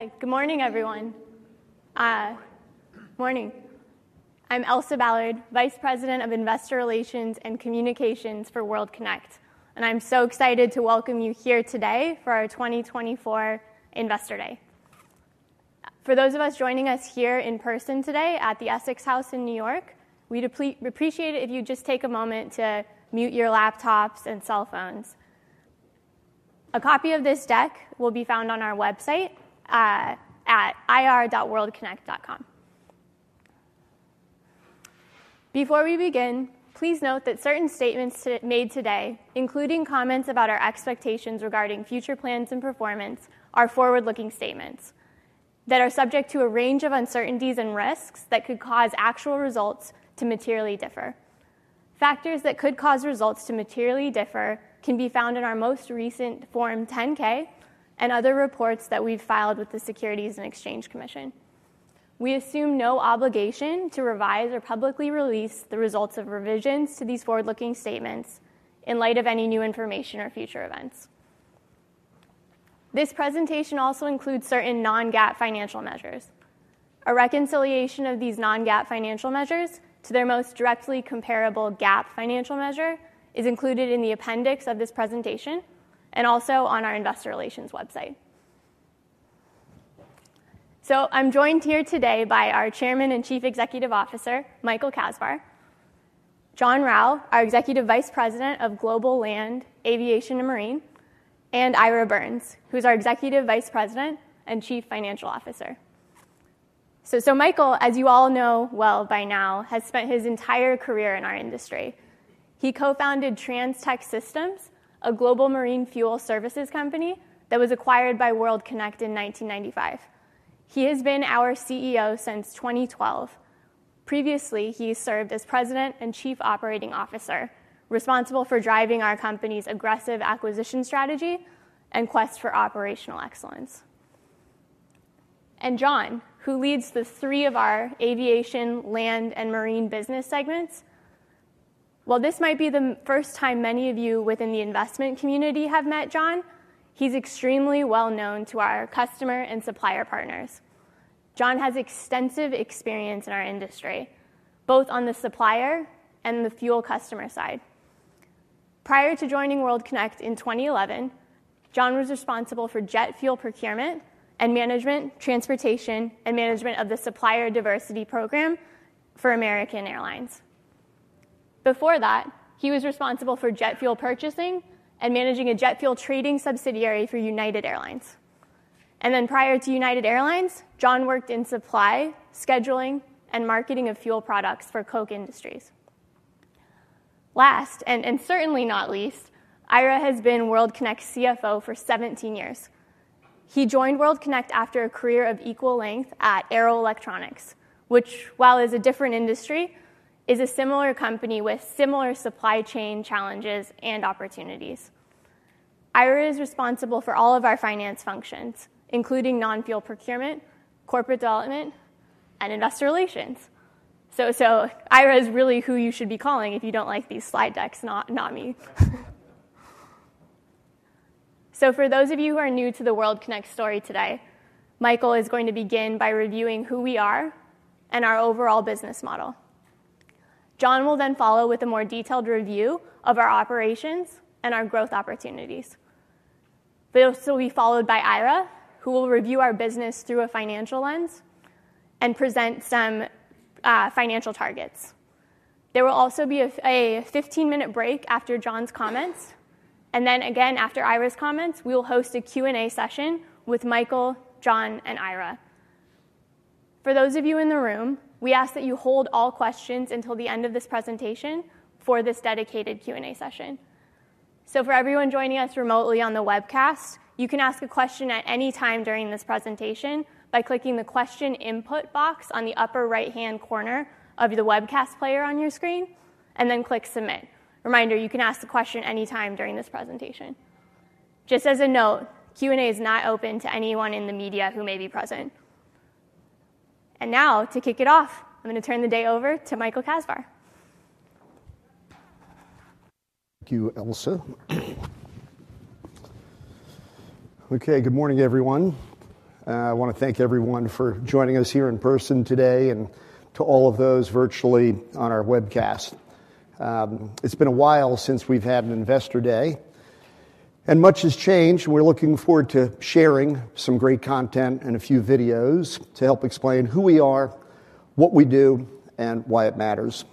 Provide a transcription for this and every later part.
Good morning, everyone. I'm Elsa Ballard, Vice President of Investor Relations and Communications for World Kinect, and I'm so excited to welcome you here today for our 2024 Investor Day. For those of us joining us here in person today at the Essex House in New York, we'd appreciate it if you'd just take a moment to mute your laptops and cell phones. A copy of this deck will be found on our website, at ir.worldkinect.com. Before we begin, please note that certain statements made today, including comments about our expectations regarding future plans and performance, are forward-looking statements that are subject to a range of uncertainties and risks that could cause actual results to materially differ. Factors that could cause results to materially differ can be found in our most recent Form 10-K and other reports that we've filed with the Securities and Exchange Commission. We assume no obligation to revise or publicly release the results of revisions to these forward-looking statements in light of any new information or future events. This presentation also includes certain non-GAAP financial measures. A reconciliation of these non-GAAP financial measures to their most directly comparable GAAP financial measure is included in the appendix of this presentation and also on our Investor Relations website. So I'm joined here today by our Chairman and Chief Executive Officer, Michael Kasbar, John Rau, our Executive Vice President of Global Land, Aviation, and Marine, and Ira Birns, who's our Executive Vice President and Chief Financial Officer. So, Michael, as you all know well by now, has spent his entire career in our industry. He co-founded Trans-Tec Services, a global marine fuel services company that was acquired by World Kinect in 1995. He has been our CEO since 2012. Previously, he served as President and Chief Operating Officer, responsible for driving our company's aggressive acquisition strategy and quest for operational excellence. John, who leads the three of our aviation, land, and marine business segments, while this might be the first time many of you within the investment community have met John, he's extremely well-known to our customer and supplier partners. John has extensive experience in our industry, both on the supplier and the fuel customer side. Prior to joining World Kinect in 2011, John was responsible for jet fuel procurement and management, transportation, and management of the Supplier Diversity Program for American Airlines. Before that, he was responsible for jet fuel purchasing and managing a jet fuel trading subsidiary for United Airlines. Then prior to United Airlines, John worked in supply, scheduling, and marketing of fuel products for Koch Industries. Last, and certainly not least, Ira has been World Kinect's CFO for 17 years. He joined World Kinect after a career of equal length at Arrow Electronics, which, while it's a different industry, is a similar company with similar supply chain challenges and opportunities. Ira is responsible for all of our finance functions, including non-fuel procurement, corporate development, and investor relations. So Ira is really who you should be calling if you don't like these slide decks, not me. So for those of you who are new to the World Kinect story today, Michael is going to begin by reviewing who we are and our overall business model. John will then follow with a more detailed review of our operations and our growth opportunities. This will be followed by Ira, who will review our business through a financial lens and present some financial targets. There will also be a 15-minute break after John's comments, and then again, after Ira's comments, we will host a Q&A session with Michael, John, and Ira. For those of you in the room, we ask that you hold all questions until the end of this presentation for this dedicated Q&A session. So for everyone joining us remotely on the webcast, you can ask a question at any time during this presentation by clicking the Question Input box on the upper right-hand corner of the webcast player on your screen, and then click Submit. Reminder, you can ask a question any time during this presentation. Just as a note, Q&A is not open to anyone in the media who may be present. Now, to kick it off, I'm gonna turn the day over to Michael Kasbar. Thank you, Elsa. Okay, good morning, everyone. I wanna thank everyone for joining us here in person today and to all of those virtually on our webcast. It's been a while since we've had an Investor Day, and much has changed, and we're looking forward to sharing some great content and a few videos to help explain who we are, what we do, and why it matters.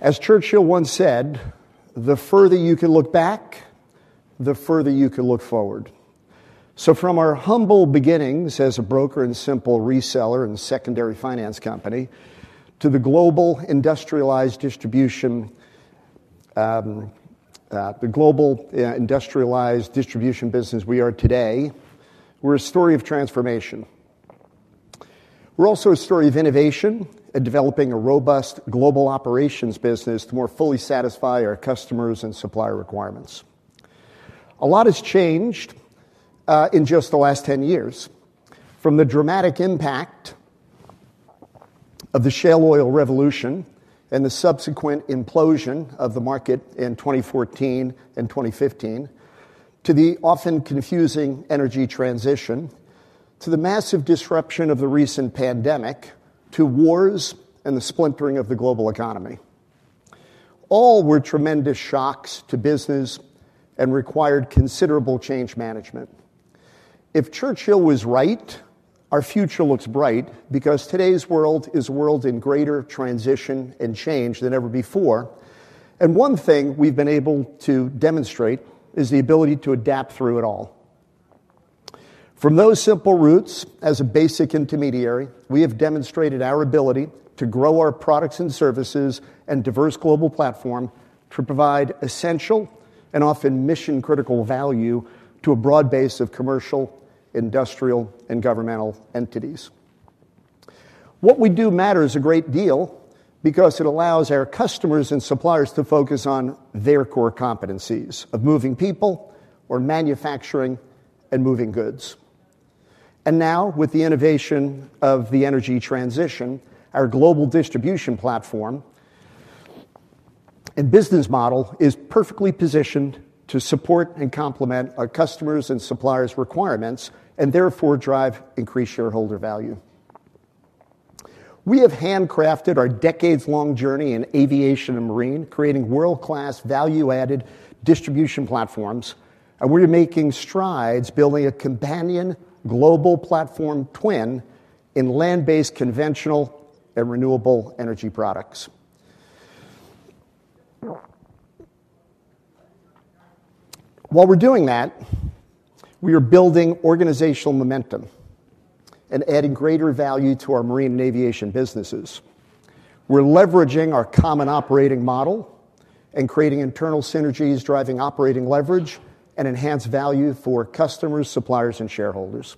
As Churchill once said, "The further you can look back, the further you can look forward." So from our humble beginnings as a broker and simple reseller and secondary finance company to the global industrialized distribution, the global, industrialized distribution business we are today, we're a story of transformation. We're also a story of innovation and developing a robust global operations business to more fully satisfy our customers and supplier requirements. A lot has changed, in just the last 10 years, from the dramatic impact of the shale oil revolution and the subsequent implosion of the market in 2014 and 2015 to the often confusing energy transition to the massive disruption of the recent pandemic to wars and the splintering of the global economy. All were tremendous shocks to business and required considerable change management. If Churchill was right, our future looks bright because today's world is a world in greater transition and change than ever before, and one thing we've been able to demonstrate is the ability to adapt through it all. From those simple roots as a basic intermediary, we have demonstrated our ability to grow our products and services and diverse global platform to provide essential and often mission-critical value to a broad base of commercial, industrial, and governmental entities. What we do matters a great deal because it allows our customers and suppliers to focus on their core competencies of moving people or manufacturing and moving goods. Now, with the innovation of the energy transition, our global distribution platform and business model is perfectly positioned to support and complement our customers' and suppliers' requirements and therefore drive increased shareholder value. We have handcrafted our decades-long journey in aviation and marine, creating world-class value-added distribution platforms, and we're making strides building a companion global platform twin in land-based conventional and renewable energy products. While we're doing that, we are building organizational momentum and adding greater value to our marine and aviation businesses. We're leveraging our common operating model and creating internal synergies, driving operating leverage, and enhanced value for customers, suppliers, and shareholders.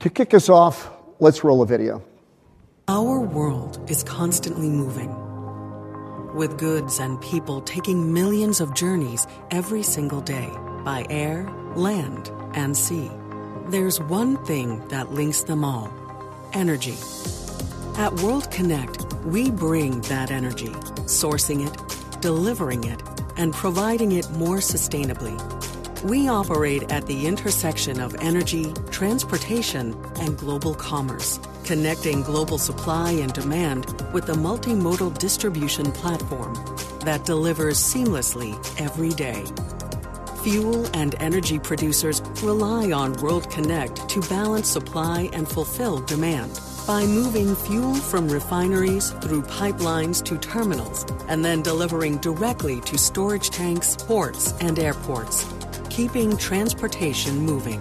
To kick us off, let's roll a video. Our world is constantly moving, with goods and people taking millions of journeys every single day by air, land, and sea. There's one thing that links them all: energy. At World Kinect, we bring that energy, sourcing it, delivering it, and providing it more sustainably. We operate at the intersection of energy, transportation, and global commerce, connecting global supply and demand with the multimodal distribution platform that delivers seamlessly every day. Fuel and energy producers rely on World Kinect to balance supply and fulfill demand by moving fuel from refineries through pipelines to terminals and then delivering directly to storage tanks, ports, and airports, keeping transportation moving.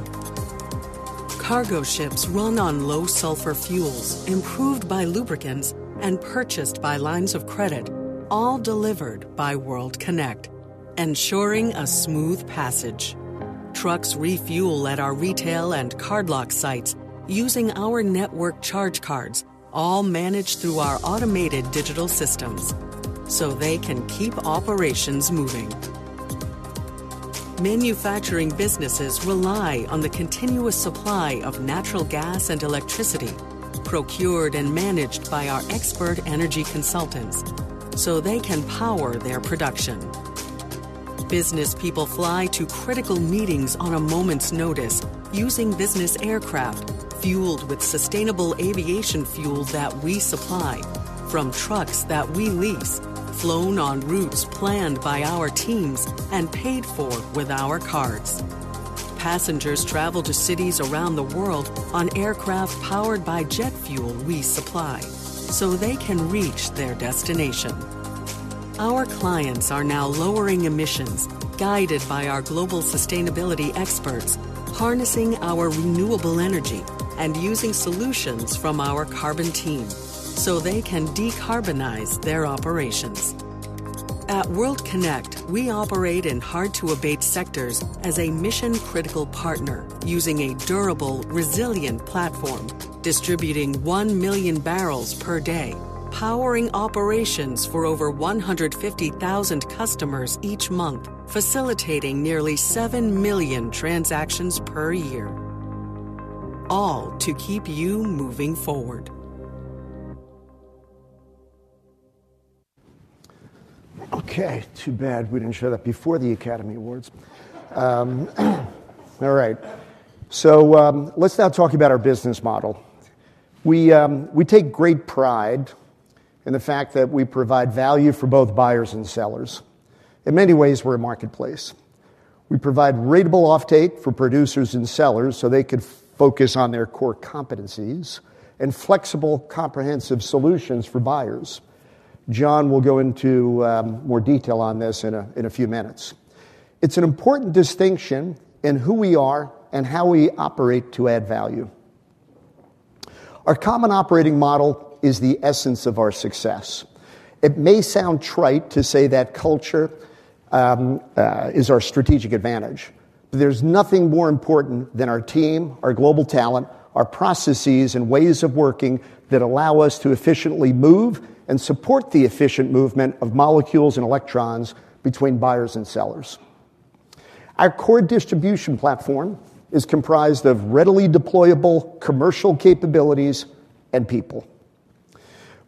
Cargo ships run on low-sulfur fuels, improved by lubricants, and purchased by lines of credit, all delivered by World Kinect, ensuring a smooth passage. Trucks refuel at our retail and card lock sites using our network charge cards, all managed through our automated digital systems so they can keep operations moving. Manufacturing businesses rely on the continuous supply of natural gas and electricity, procured and managed by our expert energy consultants, so they can power their production. Business people fly to critical meetings on a moment's notice using business aircraft fueled with sustainable aviation fuel that we supply, from trucks that we lease, flown on routes planned by our teams and paid for with our cards. Passengers travel to cities around the world on aircraft powered by jet fuel we supply so they can reach their destination. Our clients are now lowering emissions guided by our global sustainability experts, harnessing our renewable energy, and using solutions from our carbon team so they can decarbonize their operations. At World Kinect, we operate in hard-to-abate sectors as a mission-critical partner using a durable, resilient platform, distributing 1 million barrels per day, powering operations for over 150,000 customers each month, facilitating nearly 7 million transactions per year, all to keep you moving forward. Okay. Too bad we didn't show that before the Academy Awards. All right. So, let's now talk about our business model. We, we take great pride in the fact that we provide value for both buyers and sellers. In many ways, we're a marketplace. We provide rateable offtake for producers and sellers so they could focus on their core competencies and flexible, comprehensive solutions for buyers. John will go into more detail on this in a few minutes. It's an important distinction in who we are and how we operate to add value. Our common operating model is the essence of our success. It may sound trite to say that culture is our strategic advantage, but there's nothing more important than our team, our global talent, our processes, and ways of working that allow us to efficiently move and support the efficient movement of molecules and electrons between buyers and sellers. Our core distribution platform is comprised of readily deployable commercial capabilities and people.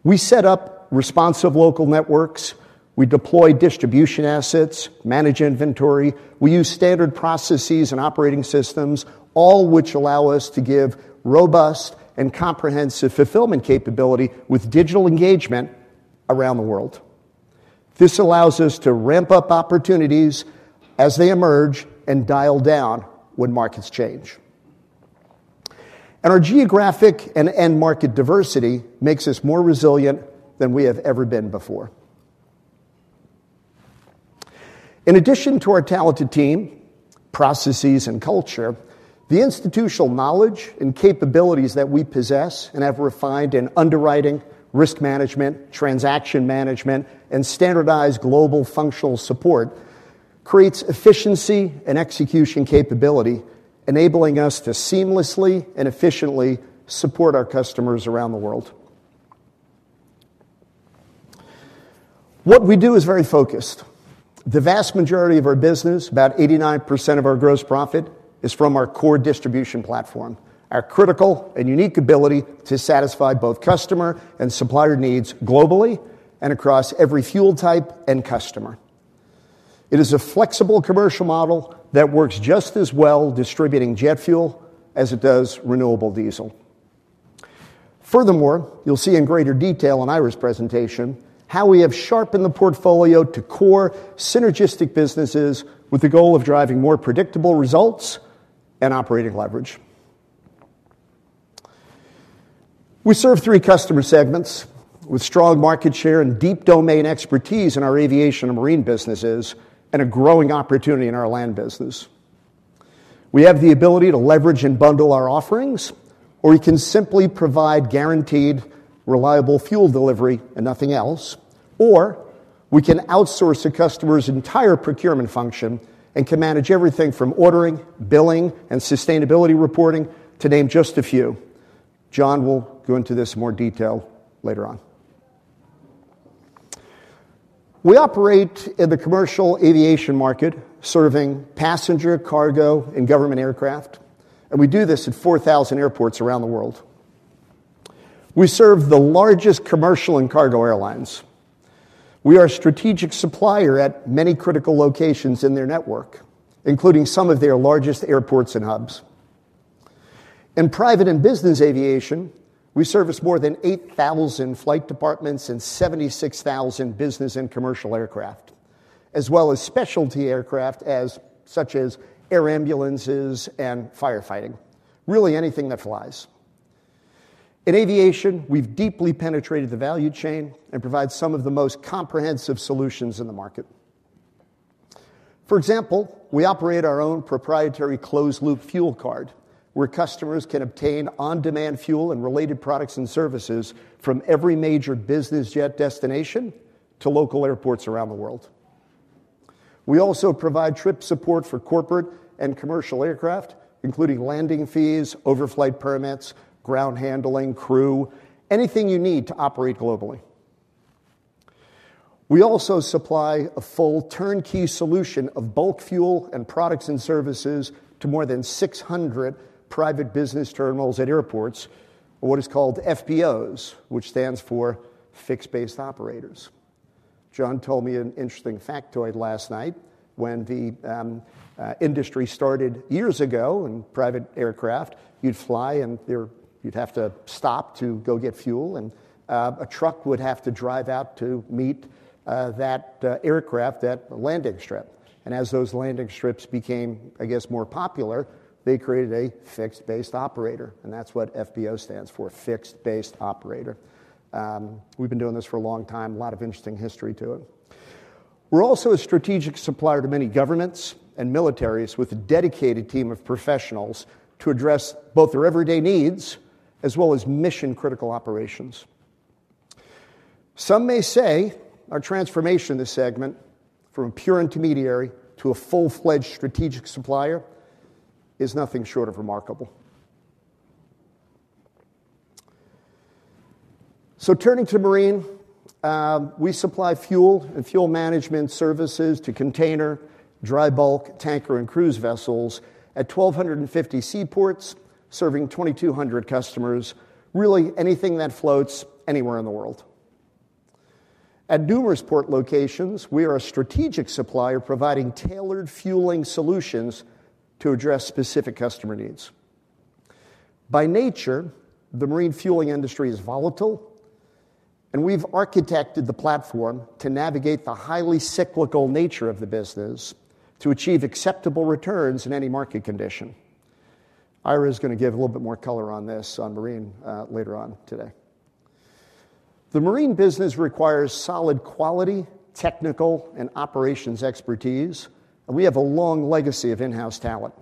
We set up responsive local networks. We deploy distribution assets, manage inventory. We use standard processes and operating systems, all which allow us to give robust and comprehensive fulfillment capability with digital engagement around the world. This allows us to ramp up opportunities as they emerge and dial down when markets change. And our geographic and market diversity makes us more resilient than we have ever been before. In addition to our talented team, processes, and culture, the institutional knowledge and capabilities that we possess and have refined in underwriting, risk management, transaction management, and standardized global functional support creates efficiency and execution capability, enabling us to seamlessly and efficiently support our customers around the world. What we do is very focused. The vast majority of our business, about 89% of our gross profit, is from our core distribution platform, our critical and unique ability to satisfy both customer and supplier needs globally and across every fuel type and customer. It is a flexible commercial model that works just as well distributing jet fuel as it does renewable diesel. Furthermore, you'll see in greater detail in Ira's presentation how we have sharpened the portfolio to core synergistic businesses with the goal of driving more predictable results and operating leverage. We serve three customer segments with strong market share and deep domain expertise in our aviation and marine businesses and a growing opportunity in our land business. We have the ability to leverage and bundle our offerings, or we can simply provide guaranteed, reliable fuel delivery and nothing else, or we can outsource to customers' entire procurement function and can manage everything from ordering, billing, and sustainability reporting to name just a few. John will go into this in more detail later on. We operate in the commercial aviation market, serving passenger, cargo, and government aircraft, and we do this at 4,000 airports around the world. We serve the largest commercial and cargo airlines. We are a strategic supplier at many critical locations in their network, including some of their largest airports and hubs. In private and business aviation, we service more than 8,000 flight departments and 76,000 business and commercial aircraft, as well as specialty aircraft such as air ambulances and firefighting, really anything that flies. In aviation, we've deeply penetrated the value chain and provide some of the most comprehensive solutions in the market. For example, we operate our own proprietary closed-loop fuel card where customers can obtain on-demand fuel and related products and services from every major business jet destination to local airports around the world. We also provide trip support for corporate and commercial aircraft, including landing fees, overflight permits, ground handling, crew, anything you need to operate globally. We also supply a full turnkey solution of bulk fuel and products and services to more than 600 private business terminals at airports, what is called FBOs, which stands for Fixed-Base Operators. John told me an interesting factoid last night. When the industry started years ago in private aircraft, you'd fly and there you'd have to stop to go get fuel, and a truck would have to drive out to meet that aircraft that landing strip. And as those landing strips became, I guess, more popular, they created a fixed-base operator, and that's what FBO stands for, fixed-base operator. We've been doing this for a long time, a lot of interesting history to it. We're also a strategic supplier to many governments and militaries with a dedicated team of professionals to address both their everyday needs as well as mission-critical operations. Some may say our transformation in this segment from a pure intermediary to a full-fledged strategic supplier is nothing short of remarkable. Turning to marine, we supply fuel and fuel management services to container, dry bulk, tanker, and cruise vessels at 1,250 seaports, serving 2,200 customers, really anything that floats anywhere in the world. At numerous port locations, we are a strategic supplier providing tailored fueling solutions to address specific customer needs. By nature, the marine fueling industry is volatile, and we've architected the platform to navigate the highly cyclical nature of the business to achieve acceptable returns in any market condition. Ira is going to give a little bit more color on this on marine, later on today. The marine business requires solid quality, technical, and operations expertise, and we have a long legacy of in-house talent,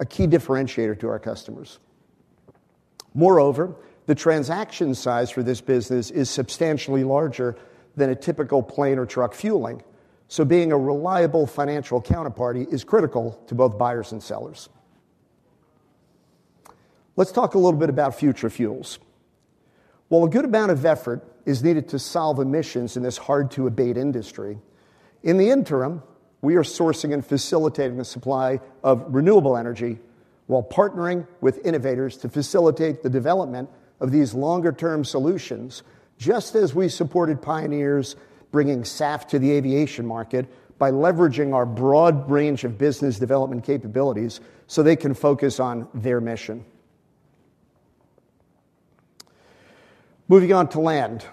a key differentiator to our customers. Moreover, the transaction size for this business is substantially larger than a typical plane or truck fueling, so being a reliable financial counterparty is critical to both buyers and sellers. Let's talk a little bit about future fuels. While a good amount of effort is needed to solve emissions in this hard-to-abate industry, in the interim, we are sourcing and facilitating the supply of renewable energy while partnering with innovators to facilitate the development of these longer-term solutions, just as we supported pioneers bringing SAF to the aviation market by leveraging our broad range of business development capabilities so they can focus on their mission. Moving on to land,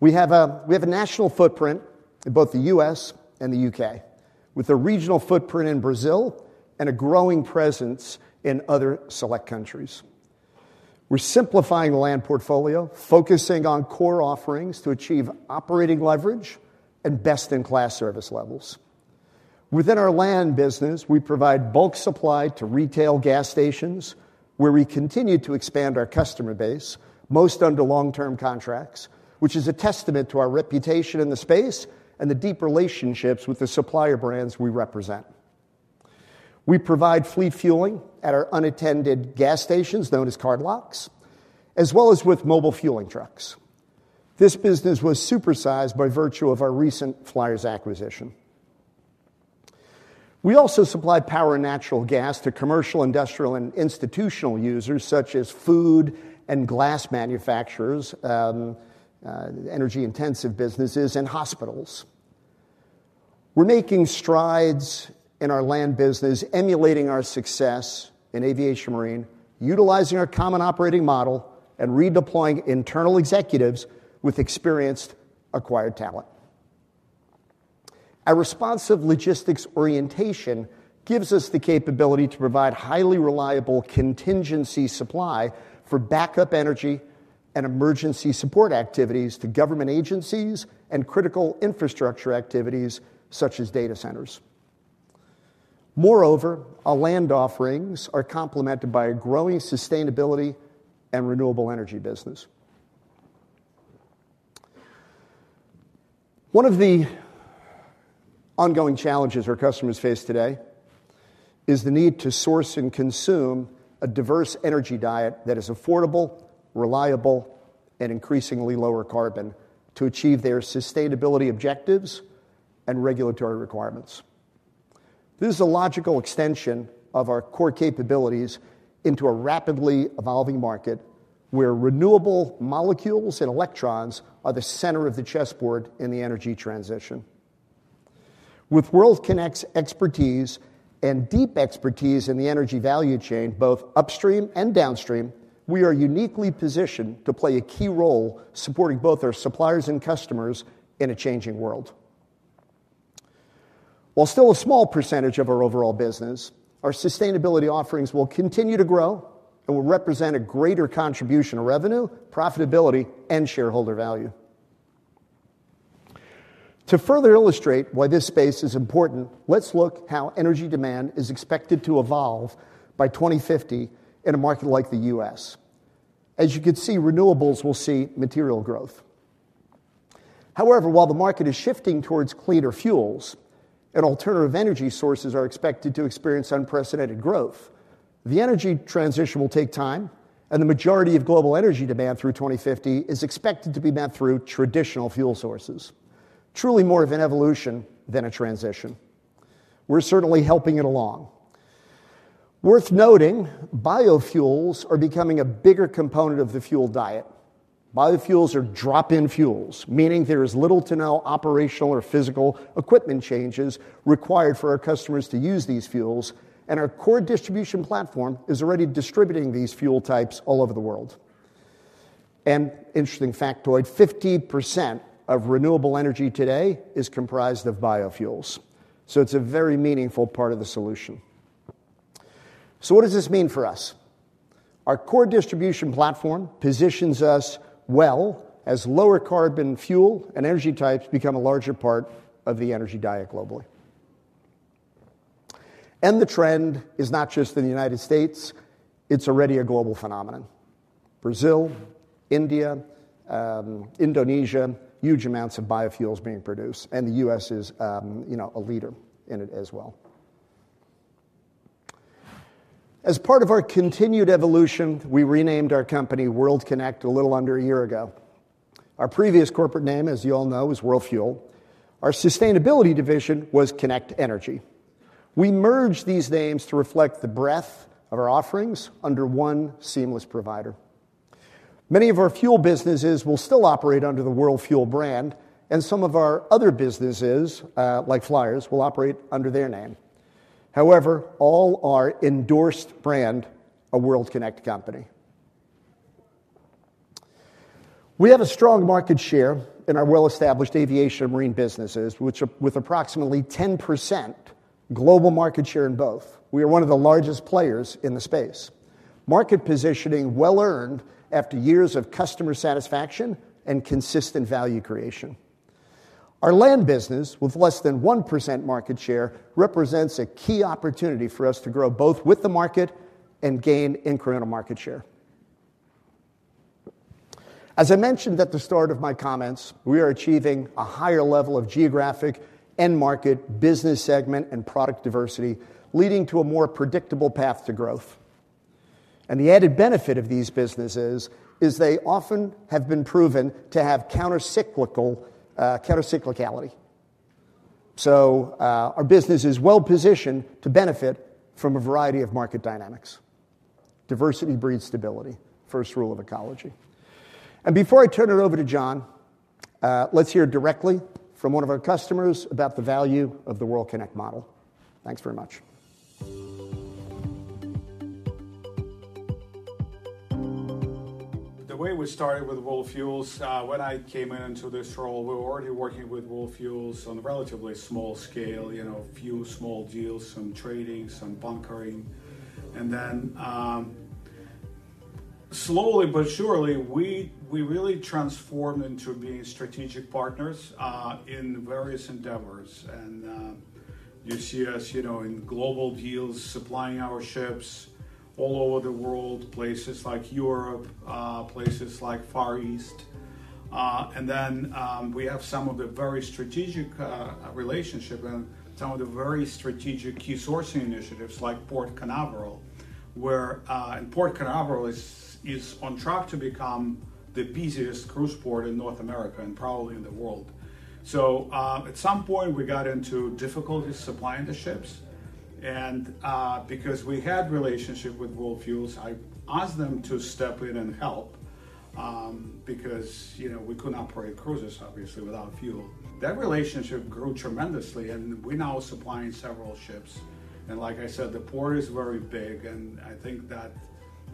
we have a national footprint in both the U.S. and the U.K., with a regional footprint in Brazil and a growing presence in other select countries. We're simplifying the land portfolio, focusing on core offerings to achieve operating leverage and best-in-class service levels. Within our land business, we provide bulk supply to retail gas stations where we continue to expand our customer base, most under long-term contracts, which is a testament to our reputation in the space and the deep relationships with the supplier brands we represent. We provide fleet fueling at our unattended gas stations, known as Card Locks, as well as with mobile fueling trucks. This business was supersized by virtue of our recent Flyers acquisition. We also supply power and natural gas to commercial, industrial, and institutional users such as food and glass manufacturers, energy-intensive businesses, and hospitals. We're making strides in our land business, emulating our success in aviation marine, utilizing our common operating model, and redeploying internal executives with experienced, acquired talent. Our responsive logistics orientation gives us the capability to provide highly reliable contingency supply for backup energy and emergency support activities to government agencies and critical infrastructure activities such as data centers. Moreover, our land offerings are complemented by a growing sustainability and renewable energy business. One of the ongoing challenges our customers face today is the need to source and consume a diverse energy diet that is affordable, reliable, and increasingly lower carbon to achieve their sustainability objectives and regulatory requirements. This is a logical extension of our core capabilities into a rapidly evolving market where renewable molecules and electrons are the center of the chessboard in the energy transition. With World Kinect's expertise and deep expertise in the energy value chain, both upstream and downstream, we are uniquely positioned to play a key role supporting both our suppliers and customers in a changing world. While still a small percentage of our overall business, our sustainability offerings will continue to grow and will represent a greater contribution of revenue, profitability, and shareholder value. To further illustrate why this space is important, let's look at how energy demand is expected to evolve by 2050 in a market like the U.S. As you can see, renewables will see material growth. However, while the market is shifting towards cleaner fuels and alternative energy sources are expected to experience unprecedented growth, the energy transition will take time, and the majority of global energy demand through 2050 is expected to be met through traditional fuel sources, truly more of an evolution than a transition. We're certainly helping it along. Worth noting, biofuels are becoming a bigger component of the fuel diet. Biofuels are drop-in fuels, meaning there are little to no operational or physical equipment changes required for our customers to use these fuels, and our core distribution platform is already distributing these fuel types all over the world. Interesting factoid, 50% of renewable energy today is comprised of biofuels, so it's a very meaningful part of the solution. What does this mean for us? Our core distribution platform positions us well as lower carbon fuel and energy types become a larger part of the energy diet globally. The trend is not just in the United States. It's already a global phenomenon. Brazil, India, Indonesia, huge amounts of biofuels being produced, and the US is, you know, a leader in it as well. As part of our continued evolution, we renamed our company, World Kinect, a little under a year ago. Our previous corporate name, as you all know, was World Fuel. Our sustainability division was Kinect Energy. We merged these names to reflect the breadth of our offerings under one seamless provider. Many of our fuel businesses will still operate under the World Fuel brand, and some of our other businesses, like Flyers, will operate under their name. However, all are endorsed brand a World Kinect company. We have a strong market share in our well-established aviation and marine businesses, which are with approximately 10% global market share in both. We are one of the largest players in the space, market positioning well-earned after years of customer satisfaction and consistent value creation. Our land business, with less than 1% market share, represents a key opportunity for us to grow both with the market and gain incremental market share. As I mentioned at the start of my comments, we are achieving a higher level of geographic and market business segment and product diversity, leading to a more predictable path to growth. The added benefit of these businesses is they often have been proven to have countercyclical, countercyclicality. Our business is well-positioned to benefit from a variety of market dynamics. Diversity breeds stability, first rule of ecology. Before I turn it over to John, let's hear directly from one of our customers about the value of the World Kinect model. Thanks very much. The way we started with World Fuel Services, when I came into this role, we were already working with World Fuel Services on a relatively small scale, you know, a few small deals, some trading, some bunkering. Then, slowly but surely, we really transformed into being strategic partners, in various endeavors. You see us, you know, in global deals, supplying our ships all over the world, places like Europe, places like Far East. Then, we have some of the very strategic relationship and some of the very strategic key sourcing initiatives like Port Canaveral, where Port Canaveral is on track to become the busiest cruise port in North America and probably in the world. So, at some point, we got into difficulties supplying the ships. Because we had a relationship with World Fuels, I asked them to step in and help, because, you know, we couldn't operate cruises, obviously, without fuel. That relationship grew tremendously, and we're now supplying several ships. Like I said, the port is very big, and I think that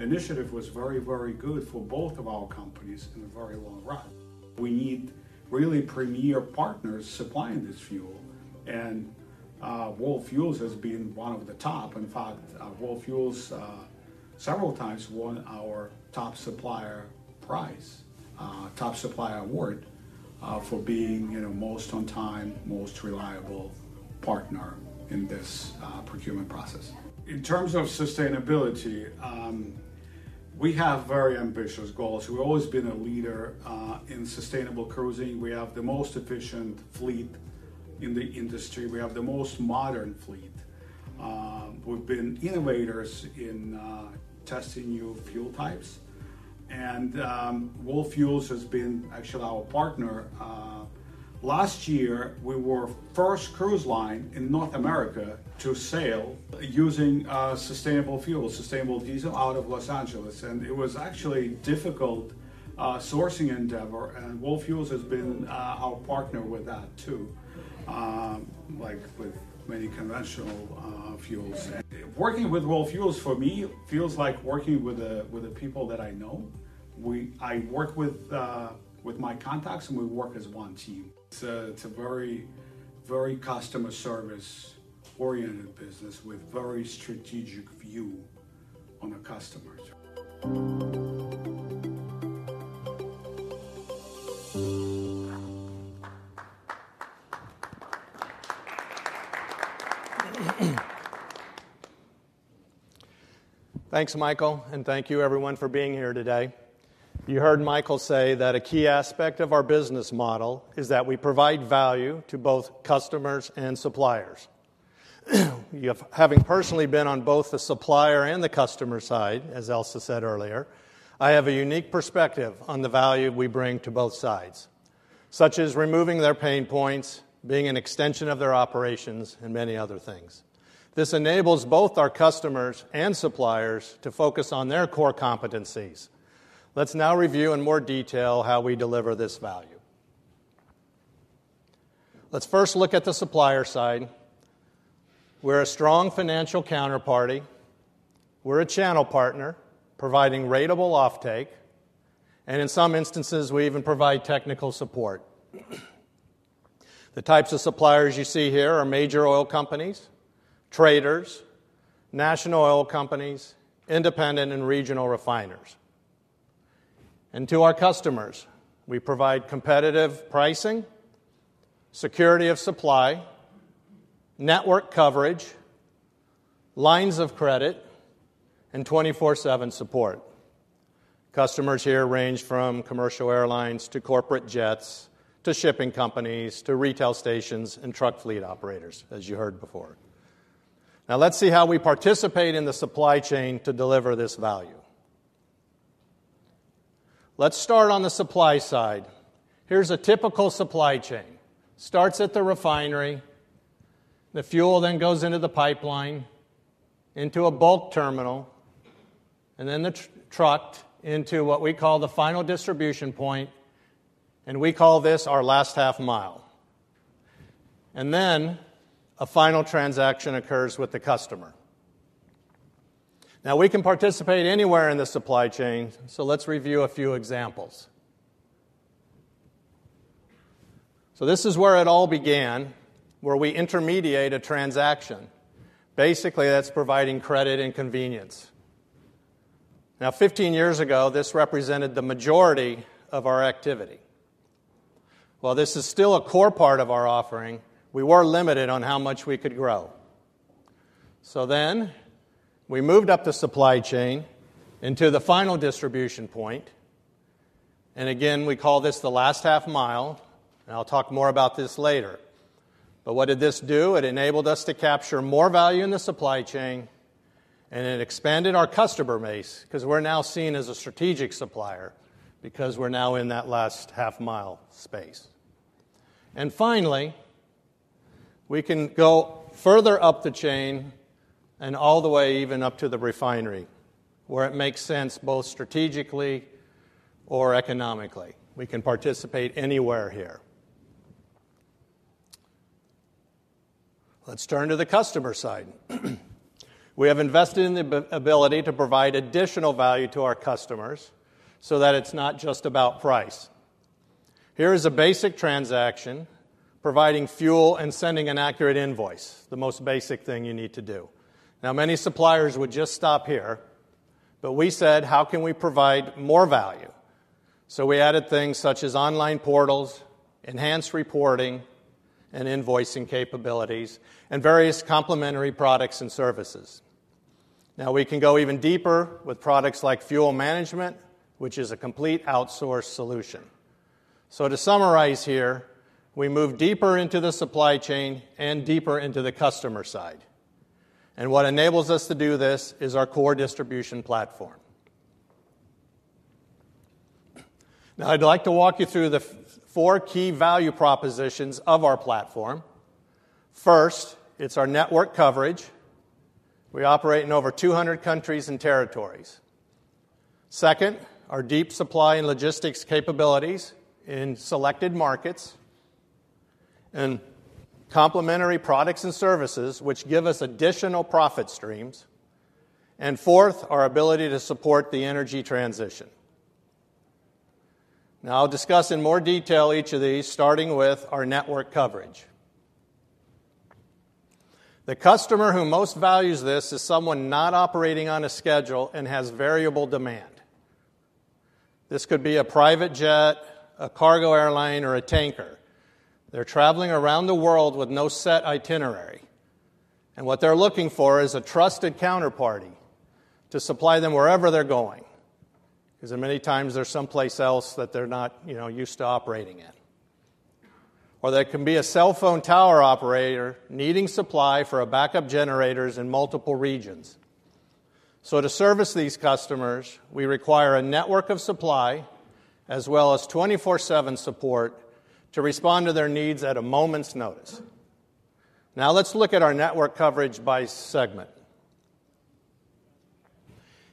initiative was very, very good for both of our companies in a very long run. We need really premier partners supplying this fuel, and World Fuel Services has been one of the top. In fact, World Fuel Services several times won our top supplier prize, top supplier award, for being, you know, most on time, most reliable partner in this procurement process. In terms of sustainability, we have very ambitious goals. We've always been a leader in sustainable cruising. We have the most efficient fleet in the industry. We have the most modern fleet. We've been innovators in testing new fuel types. World Fuel Services has been actually our partner. Last year, we were the first cruise line in North America to sail using sustainable fuel, sustainable diesel out of Los Angeles. And it was actually a difficult sourcing endeavor, and World Fuel Services has been our partner with that too, like with many conventional fuels. Working with World Fuel Services, for me, feels like working with the people that I know. We work with my contacts, and we work as one team. It's a very, very customer service-oriented business with a very strategic view on our customers. Thanks, Michael, and thank you, everyone, for being here today. You heard Michael say that a key aspect of our business model is that we provide value to both customers and suppliers. Having personally been on both the supplier and the customer side, as Elsa said earlier, I have a unique perspective on the value we bring to both sides, such as removing their pain points, being an extension of their operations, and many other things. This enables both our customers and suppliers to focus on their core competencies. Let's now review in more detail how we deliver this value. Let's first look at the supplier side. We're a strong financial counterparty. We're a channel partner providing rateable offtake, and in some instances, we even provide technical support. The types of suppliers you see here are major oil companies, traders, national oil companies, independent and regional refiners. And to our customers, we provide competitive pricing, security of supply, network coverage, lines of credit, and 24/7 support. Customers here range from commercial airlines to corporate jets to shipping companies to retail stations and truck fleet operators, as you heard before. Now, let's see how we participate in the supply chain to deliver this value. Let's start on the supply side. Here's a typical supply chain. It starts at the refinery. The fuel then goes into the pipeline, into a bulk terminal, and then the truck into what we call the final distribution point, and we call this our last half mile. And then a final transaction occurs with the customer. Now, we can participate anywhere in the supply chain, so let's review a few examples. So this is where it all began, where we intermediate a transaction. Basically, that's providing credit and convenience. Now, 15 years ago, this represented the majority of our activity. While this is still a core part of our offering, we were limited on how much we could grow. So then we moved up the supply chain into the final distribution point. And again, we call this the last half mile, and I'll talk more about this later. But what did this do? It enabled us to capture more value in the supply chain, and it expanded our customer base because we're now seen as a strategic supplier because we're now in that last half mile space. And finally, we can go further up the chain and all the way even up to the refinery where it makes sense both strategically or economically. We can participate anywhere here. Let's turn to the customer side. We have invested in the ability to provide additional value to our customers so that it's not just about price. Here is a basic transaction providing fuel and sending an accurate invoice, the most basic thing you need to do. Now, many suppliers would just stop here, but we said, how can we provide more value? So we added things such as online portals, enhanced reporting and invoicing capabilities, and various complementary products and services. Now, we can go even deeper with products like fuel management, which is a complete outsourced solution. So to summarize here, we move deeper into the supply chain and deeper into the customer side. And what enables us to do this is our core distribution platform. Now, I'd like to walk you through the four key value propositions of our platform. First, it's our network coverage. We operate in over 200 countries and territories. Second, our deep supply and logistics capabilities in selected markets and complementary products and services, which give us additional profit streams. And fourth, our ability to support the energy transition. Now, I'll discuss in more detail each of these, starting with our network coverage. The customer who most values this is someone not operating on a schedule and has variable demand. This could be a private jet, a cargo airline, or a tanker. They're traveling around the world with no set itinerary. And what they're looking for is a trusted counterparty to supply them wherever they're going because many times they're someplace else that they're not, you know, used to operating in. Or there can be a cell phone tower operator needing supply for backup generators in multiple regions. So to service these customers, we require a network of supply as well as 24/7 support to respond to their needs at a moment's notice. Now, let's look at our network coverage by segment.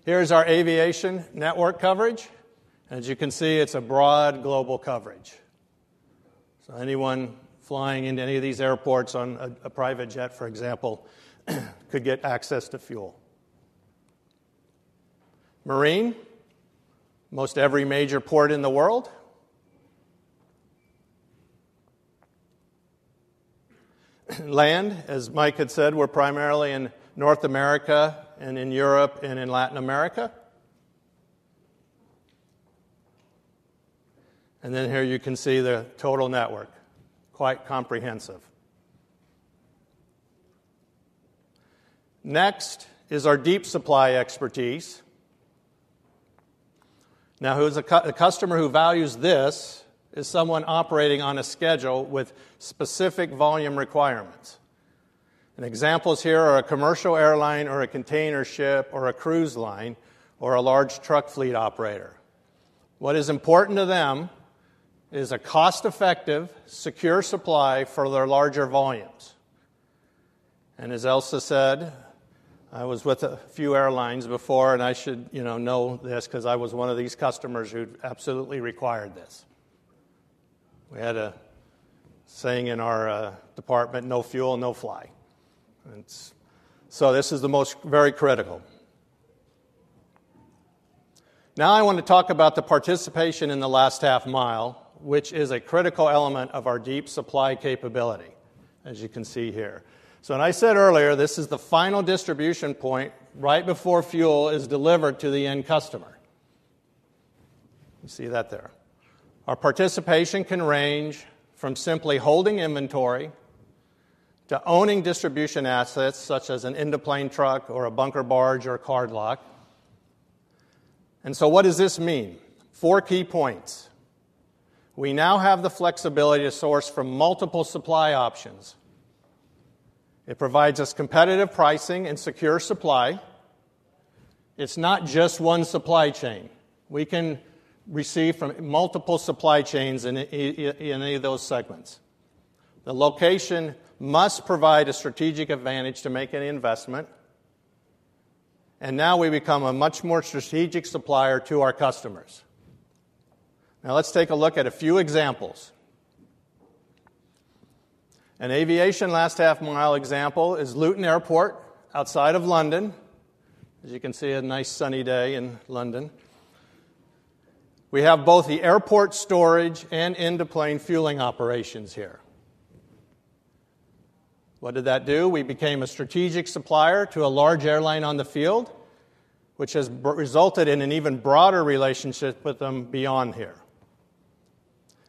Here's our aviation network coverage. And as you can see, it's a broad global coverage. So anyone flying into any of these airports on a private jet, for example, could get access to fuel. Marine, most every major port in the world. Land, as Mike had said, we're primarily in North America and in Europe and in Latin America. And then here you can see the total network, quite comprehensive. Next is our deep supply expertise. Now, who's a customer who values this is someone operating on a schedule with specific volume requirements. And examples here are a commercial airline or a container ship or a cruise line or a large truck fleet operator. What is important to them is a cost-effective, secure supply for their larger volumes. And as Elsa said, I was with a few airlines before, and I should, you know, know this because I was one of these customers who absolutely required this. We had a saying in our department, "No fuel, no fly." So this is the most very critical. Now, I want to talk about the participation in the last half mile, which is a critical element of our deep supply capability, as you can see here. So when I said earlier, this is the final distribution point right before fuel is delivered to the end customer. You see that there. Our participation can range from simply holding inventory to owning distribution assets such as an interplane truck or a bunker barge or a Card Lock. And so what does this mean? Four key points. We now have the flexibility to source from multiple supply options. It provides us competitive pricing and secure supply. It's not just one supply chain. We can receive from multiple supply chains in any of those segments. The location must provide a strategic advantage to make any investment. And now we become a much more strategic supplier to our customers. Now, let's take a look at a few examples. An aviation last half mile example is Luton Airport outside of London. As you can see, a nice sunny day in London. We have both the airport storage and interplane fueling operations here. What did that do? We became a strategic supplier to a large airline on the field, which has resulted in an even broader relationship with them beyond here.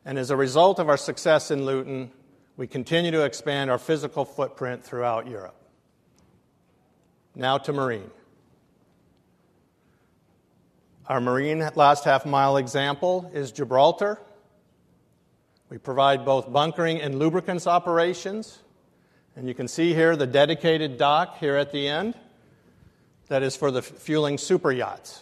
And as a result of our success in Luton, we continue to expand our physical footprint throughout Europe. Now to marine. Our marine last half mile example is Gibraltar. We provide both bunkering and lubricants operations. You can see here the dedicated dock here at the end. That is for the fueling superyachts.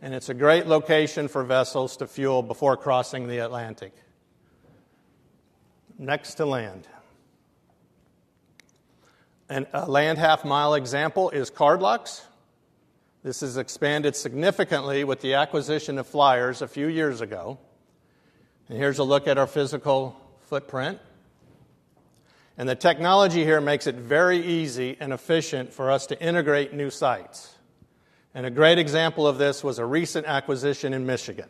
It's a great location for vessels to fuel before crossing the Atlantic. Next to land. A land last half mile example is Card Locks. This has expanded significantly with the acquisition of Flyers a few years ago. Here's a look at our physical footprint. The technology here makes it very easy and efficient for us to integrate new sites. A great example of this was a recent acquisition in Michigan.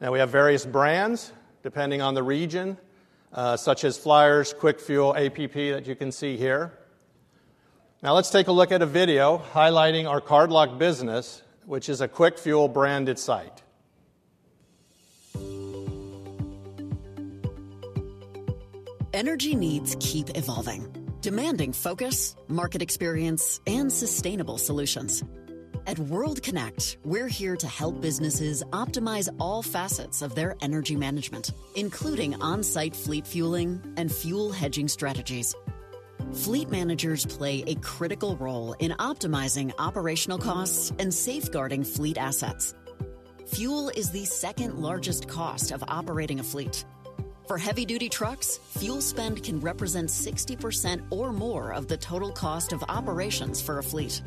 Now, we have various brands depending on the region, such as Flyers Quick Fuel app that you can see here. Now, let's take a look at a video highlighting our Card Lock business, which is a Quick Fuel branded site. Energy needs keep evolving, demanding focus, market experience, and sustainable solutions. At World Kinect, we're here to help businesses optimize all facets of their energy management, including on-site fleet fueling and fuel hedging strategies. Fleet managers play a critical role in optimizing operational costs and safeguarding fleet assets. Fuel is the second largest cost of operating a fleet. For heavy-duty trucks, fuel spend can represent 60% or more of the total cost of operations for a fleet.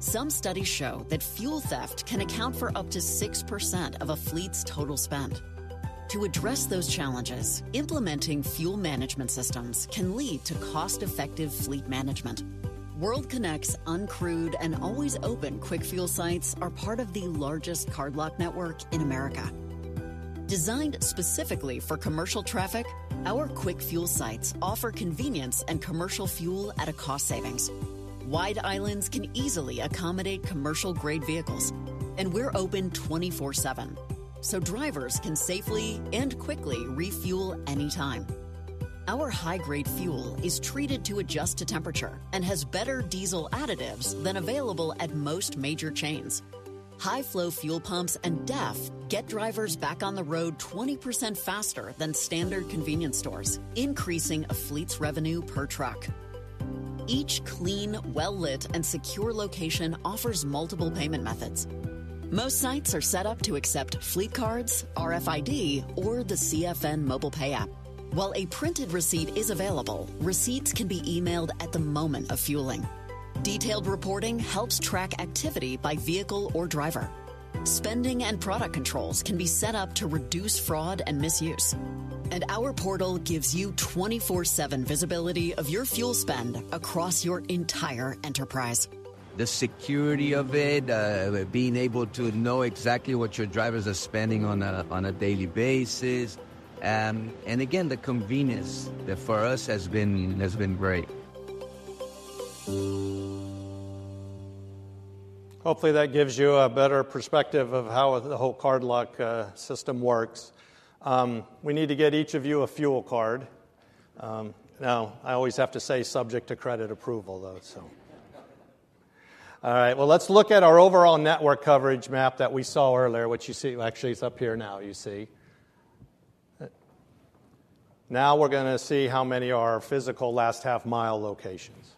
Some studies show that fuel theft can account for up to 6% of a fleet's total spend. To address those challenges, implementing fuel management systems can lead to cost-effective fleet management. World Kinect's uncrewed and always open Quick Fuel sites are part of the largest Card Lock network in America. Designed specifically for commercial traffic, our Quick Fuel sites offer convenience and commercial fuel at a cost savings. Wide islands can easily accommodate commercial-grade vehicles, and we're open 24/7 so drivers can safely and quickly refuel anytime. Our high-grade fuel is treated to adjust to temperature and has better diesel additives than available at most major chains. High-flow fuel pumps and DEF get drivers back on the road 20% faster than standard convenience stores, increasing a fleet's revenue per truck. Each clean, well-lit, and secure location offers multiple payment methods. Most sites are set up to accept fleet cards, RFID, or the CFN Mobile Pay app. While a printed receipt is available, receipts can be emailed at the moment of fueling. Detailed reporting helps track activity by vehicle or driver. Spending and product controls can be set up to reduce fraud and misuse. Our portal gives you 24/7 visibility of your fuel spend across your entire enterprise. The security of it, being able to know exactly what your drivers are spending on a daily basis. Again, the convenience for us has been great. Hopefully, that gives you a better perspective of how the whole Card Lock system works. We need to get each of you a fuel card. Now, I always have to say subject to credit approval, though, so. All right. Well, let's look at our overall network coverage map that we saw earlier, which you see actually is up here now, you see. Now we're going to see how many are our physical last half mile locations.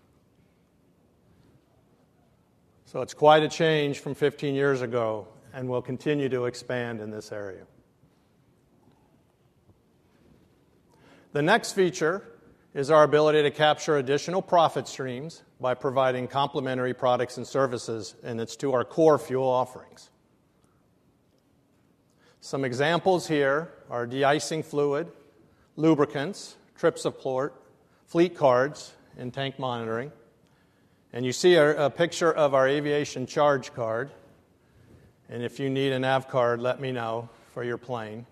So it's quite a change from 15 years ago, and we'll continue to expand in this area. The next feature is our ability to capture additional profit streams by providing complementary products and services, and it's to our core fuel offerings. Some examples here are de-icing fluid, lubricants, trip support, fleet cards, and tank monitoring. And you see a picture of our aviation charge card. If you need an AVCARD, let me know for your plane.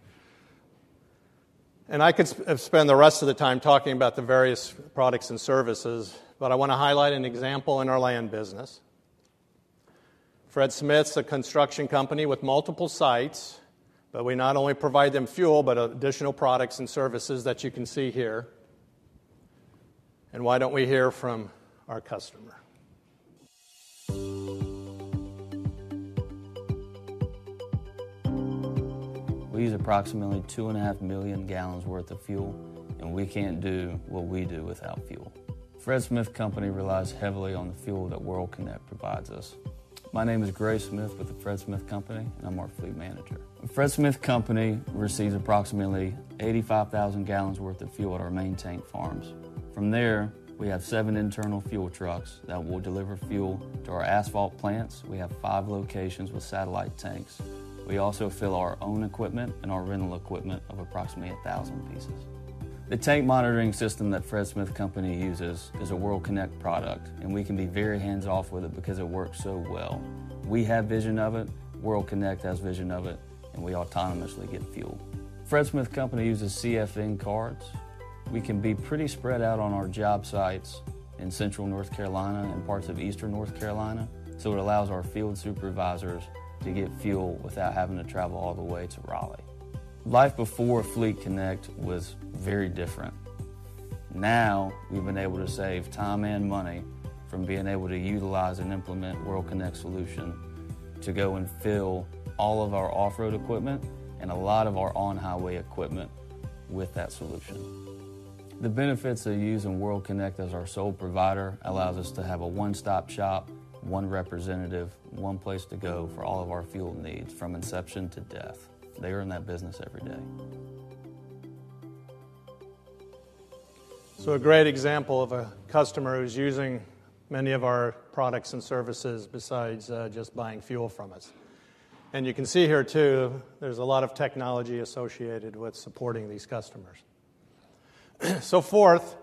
I could spend the rest of the time talking about the various products and services, but I want to highlight an example in our land business. Fred Smith's a construction company with multiple sites, but we not only provide them fuel, but additional products and services that you can see here. Why don't we hear from our customer? We use approximately 2.5 million gallons worth of fuel, and we can't do what we do without fuel. Fred Smith Company relies heavily on the fuel that World Kinect provides us. My name is Gray Smith with the Fred Smith Company, and I'm our fleet manager. Fred Smith Company receives approximately 85,000 gallons worth of fuel at our main tank farms. From there, we have seven internal fuel trucks that will deliver fuel to our asphalt plants. We have five locations with satellite tanks. We also fill our own equipment and our rental equipment of approximately 1,000 pieces. The tank monitoring system that Fred Smith Company uses is a World Kinect product, and we can be very hands-off with it because it works so well. We have vision of it. World Kinect has vision of it, and we autonomously get fuel. Fred Smith Company uses CFN cards. We can be pretty spread out on our job sites in central North Carolina and parts of eastern North Carolina, so it allows our field supervisors to get fuel without having to travel all the way to Raleigh. Life before Fleet Kinect was very different. Now we've been able to save time and money from being able to utilize and implement World Kinect's solution to go and fill all of our off-road equipment and a lot of our on-highway equipment with that solution. The benefits of using World Kinect as our sole provider allow us to have a one-stop shop, one representative, one place to go for all of our fuel needs from inception to death. They are in that business every day. A great example of a customer who's using many of our products and services besides just buying fuel from us. You can see here too, there's a lot of technology associated with supporting these customers. Fourth,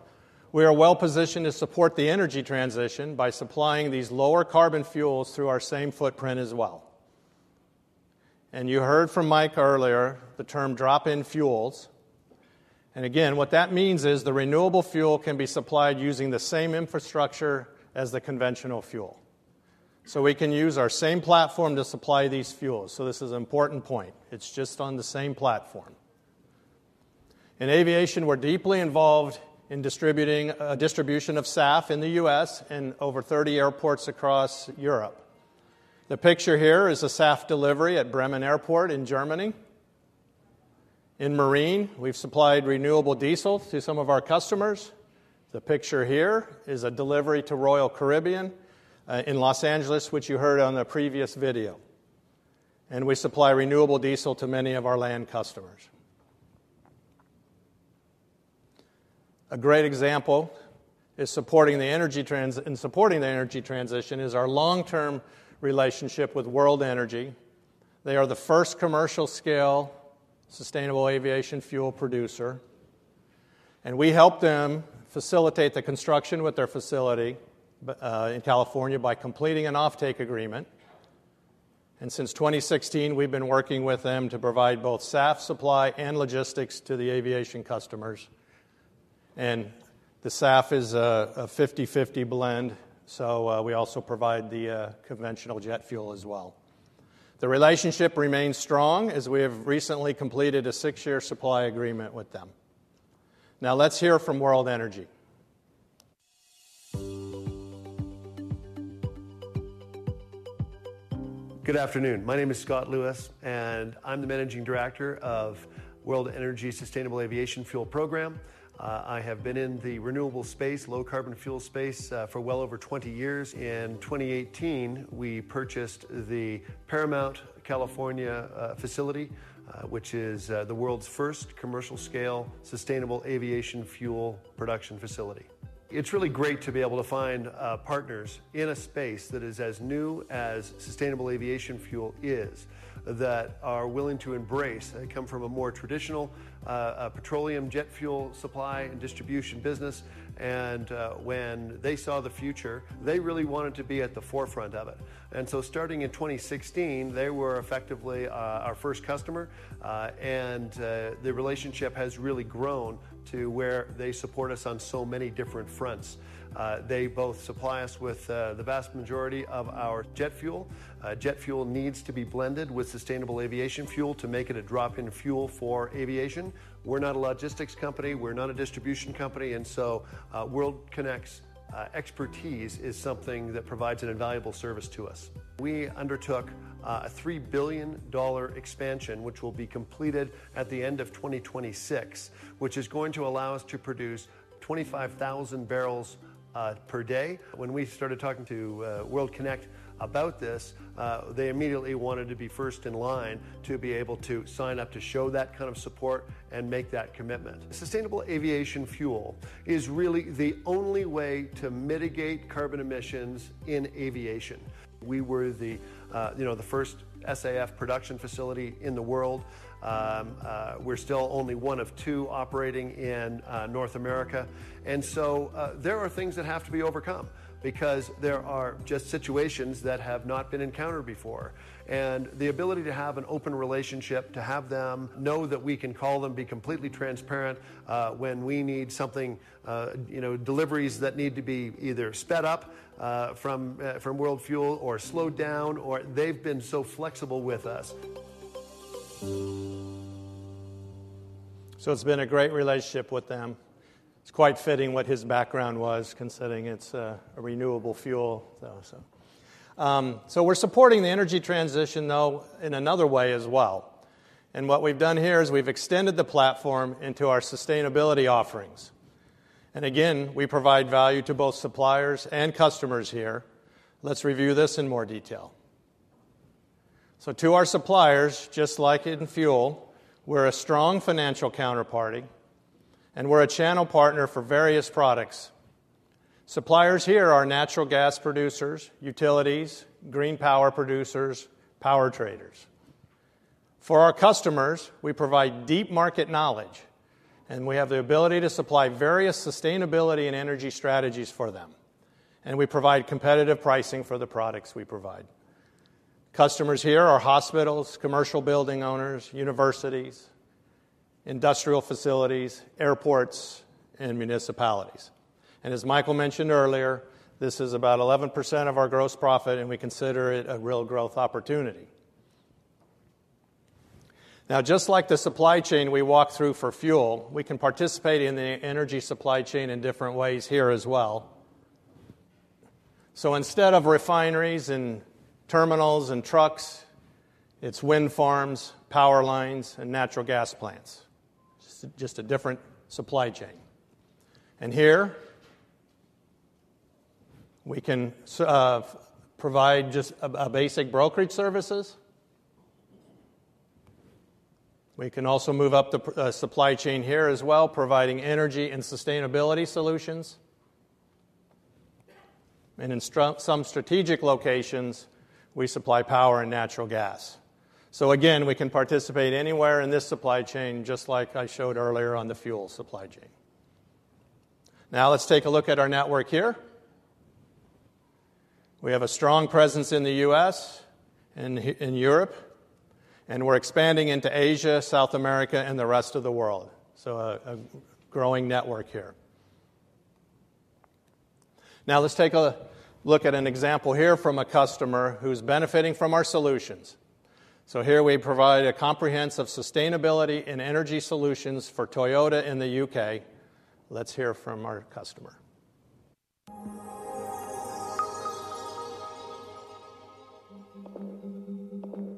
we are well positioned to support the energy transition by supplying these lower carbon fuels through our same footprint as well. You heard from Mike earlier the term drop-in fuels. Again, what that means is the renewable fuel can be supplied using the same infrastructure as the conventional fuel. We can use our same platform to supply these fuels. This is an important point. It's just on the same platform. In aviation, we're deeply involved in distributing a distribution of SAF in the U.S. and over 30 airports across Europe. The picture here is a SAF delivery at Bremen Airport in Germany. In marine, we've supplied renewable diesel to some of our customers. The picture here is a delivery to Royal Caribbean in Los Angeles, which you heard on the previous video. We supply renewable diesel to many of our land customers. A great example in supporting the energy transition is our long-term relationship with World Energy. They are the first commercial-scale sustainable aviation fuel producer. We help them facilitate the construction with their facility in California by completing an offtake agreement. Since 2016, we've been working with them to provide both SAF supply and logistics to the aviation customers. The SAF is a 50/50 blend, so we also provide the conventional jet fuel as well. The relationship remains strong as we have recently completed a six-year supply agreement with them. Now, let's hear from World Energy. Good afternoon. My name is Scott Lewis, and I'm the Managing Director of World Energy's Sustainable Aviation Fuel Program. I have been in the renewable space, low-carbon fuel space, for well over 20 years. In 2018, we purchased the Paramount, California facility, which is the world's first commercial-scale sustainable aviation fuel production facility. It's really great to be able to find partners in a space that is as new as sustainable aviation fuel is, that are willing to embrace they come from a more traditional petroleum jet fuel supply and distribution business. And when they saw the future, they really wanted to be at the forefront of it. And so starting in 2016, they were effectively our first customer. And the relationship has really grown to where they support us on so many different fronts. They both supply us with the vast majority of our jet fuel. Jet fuel needs to be blended with sustainable aviation fuel to make it a drop-in fuel for aviation. We're not a logistics company. We're not a distribution company. World Kinect's expertise is something that provides an invaluable service to us. We undertook a $3 billion expansion, which will be completed at the end of 2026, which is going to allow us to produce 25,000 barrels per day. When we started talking to World Kinect about this, they immediately wanted to be first in line to be able to sign up to show that kind of support and make that commitment. Sustainable aviation fuel is really the only way to mitigate carbon emissions in aviation. We were the first SAF production facility in the world. We're still only one of two operating in North America. There are things that have to be overcome because there are just situations that have not been encountered before. And the ability to have an open relationship, to have them know that we can call them, be completely transparent when we need something, deliveries that need to be either sped up from World Fuel or slowed down, or they've been so flexible with us. So it's been a great relationship with them. It's quite fitting what his background was, considering it's a renewable fuel, so. So we're supporting the energy transition, though, in another way as well. And what we've done here is we've extended the platform into our sustainability offerings. And again, we provide value to both suppliers and customers here. Let's review this in more detail. So to our suppliers, just like in fuel, we're a strong financial counterparty, and we're a channel partner for various products. Suppliers here are natural gas producers, utilities, green power producers, power traders. For our customers, we provide deep market knowledge, and we have the ability to supply various sustainability and energy strategies for them. And we provide competitive pricing for the products we provide. Customers here are hospitals, commercial building owners, universities, industrial facilities, airports, and municipalities. As Michael mentioned earlier, this is about 11% of our gross profit, and we consider it a real growth opportunity. Now, just like the supply chain we walk through for fuel, we can participate in the energy supply chain in different ways here as well. Instead of refineries and terminals and trucks, it's wind farms, power lines, and natural gas plants. Just a different supply chain. Here we can provide just basic brokerage services. We can also move up the supply chain here as well, providing energy and sustainability solutions. In some strategic locations, we supply power and natural gas. Again, we can participate anywhere in this supply chain, just like I showed earlier on the fuel supply chain. Now, let's take a look at our network here. We have a strong presence in the U.S. and in Europe, and we're expanding into Asia, South America, and the rest of the world. So a growing network here. Now, let's take a look at an example here from a customer who's benefiting from our solutions. So here we provide a comprehensive sustainability and energy solutions for Toyota in the U.K. Let's hear from our customer.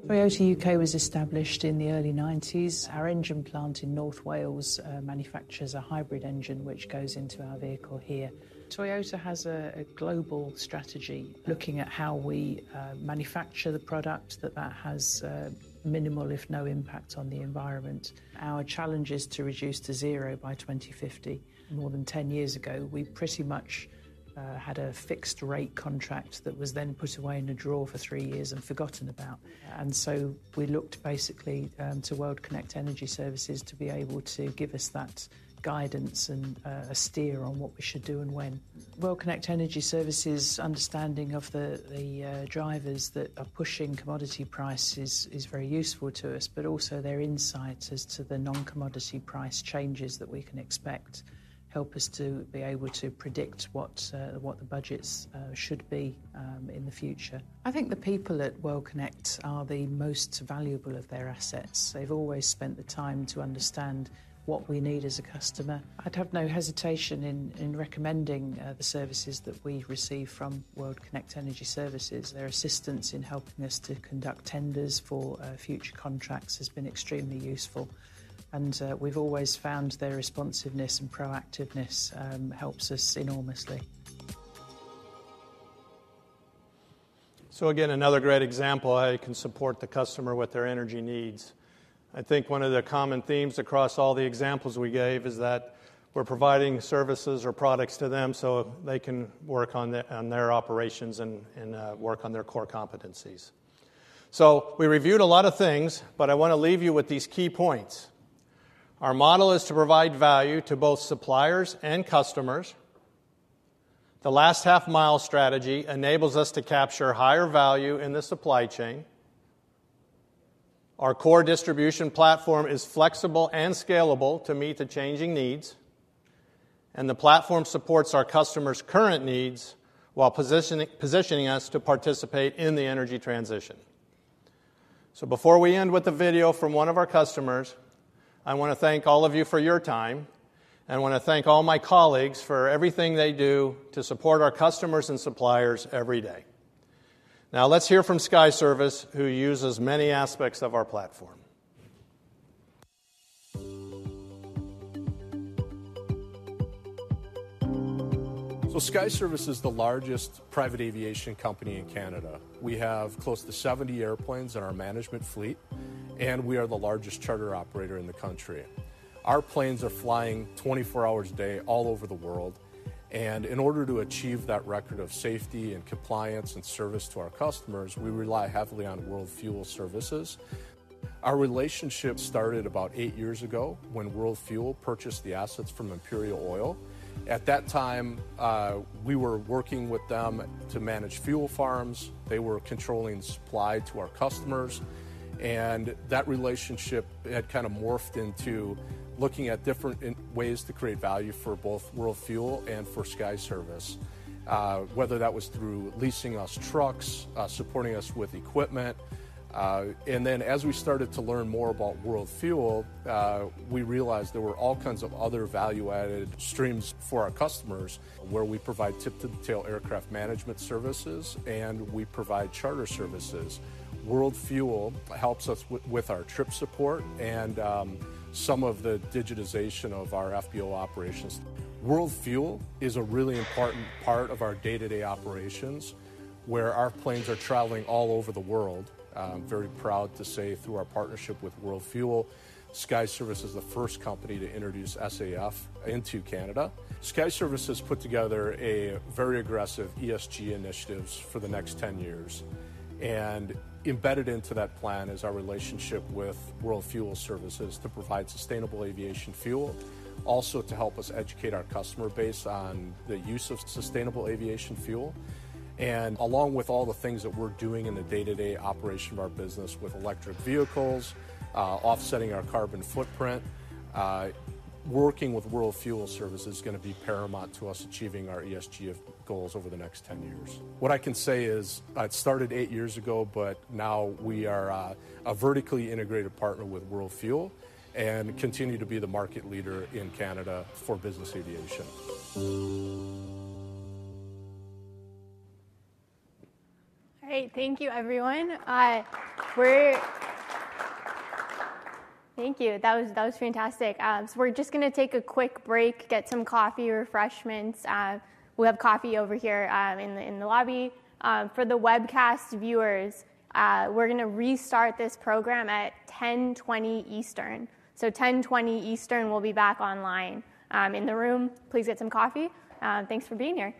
Toyota UK was established in the early 1990s. Our engine plant in North Wales manufactures a hybrid engine, which goes into our vehicle here. Toyota has a global strategy looking at how we manufacture the product that has minimal, if no impact, on the environment. Our challenge is to reduce to zero by 2050. More than 10 years ago, we pretty much had a fixed-rate contract that was then put away in a drawer for 3 years and forgotten about. And so we looked basically to World Kinect Energy Services to be able to give us that guidance and a steer on what we should do and when. World Kinect Energy Services' understanding of the drivers that are pushing commodity prices is very useful to us, but also their insight as to the non-commodity price changes that we can expect help us to be able to predict what the budgets should be in the future. I think the people at World Kinect are the most valuable of their assets. They've always spent the time to understand what we need as a customer. I'd have no hesitation in recommending the services that we receive from World Kinect Energy Services. Their assistance in helping us to conduct tenders for future contracts has been extremely useful. We've always found their responsiveness and proactiveness helps us enormously. So again, another great example how you can support the customer with their energy needs. I think one of the common themes across all the examples we gave is that we're providing services or products to them so they can work on their operations and work on their core competencies. We reviewed a lot of things, but I want to leave you with these key points. Our model is to provide value to both suppliers and customers. The last half-mile strategy enables us to capture higher value in the supply chain. Our core distribution platform is flexible and scalable to meet the changing needs. The platform supports our customers' current needs while positioning us to participate in the energy transition. So before we end with the video from one of our customers, I want to thank all of you for your time and want to thank all my colleagues for everything they do to support our customers and suppliers every day. Now, let's hear from Skyservice, who uses many aspects of our platform. Skyservice is the largest private aviation company in Canada. We have close to 70 airplanes in our management fleet, and we are the largest charter operator in the country. Our planes are flying 24 hours a day all over the world. In order to achieve that record of safety and compliance and service to our customers, we rely heavily on World Fuel Services. Our relationship started about 8 years ago when World Fuel purchased the assets from Imperial Oil. At that time, we were working with them to manage fuel farms. They were controlling supply to our customers. That relationship had kind of morphed into looking at different ways to create value for both World Fuel and for Skyservice, whether that was through leasing us trucks, supporting us with equipment. Then as we started to learn more about World Fuel, we realized there were all kinds of other value-added streams for our customers where we provide tip-to-tail aircraft management services and we provide charter services. World Fuel helps us with our trip support and some of the digitization of our FBO operations. World Fuel is a really important part of our day-to-day operations where our planes are traveling all over the world. I'm very proud to say, through our partnership with World Fuel, Skyservice is the first company to introduce SAF into Canada. Skyservice has put together a very aggressive ESG initiatives for the next 10 years. Embedded into that plan is our relationship with World Fuel Services to provide sustainable aviation fuel, also to help us educate our customer base on the use of sustainable aviation fuel. Along with all the things that we're doing in the day-to-day operation of our business with electric vehicles, offsetting our carbon footprint, working with World Fuel Services is going to be paramount to us achieving our ESG goals over the next 10 years. What I can say is it started 8 years ago, but now we are a vertically integrated partner with World Fuel Services and continue to be the market leader in Canada for business aviation. All right. Thank you, everyone. Thank you. That was fantastic. So we're just going to take a quick break, get some coffee, refreshments. We have coffee over here in the lobby. For the webcast viewers, we're going to restart this program at 10:20 A.M. Eastern. So 10:20 A.M. Eastern, we'll be back online. In the room, please get some coffee. Thanks for being here.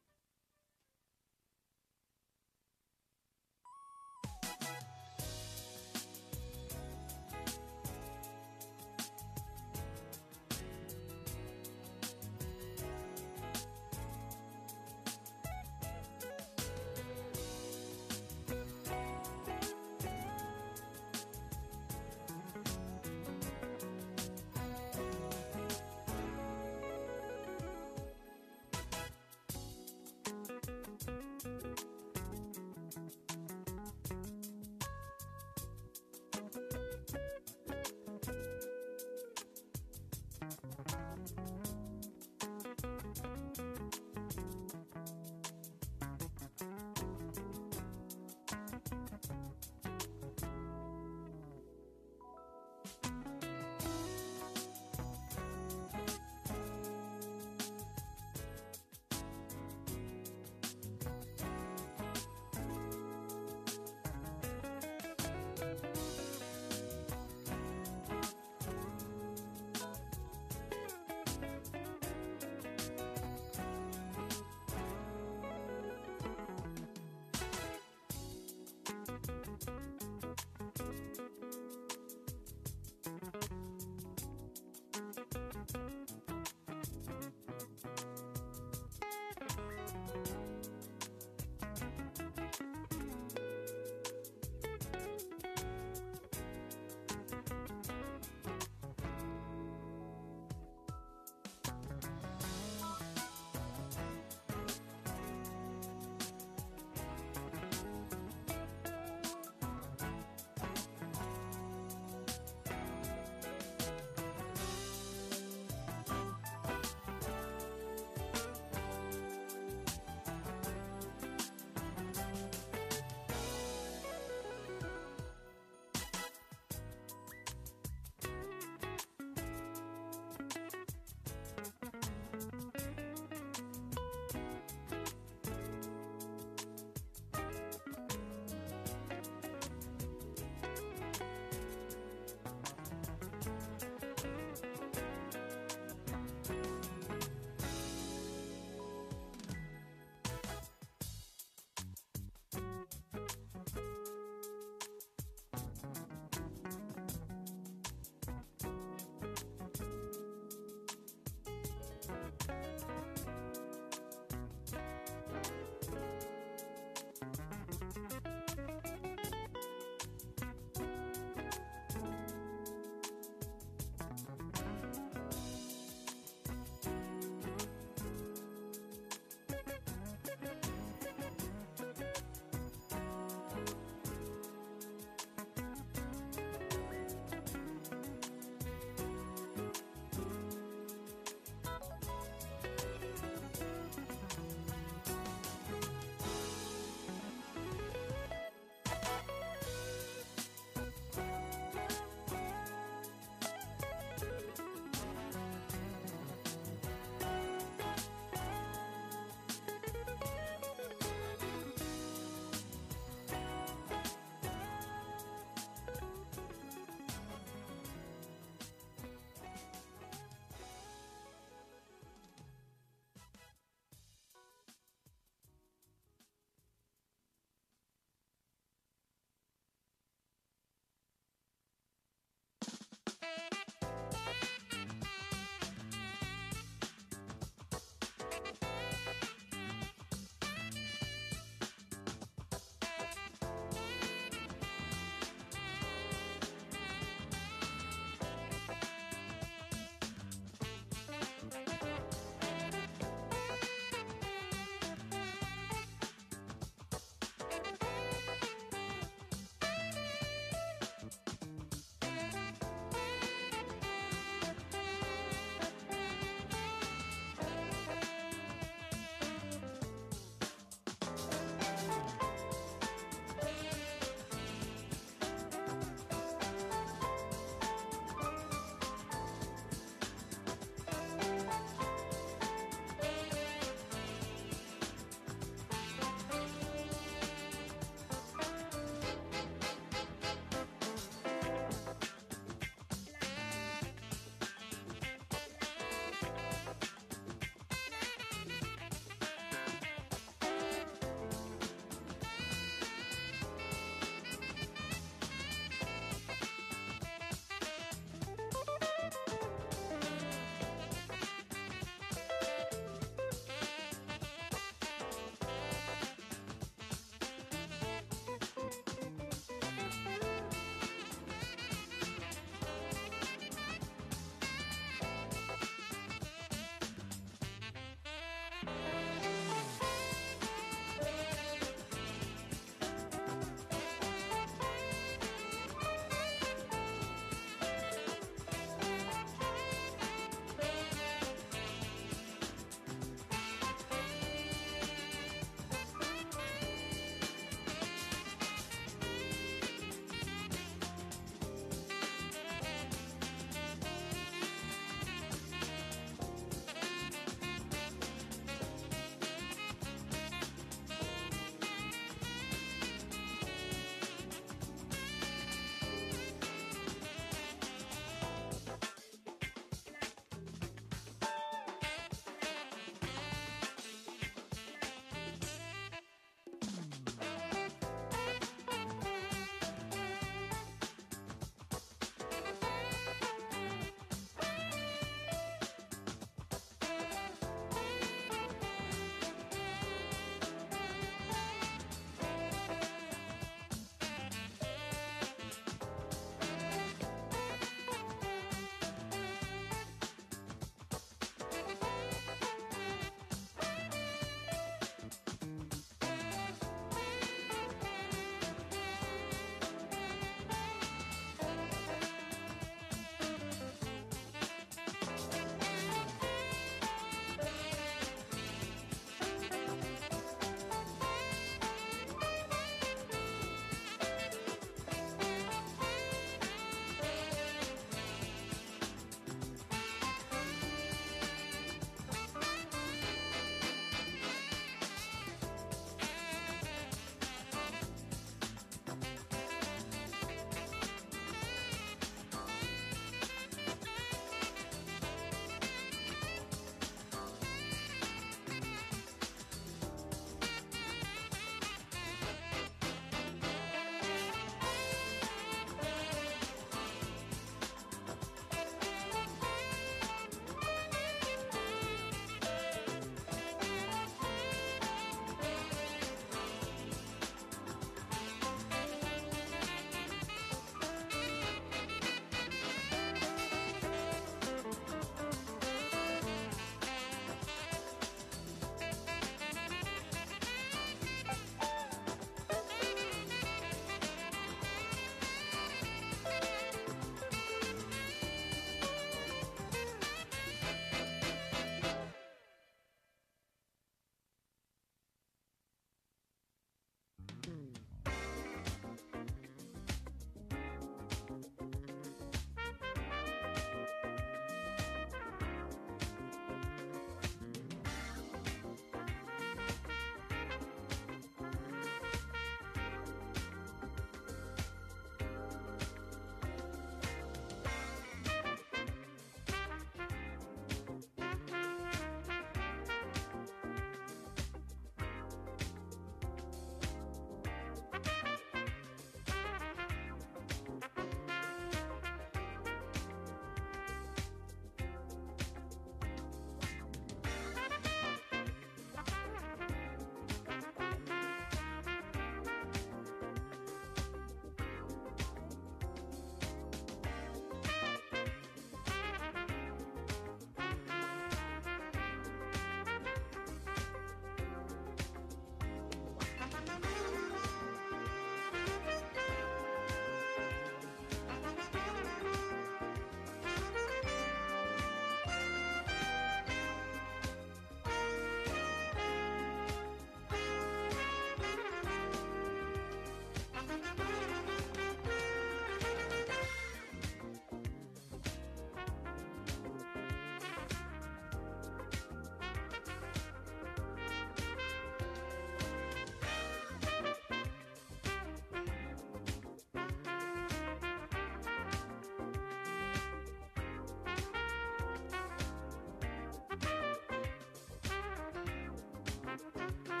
Yeah.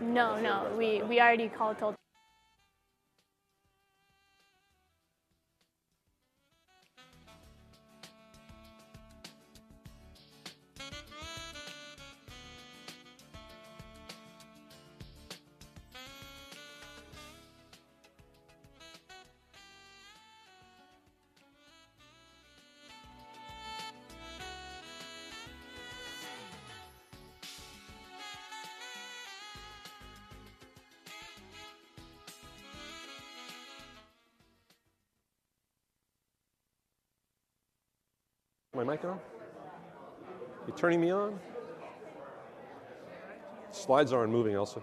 No, no. We already called To. My mic on? You turning me on? Slides aren't moving, Elsa.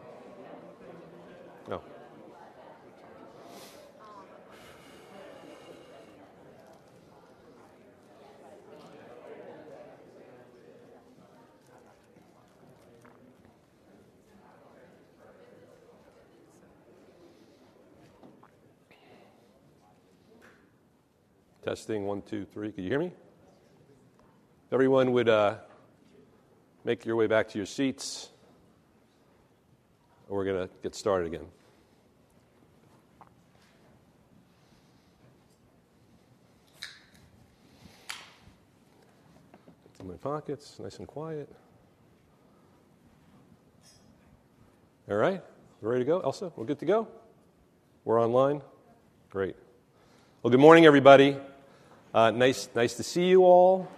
No. Testing. One, two, three. Can you hear me? Everyone would make your way back to your seats, or we're going to get started again. Back to my pockets. Nice and quiet. All right. We're ready to go, Elsa. We're good to go? We're online? Great. Well, good morning, everybody. Nice to see you all.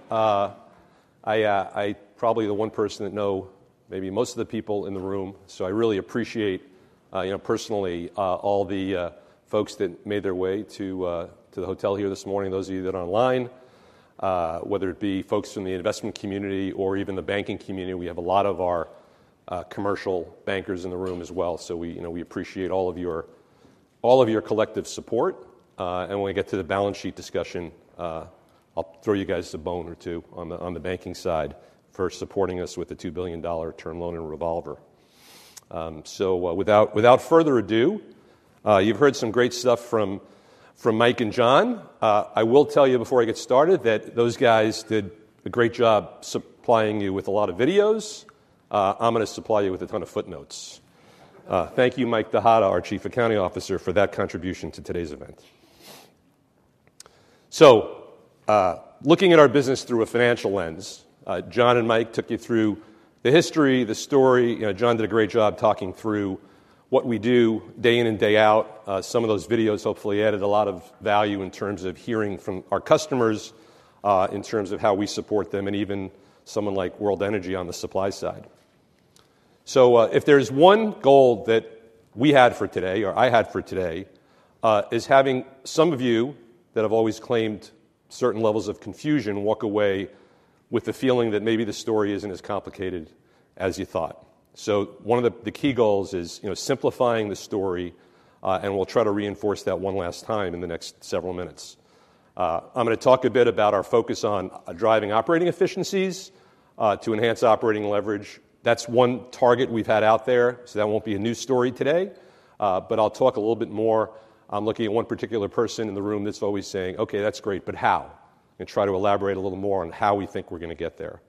I'm probably the one person that knows maybe most of the people in the room. So I really appreciate, personally, all the folks that made their way to the hotel here this morning, those of you that are online, whether it be folks from the investment community or even the banking community. We have a lot of our commercial bankers in the room as well. So we appreciate all of your collective support. And when we get to the balance sheet discussion, I'll throw you guys a bone or two on the banking side for supporting us with the $2 billion term loan and revolver. So without further ado, you've heard some great stuff from Mike and John. I will tell you before I get started that those guys did a great job supplying you with a lot of videos. I'm going to supply you with a ton of footnotes. Thank you, Mike Tejada, our Chief Accounting Officer, for that contribution to today's event. So looking at our business through a financial lens, John and Mike took you through the history, the story. John did a great job talking through what we do day in and day out. Some of those videos, hopefully, added a lot of value in terms of hearing from our customers, in terms of how we support them, and even someone like World Energy on the supply side. So if there is one goal that we had for today, or I had for today, is having some of you that have always claimed certain levels of confusion walk away with the feeling that maybe the story isn't as complicated as you thought. So one of the key goals is simplifying the story. We'll try to reinforce that one last time in the next several minutes. I'm going to talk a bit about our focus on driving operating efficiencies to enhance operating leverage. That's one target we've had out there. So that won't be a new story today. But I'll talk a little bit more. I'm looking at one particular person in the room that's always saying, OK, that's great. But how? And try to elaborate a little more on how we think we're going to get there.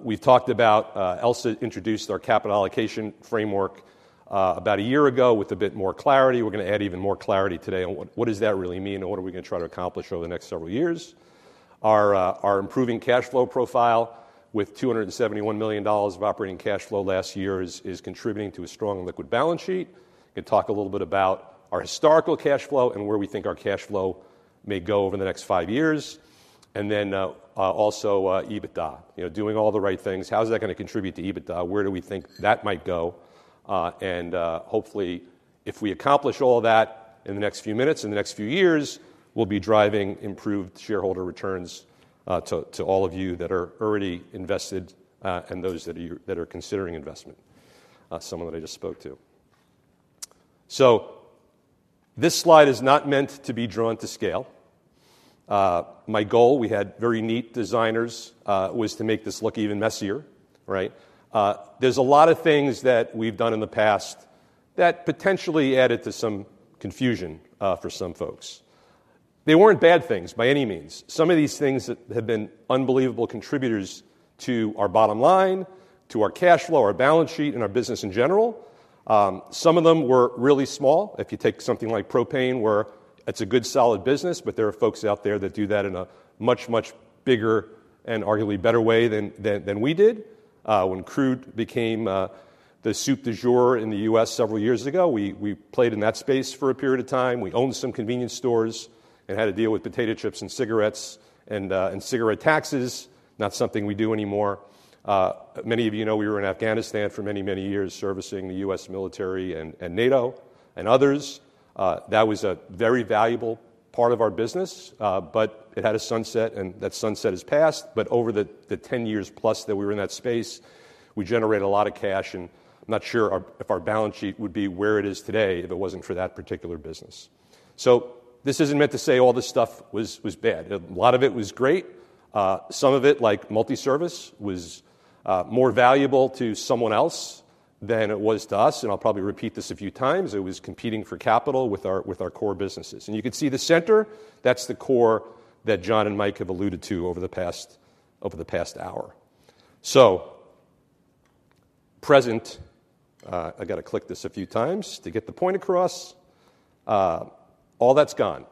We've talked about. Elsa introduced our capital allocation framework about a year ago with a bit more clarity. We're going to add even more clarity today on what does that really mean, and what are we going to try to accomplish over the next several years. Our improving cash flow profile with $271 million of operating cash flow last year is contributing to a strong liquid balance sheet. We can talk a little bit about our historical cash flow and where we think our cash flow may go over the next five years. And then also EBITDA, doing all the right things. How is that going to contribute to EBITDA? Where do we think that might go? And hopefully, if we accomplish all of that in the next few minutes and the next few years, we'll be driving improved shareholder returns to all of you that are already invested and those that are considering investment, someone that I just spoke to. So this slide is not meant to be drawn to scale. My goal, we had very neat designers, was to make this look even messier, right? There's a lot of things that we've done in the past that potentially added to some confusion for some folks. They weren't bad things by any means. Some of these things that have been unbelievable contributors to our bottom line, to our cash flow, our balance sheet, and our business in general, some of them were really small. If you take something like propane, where it's a good solid business, but there are folks out there that do that in a much, much bigger and arguably better way than we did. When crude became the soup du jour in the U.S. several years ago, we played in that space for a period of time. We owned some convenience stores and had to deal with potato chips and cigarettes and cigarette taxes, not something we do anymore. Many of you know we were in Afghanistan for many, many years servicing the U.S. military and NATO and others. That was a very valuable part of our business. But it had a sunset, and that sunset has passed. But over the 10 years plus that we were in that space, we generated a lot of cash. And I'm not sure if our balance sheet would be where it is today if it wasn't for that particular business. So this isn't meant to say all this stuff was bad. A lot of it was great. Some of it, like Multi Service, was more valuable to someone else than it was to us. And I'll probably repeat this a few times. It was competing for capital with our core businesses. And you can see the center, that's the core that John and Mike have alluded to over the past hour. So present, I've got to click this a few times to get the point across. All that's gone.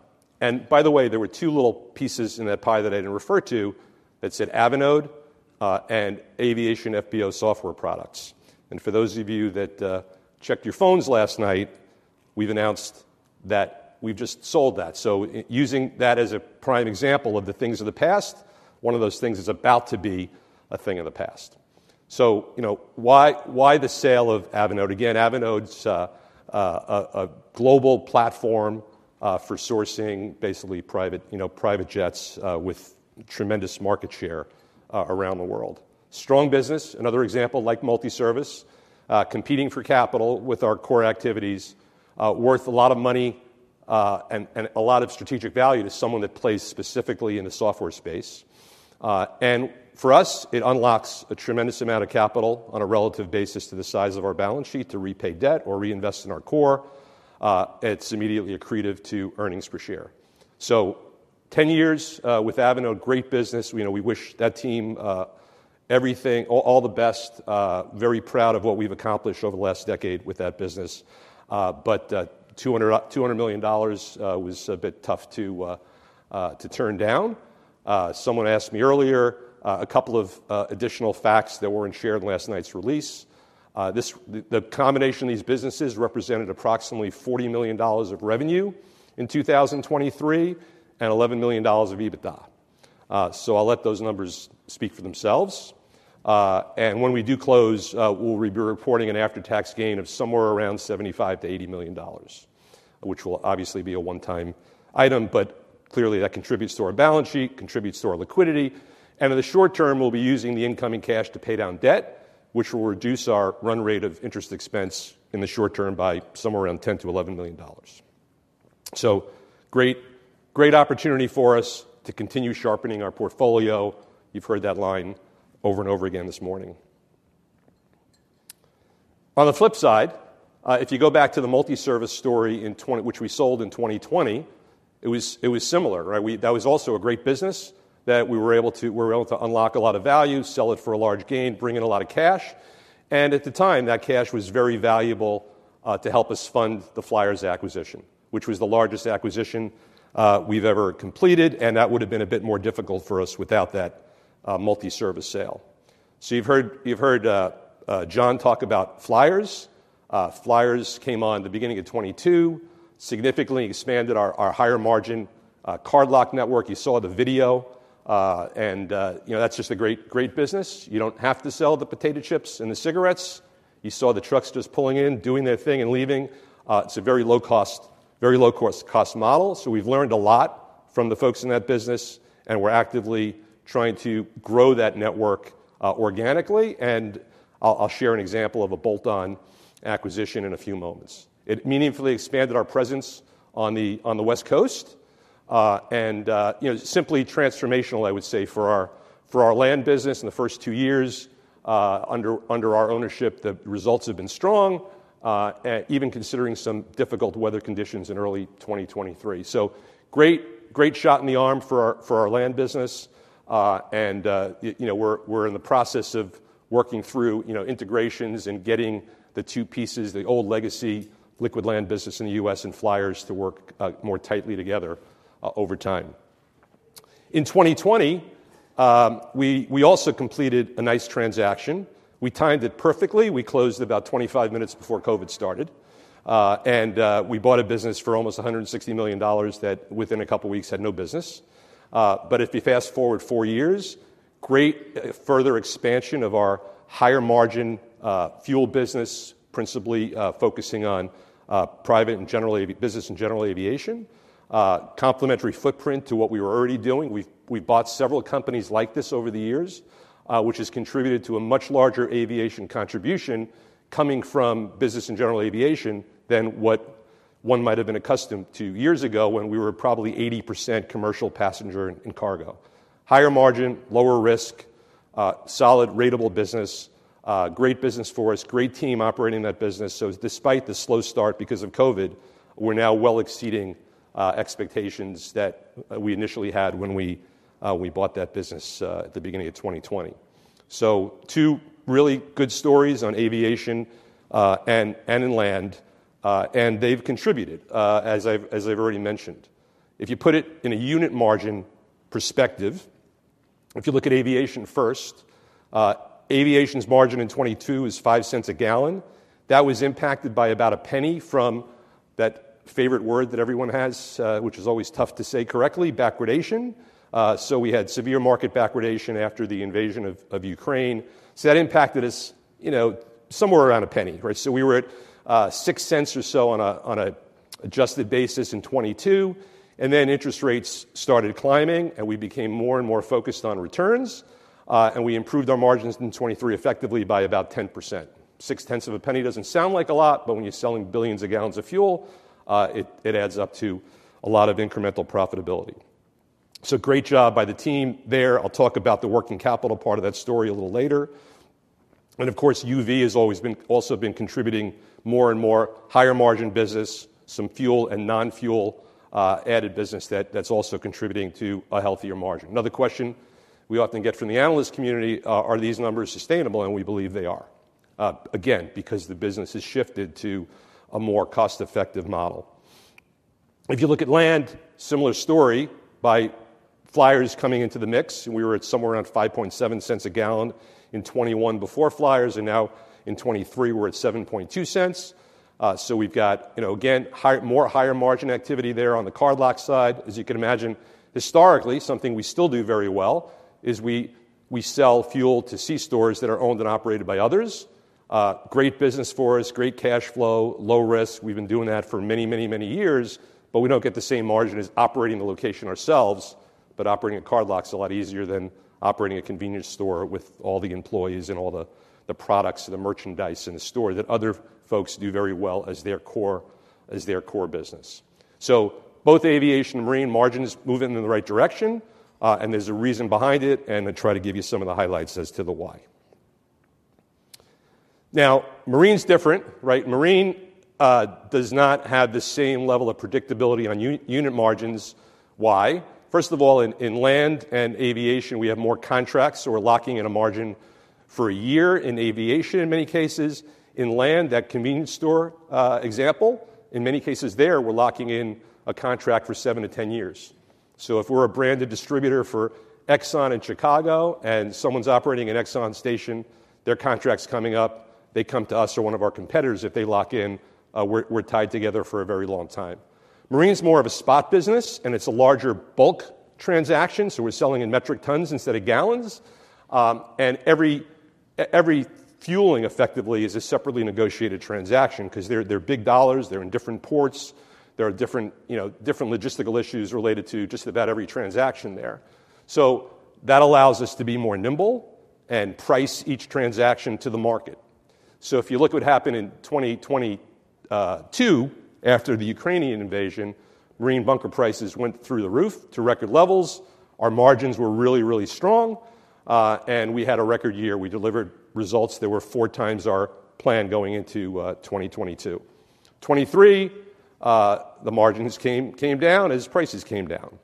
By the way, there were two little pieces in that pie that I didn't refer to that said Avinode and aviation FBO software products. For those of you that checked your phones last night, we've announced that we've just sold that. Using that as a prime example of the things of the past, one of those things is about to be a thing of the past. Why the sale of Avinode? Again, Avinode's a global platform for sourcing basically private jets with tremendous market share around the world. Strong business, another example, like Multi Service, competing for capital with our core activities, worth a lot of money and a lot of strategic value to someone that plays specifically in the software space. For us, it unlocks a tremendous amount of capital on a relative basis to the size of our balance sheet to repay debt or reinvest in our core. It's immediately accretive to earnings per share. 10 years with Avinode, great business. We wish that team everything, all the best. Very proud of what we've accomplished over the last decade with that business. But $200 million was a bit tough to turn down. Someone asked me earlier a couple of additional facts that weren't shared in last night's release. The combination of these businesses represented approximately $40 million of revenue in 2023 and $11 million of EBITDA. I'll let those numbers speak for themselves. When we do close, we'll be reporting an after-tax gain of somewhere around $75 million-$80 million, which will obviously be a one-time item. But clearly, that contributes to our balance sheet, contributes to our liquidity. And in the short term, we'll be using the incoming cash to pay down debt, which will reduce our run rate of interest expense in the short term by somewhere around $10 million-$11 million. So great opportunity for us to continue sharpening our portfolio. You've heard that line over and over again this morning. On the flip side, if you go back to the Multi Service story, which we sold in 2020, it was similar, right? That was also a great business that we were able to unlock a lot of value, sell it for a large gain, bring in a lot of cash. And at the time, that cash was very valuable to help us fund the Flyers acquisition, which was the largest acquisition we've ever completed. That would have been a bit more difficult for us without that Multi Service sale. So you've heard John talk about Flyers. Flyers came on the beginning of 2022, significantly expanded our higher margin Card Lock network. You saw the video. And that's just a great business. You don't have to sell the potato chips and the cigarettes. You saw the trucks just pulling in, doing their thing, and leaving. It's a very low-cost model. So we've learned a lot from the folks in that business. And we're actively trying to grow that network organically. And I'll share an example of a bolt-on acquisition in a few moments. It meaningfully expanded our presence on the West Coast. And simply transformational, I would say, for our land business in the first two years under our ownership. The results have been strong, even considering some difficult weather conditions in early 2023. Great shot in the arm for our land business. We're in the process of working through integrations and getting the two pieces, the old legacy liquid land business in the U.S. and Flyers, to work more tightly together over time. In 2020, we also completed a nice transaction. We timed it perfectly. We closed about 25 minutes before COVID started. We bought a business for almost $160 million that, within a couple of weeks, had no business. But if you fast forward four years, great further expansion of our higher margin fuel business, principally focusing on private and business and general aviation, complementary footprint to what we were already doing. We've bought several companies like this over the years, which has contributed to a much larger aviation contribution coming from business and general aviation than what one might have been accustomed to years ago when we were probably 80% commercial passenger and cargo. Higher margin, lower risk, solid, ratable business, great business for us, great team operating that business. So despite the slow start because of COVID, we're now well exceeding expectations that we initially had when we bought that business at the beginning of 2020. So two really good stories on aviation and in land. And they've contributed, as I've already mentioned. If you put it in a unit margin perspective, if you look at aviation first, aviation's margin in 2022 is $0.05 a gallon. That was impacted by about a penny from that favorite word that everyone has, which is always tough to say correctly, backwardation. So we had severe market backwardation after the invasion of Ukraine. So that impacted us somewhere around a penny, right? So we were at $0.06 or so on an adjusted basis in 2022. And then interest rates started climbing. And we became more and more focused on returns. And we improved our margins in 2023 effectively by about 10%. $0.06 of a penny doesn't sound like a lot. But when you're selling billions of gallons of fuel, it adds up to a lot of incremental profitability. So great job by the team there. I'll talk about the working capital part of that story a little later. And of course, UV has always also been contributing more and more, higher margin business, some fuel and non-fuel added business that's also contributing to a healthier margin. Another question we often get from the analyst community: Are these numbers sustainable? We believe they are, again, because the business has shifted to a more cost-effective model. If you look at land, similar story. By Flyers coming into the mix, we were at somewhere around $0.057 a gallon in 2021 before Flyers. And now in 2023, we're at $0.072. So we've got, again, more higher margin activity there on the Card Lock side. As you can imagine, historically, something we still do very well is we sell fuel to c-stores that are owned and operated by others. Great business for us, great cash flow, low risk. We've been doing that for many, many, many years. But we don't get the same margin as operating the location ourselves. But operating a Card Lock is a lot easier than operating a convenience store with all the employees and all the products and the merchandise in the store that other folks do very well as their core business. So both aviation and marine, margin is moving in the right direction. And there's a reason behind it. And I'll try to give you some of the highlights as to the why. Now, marine's different, right? Marine does not have the same level of predictability on unit margins. Why? First of all, in land and aviation, we have more contracts. So we're locking in a margin for a year in aviation in many cases. In land, that convenience store example, in many cases there, we're locking in a contract for 7-10 years. So if we're a branded distributor for Exxon in Chicago and someone's operating an Exxon station, their contract's coming up, they come to us or one of our competitors. If they lock in, we're tied together for a very long time. Marine's more of a spot business. And it's a larger bulk transaction. So we're selling in metric tons instead of gallons. And every fueling, effectively, is a separately negotiated transaction because they're big dollars. They're in different ports. There are different logistical issues related to just about every transaction there. So that allows us to be more nimble and price each transaction to the market. So if you look at what happened in 2022 after the Ukrainian invasion, marine bunker prices went through the roof to record levels. Our margins were really, really strong. And we had a record year. We delivered results that were four times our plan going into 2022. 2023, the margins came down as prices came down.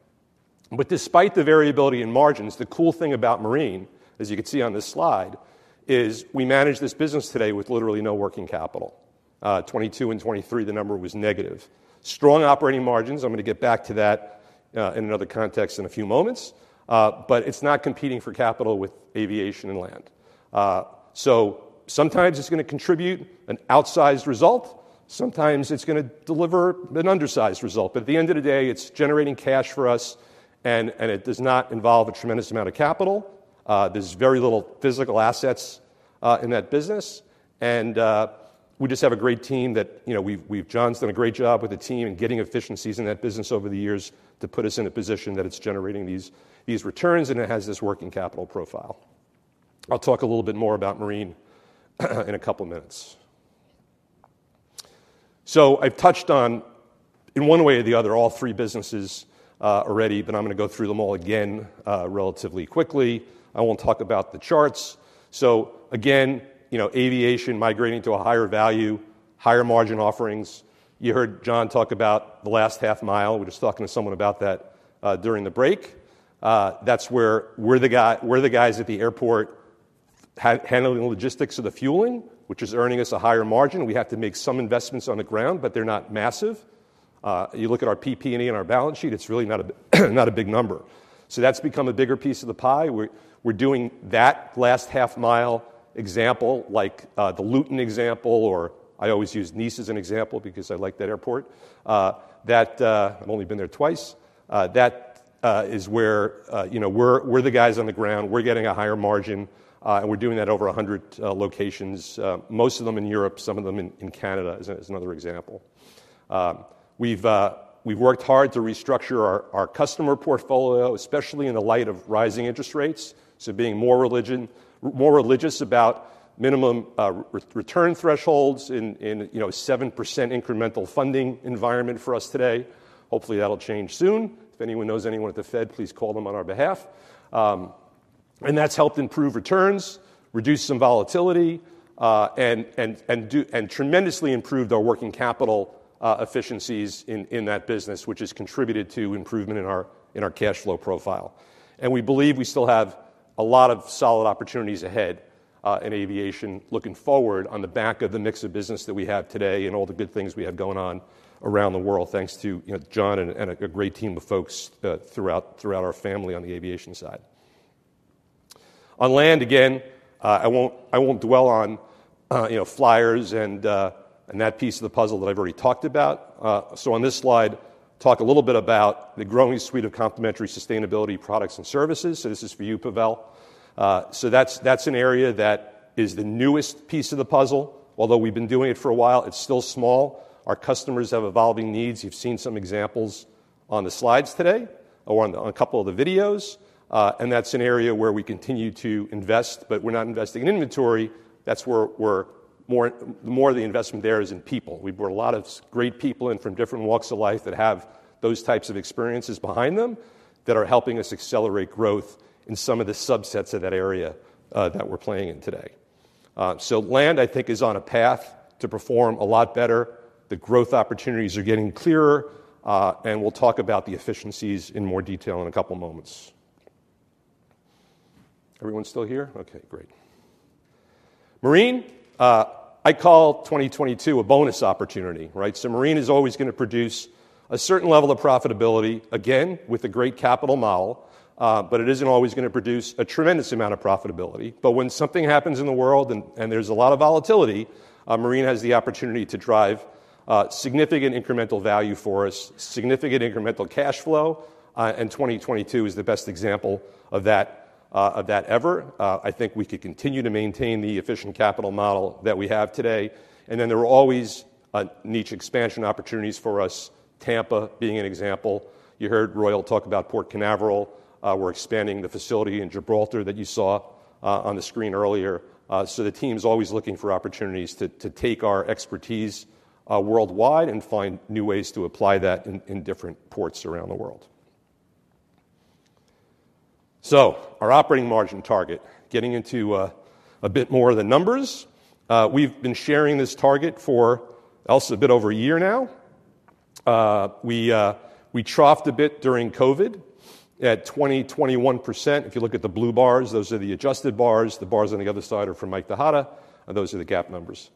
But despite the variability in margins, the cool thing about marine, as you can see on this slide, is we manage this business today with literally no working capital. 2022 and 2023, the number was negative. Strong operating margins, I'm going to get back to that in another context in a few moments. But it's not competing for capital with aviation and land. So sometimes it's going to contribute an outsized result. Sometimes it's going to deliver an undersized result. But at the end of the day, it's generating cash for us. And it does not involve a tremendous amount of capital. There's very little physical assets in that business. We just have a great team that we have. John's done a great job with the team in getting efficiencies in that business over the years to put us in a position that it's generating these returns. And it has this working capital profile. I'll talk a little bit more about marine in a couple of minutes. So I've touched on, in one way or the other, all three businesses already. But I'm going to go through them all again relatively quickly. I won't talk about the charts. So again, aviation migrating to a higher value, higher margin offerings. You heard John talk about the last half mile. We were just talking to someone about that during the break. That's where we're the guys at the airport handling the logistics of the fueling, which is earning us a higher margin. We have to make some investments on the ground. But they're not massive. You look at our PP&E in our balance sheet. It's really not a big number. So that's become a bigger piece of the pie. We're doing that last half mile example, like the Luton example, or I always use Nice as an example because I like that airport. I've only been there twice. That is where we're the guys on the ground. We're getting a higher margin. And we're doing that over 100 locations, most of them in Europe, some of them in Canada, is another example. We've worked hard to restructure our customer portfolio, especially in the light of rising interest rates. So being more religious about minimum return thresholds in a 7% incremental funding environment for us today. Hopefully, that'll change soon. If anyone knows anyone at the Fed, please call them on our behalf. That's helped improve returns, reduce some volatility, and tremendously improve our working capital efficiencies in that business, which has contributed to improvement in our cash flow profile. We believe we still have a lot of solid opportunities ahead in aviation looking forward on the back of the mix of business that we have today and all the good things we have going on around the world, thanks to John and a great team of folks throughout our family on the aviation side. On land, again, I won't dwell on Flyers and that piece of the puzzle that I've already talked about. On this slide, I'll talk a little bit about the growing suite of complementary sustainability products and services. This is for you, Pavel. That's an area that is the newest piece of the puzzle. Although we've been doing it for a while, it's still small. Our customers have evolving needs. You've seen some examples on the slides today or on a couple of the videos. That's an area where we continue to invest. But we're not investing in inventory. That's where the more of the investment there is in people. We brought a lot of great people in from different walks of life that have those types of experiences behind them that are helping us accelerate growth in some of the subsets of that area that we're playing in today. So Land, I think, is on a path to perform a lot better. The growth opportunities are getting clearer. We'll talk about the efficiencies in more detail in a couple of moments. Everyone still here? OK, great. Marine, I call 2022 a bonus opportunity, right? So Marine is always going to produce a certain level of profitability, again, with a great capital model. But it isn't always going to produce a tremendous amount of profitability. But when something happens in the world and there's a lot of volatility, Marine has the opportunity to drive significant incremental value for us, significant incremental cash flow. And 2022 is the best example of that ever. I think we could continue to maintain the efficient capital model that we have today. And then there are always niche expansion opportunities for us, Tampa being an example. You heard Royal talk about Port Canaveral. We're expanding the facility in Gibraltar that you saw on the screen earlier. So the team's always looking for opportunities to take our expertise worldwide and find new ways to apply that in different ports around the world. So our operating margin target, getting into a bit more of the numbers, we've been sharing this target for, also, a bit over a year now. We troughed a bit during COVID at 20%, 21%. If you look at the blue bars, those are the adjusted bars. The bars on the other side are from Mike Tejada. And those are the gap numbers.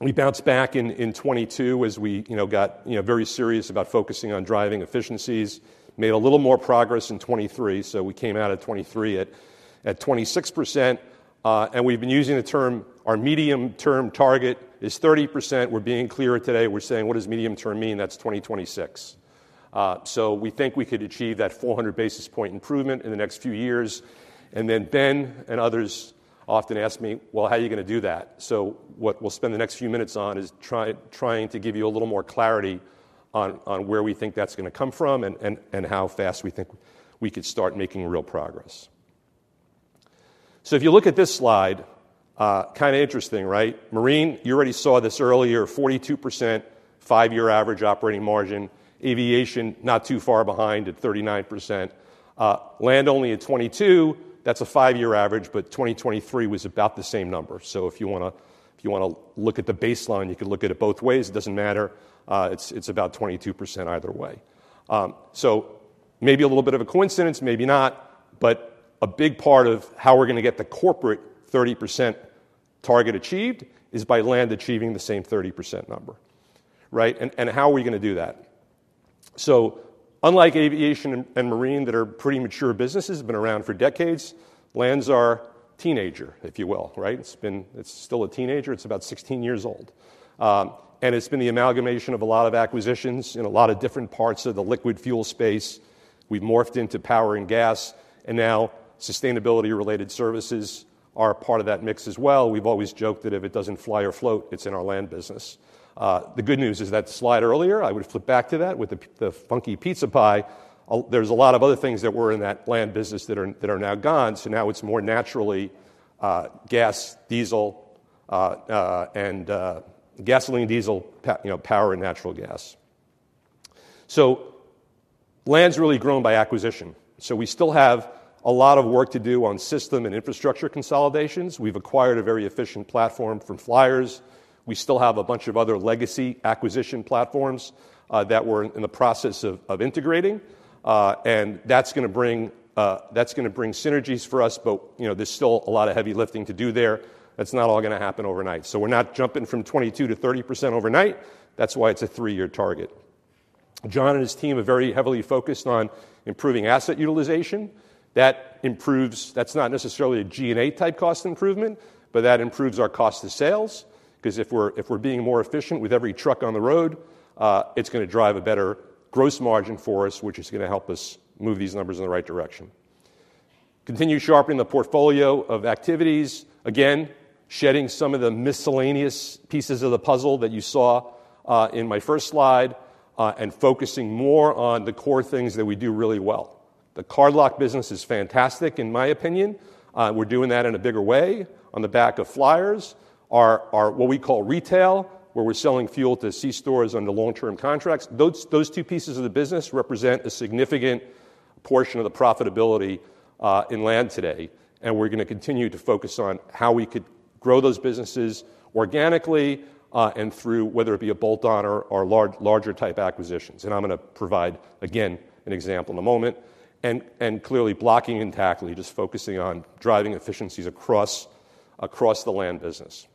We bounced back in 2022 as we got very serious about focusing on driving efficiencies. Made a little more progress in 2023. So we came out of 2023 at 26%. And we've been using the term our medium term target is 30%. We're being clearer today. We're saying, what does medium term mean? That's 2026. So we think we could achieve that 400 basis point improvement in the next few years. And then Ben and others often ask me, well, how are you going to do that? So what we'll spend the next few minutes on is trying to give you a little more clarity on where we think that's going to come from and how fast we think we could start making real progress. So if you look at this slide, kind of interesting, right? Marine, you already saw this earlier, 42% five-year average operating margin. Aviation, not too far behind at 39%. Land only at 2022, that's a five-year average. But 2023 was about the same number. So if you want to look at the baseline, you could look at it both ways. It doesn't matter. It's about 22% either way. So maybe a little bit of a coincidence, maybe not. But a big part of how we're going to get the corporate 30% target achieved is by land achieving the same 30% number, right? And how are we going to do that? So unlike aviation and marine, that are pretty mature businesses, have been around for decades, land's our teenager, if you will, right? It's still a teenager. It's about 16 years old. And it's been the amalgamation of a lot of acquisitions in a lot of different parts of the liquid fuel space. We've morphed into power and gas. And now sustainability-related services are part of that mix as well. We've always joked that if it doesn't fly or float, it's in our Land business. The good news is that slide earlier, I would have flipped back to that with the funky pizza pie. There's a lot of other things that were in that land business that are now gone. So now it's more natural gas, diesel, and gasoline, diesel, power, and natural gas. So Land's really grown by acquisition. So we still have a lot of work to do on system and infrastructure consolidations. We've acquired a very efficient platform from Flyers. We still have a bunch of other legacy acquisition platforms that we're in the process of integrating. That's going to bring synergies for us. There's still a lot of heavy lifting to do there. That's not all going to happen overnight. We're not jumping from 22% to 30% overnight. That's why it's a three-year target. John and his team are very heavily focused on improving asset utilization. That's not necessarily a G&A type cost improvement. That improves our cost of sales because if we're being more efficient with every truck on the road, it's going to drive a better gross margin for us, which is going to help us move these numbers in the right direction. Continue sharpening the portfolio of activities. Again, shedding some of the miscellaneous pieces of the puzzle that you saw in my first slide and focusing more on the core things that we do really well. The Card Lock business is fantastic, in my opinion. We're doing that in a bigger way on the back of Flyers, what we call retail, where we're selling fuel to C stores under long-term contracts. Those two pieces of the business represent a significant portion of the profitability in land today. We're going to continue to focus on how we could grow those businesses organically and through whether it be a bolt-on or larger type acquisitions. I'm going to provide, again, an example in a moment. Clearly blocking and tackling, just focusing on driving efficiencies across the land business.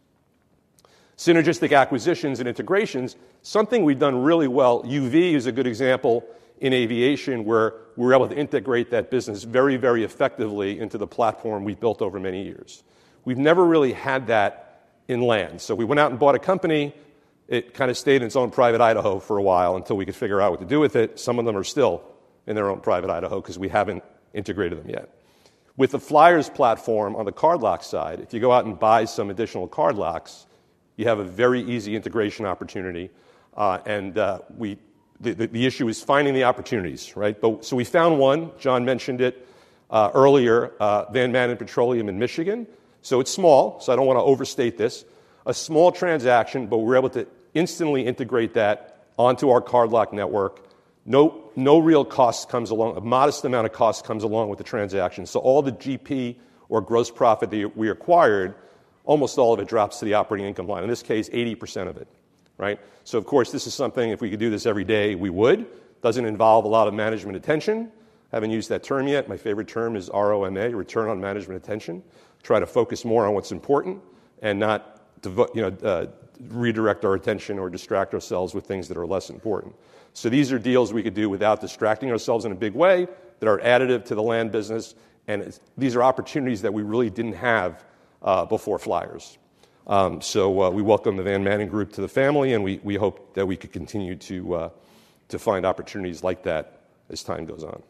Synergistic acquisitions and integrations, something we've done really well. UV is a good example in aviation, where we were able to integrate that business very, very effectively into the platform we built over many years. We've never really had that in Land. So we went out and bought a company. It kind of stayed in its own private Idaho for a while until we could figure out what to do with it. Some of them are still in their own private Idaho because we haven't integrated them yet. With the Flyers platform on the Card Lock side, if you go out and buy some additional Card Locks, you have a very easy integration opportunity. And the issue is finding the opportunities, right? So we found one. John mentioned it earlier, Van Manen Petroleum in Michigan. So it's small. So I don't want to overstate this. A small transaction. But we were able to instantly integrate that onto our Card Lock network. No real cost comes along, a modest amount of cost comes along with the transaction. So all the GP or gross profit that we acquired, almost all of it drops to the operating income line, in this case, 80% of it, right? So of course, this is something, if we could do this every day, we would. It doesn't involve a lot of management attention. I haven't used that term yet. My favorite term is ROMA, Return on Management Attention. Try to focus more on what's important and not redirect our attention or distract ourselves with things that are less important. So these are deals we could do without distracting ourselves in a big way that are additive to the land business. And these are opportunities that we really didn't have before Flyers. So we welcome the Van Manen Petroleum to the family. We hope that we could continue to find opportunities like that as time goes on.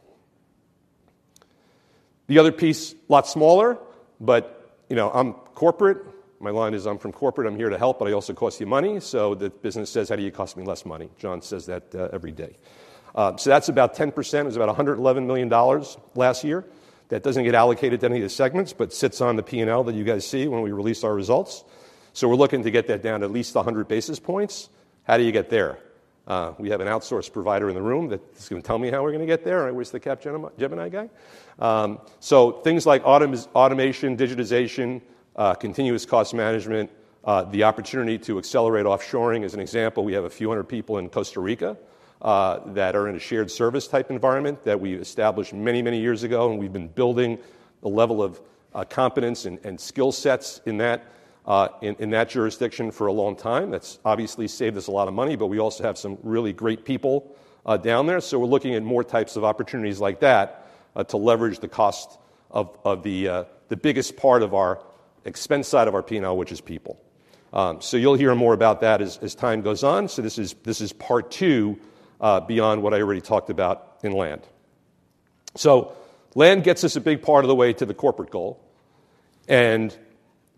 The other piece, a lot smaller. But I'm corporate. My line is I'm from corporate. I'm here to help. But I also cost you money. So the business says, how do you cost me less money? John says that every day. So that's about 10%. It was about $111 million last year. That doesn't get allocated to any of the segments, but sits on the P&L that you guys see when we release our results. So we're looking to get that down to at least 100 basis points. How do you get there? We have an outsourced provider in the room that's going to tell me how we're going to get there. I wish they kept Gemini guy. So things like automation, digitization, continuous cost management, the opportunity to accelerate offshoring, as an example, we have a few hundred people in Costa Rica that are in a shared service type environment that we established many, many years ago. We've been building the level of competence and skill sets in that jurisdiction for a long time. That's obviously saved us a lot of money. But we also have some really great people down there. So we're looking at more types of opportunities like that to leverage the cost of the biggest part of our expense side of our P&L, which is people. So you'll hear more about that as time goes on. So this is part two beyond what I already talked about in Land. So Land gets us a big part of the way to the corporate goal.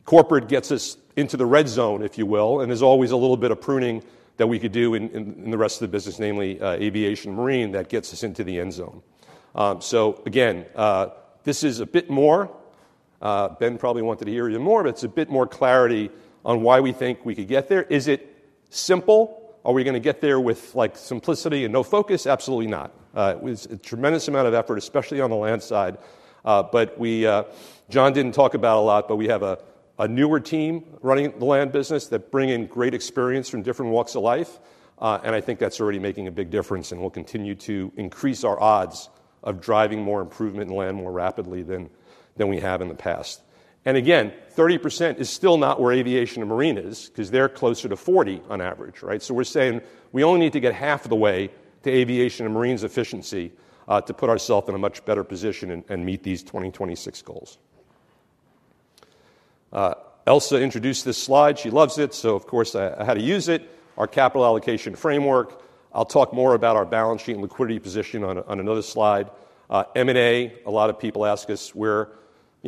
Corporate gets us into the red zone, if you will. There's always a little bit of pruning that we could do in the rest of the business, namely aviation and marine, that gets us into the end zone. So again, this is a bit more. Ben probably wanted to hear even more. But it's a bit more clarity on why we think we could get there. Is it simple? Are we going to get there with simplicity and no focus? Absolutely not. It was a tremendous amount of effort, especially on the Land side. But John didn't talk about a lot. But we have a newer team running the Land business that bring in great experience from different walks of life. And I think that's already making a big difference. And we'll continue to increase our odds of driving more improvement in Land more rapidly than we have in the past. And again, 30% is still not where Aviation and Marine is because they're closer to 40% on average, right? So we're saying we only need to get half of the way to Aviation and Marine's efficiency to put ourselves in a much better position and meet these 2026 goals. Elsa introduced this slide. She loves it. So of course, I had to use it, our capital allocation framework. I'll talk more about our balance sheet and liquidity position on another slide. M&A, a lot of people ask us, where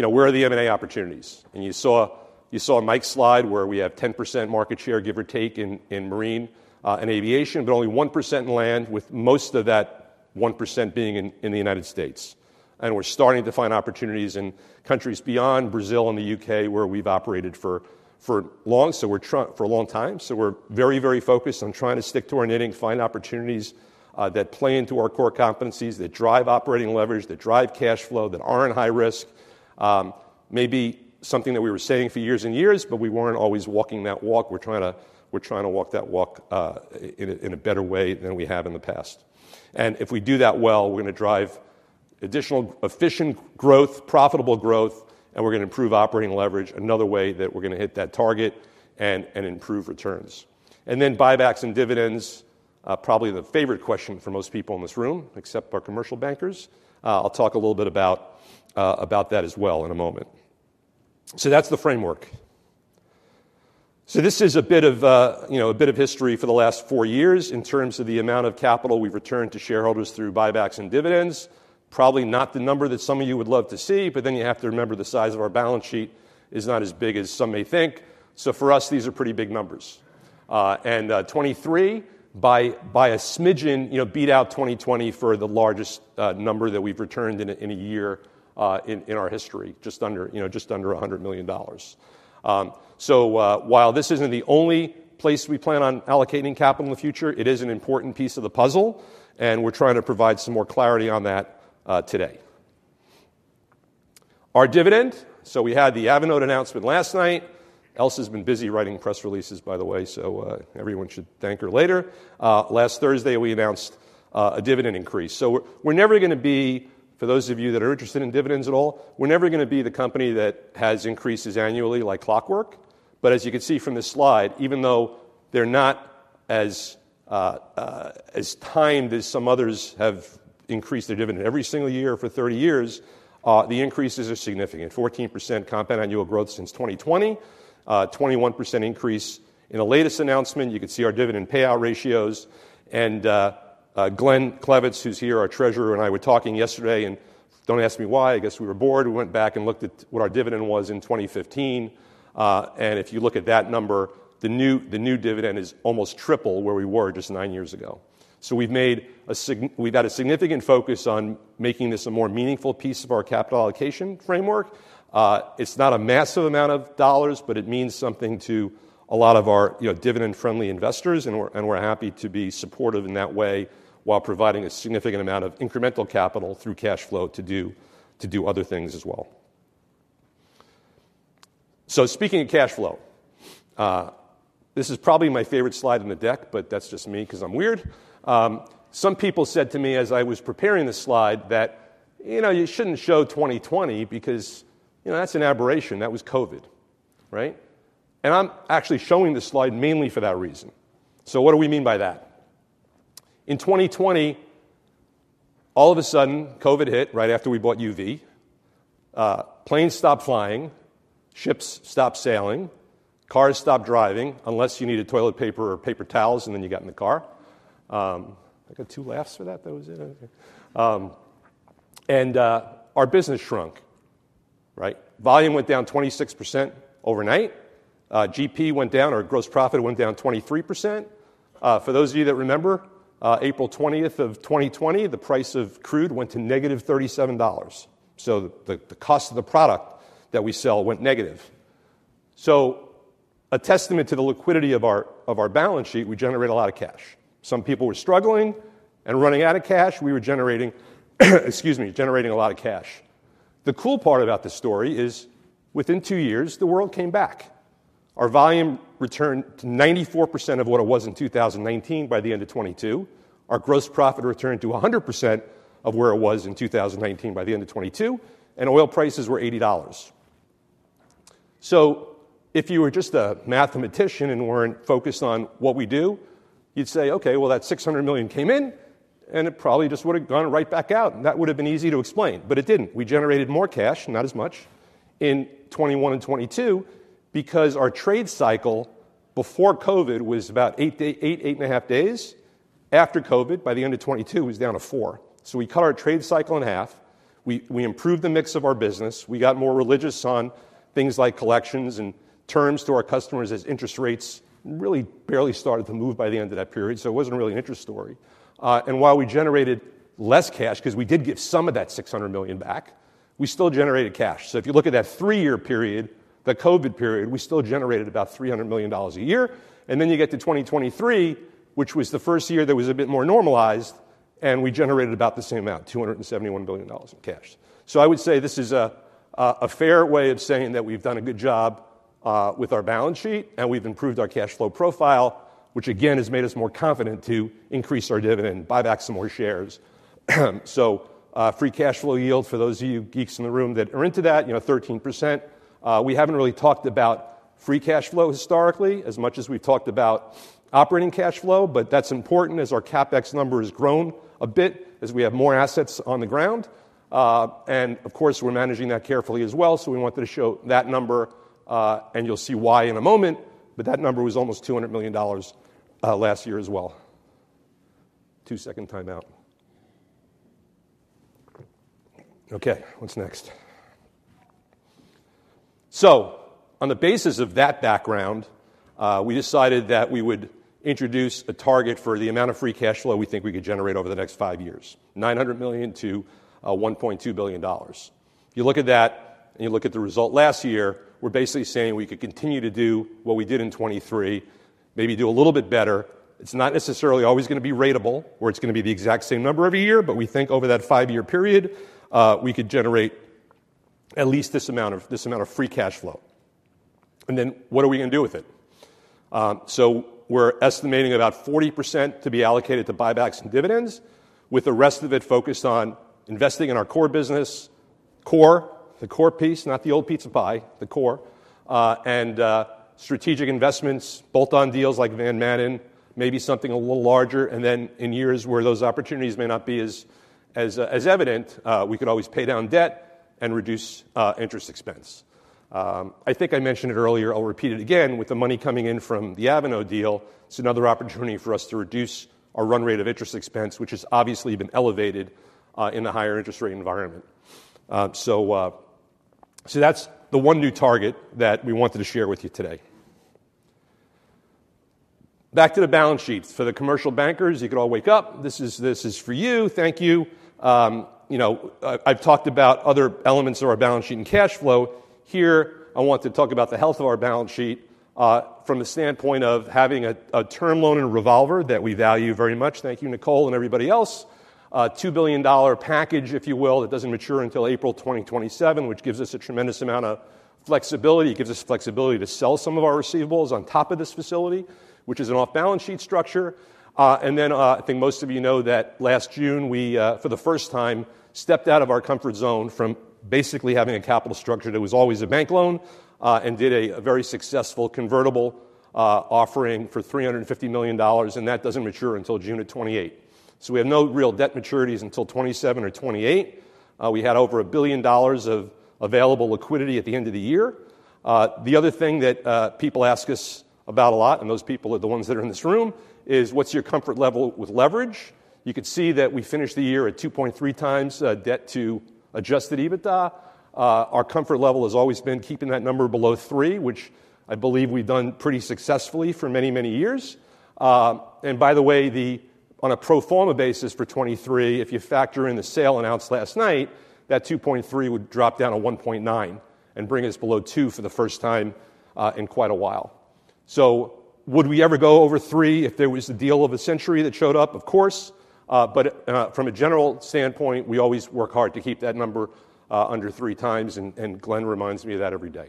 are the M&A opportunities? And you saw Mike's slide where we have 10% market share, give or take, in Marine and Aviation, but only 1% in land, with most of that 1% being in the United States. We're starting to find opportunities in countries beyond Brazil and the U.K. where we've operated for a long time. We're very, very focused on trying to stick to our knitting, find opportunities that play into our core competencies, that drive operating leverage, that drive cash flow, that aren't high risk. Maybe something that we were saying for years and years. We weren't always walking that walk. We're trying to walk that walk in a better way than we have in the past. If we do that well, we're going to drive additional efficient growth, profitable growth. We're going to improve operating leverage, another way that we're going to hit that target and improve returns. Then buybacks and dividends, probably the favorite question for most people in this room, except for commercial bankers. I'll talk a little bit about that as well in a moment. So that's the framework. So this is a bit of history for the last four years in terms of the amount of capital we've returned to shareholders through buybacks and dividends. Probably not the number that some of you would love to see. But then you have to remember the size of our balance sheet is not as big as some may think. So for us, these are pretty big numbers. And 2023, by a smidgen, beat out 2020 for the largest number that we've returned in a year in our history, just under $100 million. So while this isn't the only place we plan on allocating capital in the future, it is an important piece of the puzzle. And we're trying to provide some more clarity on that today. Our dividend, so we had the Avinode announcement last night. Elsa's been busy writing press releases, by the way. So everyone should thank her later. Last Thursday, we announced a dividend increase. So we're never going to be, for those of you that are interested in dividends at all, we're never going to be the company that has increases annually like Clockwork. But as you can see from this slide, even though they're not as timed as some others have increased their dividend every single year for 30 years, the increases are significant, 14% compound annual growth since 2020, 21% increase in the latest announcement. You could see our dividend payout ratios. And Glenn Klevitz, who's here, our treasurer, and I were talking yesterday. And don't ask me why. I guess we were bored. We went back and looked at what our dividend was in 2015. And if you look at that number, the new dividend is almost triple where we were just 9 years ago. So we've had a significant focus on making this a more meaningful piece of our capital allocation framework. It's not a massive amount of dollars. But it means something to a lot of our dividend-friendly investors. And we're happy to be supportive in that way while providing a significant amount of incremental capital through cash flow to do other things as well. So speaking of cash flow, this is probably my favorite slide in the deck. But that's just me because I'm weird. Some people said to me as I was preparing this slide that you shouldn't show 2020 because that's an aberration. That was COVID, right? And I'm actually showing this slide mainly for that reason. So what do we mean by that? In 2020, all of a sudden, COVID hit right after we bought UV. Planes stopped flying. Ships stopped sailing. Cars stopped driving unless you needed toilet paper or paper towels. Then you got in the car. I got two laughs for that, though. Our business shrunk, right? Volume went down 26% overnight. GP went down, or gross profit went down 23%. For those of you that remember, April 20th of 2020, the price of crude went to -$37. So the cost of the product that we sell went negative. So a testament to the liquidity of our balance sheet, we generate a lot of cash. Some people were struggling and running out of cash. We were generating, excuse me, generating a lot of cash. The cool part about this story is within two years, the world came back. Our volume returned to 94% of what it was in 2019 by the end of 2022. Our gross profit returned to 100% of where it was in 2019 by the end of 2022. And oil prices were $80. So if you were just a mathematician and weren't focused on what we do, you'd say, OK, well, that $600 million came in. And it probably just would have gone right back out. And that would have been easy to explain. But it didn't. We generated more cash, not as much, in 2021 and 2022 because our trade cycle before COVID was about 8-8.5 days. After COVID, by the end of 2022, it was down to 4. So we cut our trade cycle in half. We improved the mix of our business. We got more religious on things like collections and terms to our customers as interest rates really barely started to move by the end of that period. It wasn't really an interest story. While we generated less cash because we did give some of that $600 million back, we still generated cash. If you look at that three-year period, the COVID period, we still generated about $300 million a year. Then you get to 2023, which was the first year that was a bit more normalized. We generated about the same amount, $271 million in cash. I would say this is a fair way of saying that we've done a good job with our balance sheet. We've improved our cash flow profile, which again has made us more confident to increase our dividend, buy back some more shares. Free cash flow yield, for those of you geeks in the room that are into that, 13%. We haven't really talked about free cash flow historically as much as we've talked about operating cash flow. But that's important as our CapEx number has grown a bit, as we have more assets on the ground. And of course, we're managing that carefully as well. So we wanted to show that number. And you'll see why in a moment. But that number was almost $200 million last year as well. 2-second time out. OK, what's next? So on the basis of that background, we decided that we would introduce a target for the amount of free cash flow we think we could generate over the next five years, $900 million-$1.2 billion. If you look at that and you look at the result last year, we're basically saying we could continue to do what we did in 2023, maybe do a little bit better. It's not necessarily always going to be ratable, or it's going to be the exact same number every year. But we think over that five-year period, we could generate at least this amount of free cash flow. And then what are we going to do with it? So we're estimating about 40% to be allocated to buybacks and dividends, with the rest of it focused on investing in our core business, core, the core piece, not the old pizza pie, the core, and strategic investments, bolt-on deals like Van Manen & maybe something a little larger. And then in years where those opportunities may not be as evident, we could always pay down debt and reduce interest expense. I think I mentioned it earlier. I'll repeat it again. With the money coming in from the Avinode deal, it's another opportunity for us to reduce our run rate of interest expense, which has obviously been elevated in a higher interest rate environment. So that's the one new target that we wanted to share with you today. Back to the balance sheet. For the commercial bankers, you could all wake up. This is for you. Thank you. I've talked about other elements of our balance sheet and cash flow. Here, I want to talk about the health of our balance sheet from the standpoint of having a term loan and revolver that we value very much. Thank you, Nicole and everybody else. $2 billion package, if you will, that doesn't mature until April 2027, which gives us a tremendous amount of flexibility. It gives us flexibility to sell some of our receivables on top of this facility, which is an off-balance sheet structure. Then I think most of you know that last June, we for the first time stepped out of our comfort zone from basically having a capital structure that was always a bank loan and did a very successful convertible offering for $350 million. And that doesn't mature until June of 2028. So we have no real debt maturities until 2027 or 2028. We had over $1 billion of available liquidity at the end of the year. The other thing that people ask us about a lot, and those people are the ones that are in this room, is what's your comfort level with leverage? You could see that we finished the year at 2.3x debt to adjusted EBITDA. Our comfort level has always been keeping that number below 3, which I believe we've done pretty successfully for many, many years. By the way, on a pro forma basis for 2023, if you factor in the sale announced last night, that 2.3 would drop down to 1.9 and bring us below 2 for the first time in quite a while. So would we ever go over 3 if there was the deal of the century that showed up? Of course. But from a general standpoint, we always work hard to keep that number under 3x. And Glenn reminds me of that every day.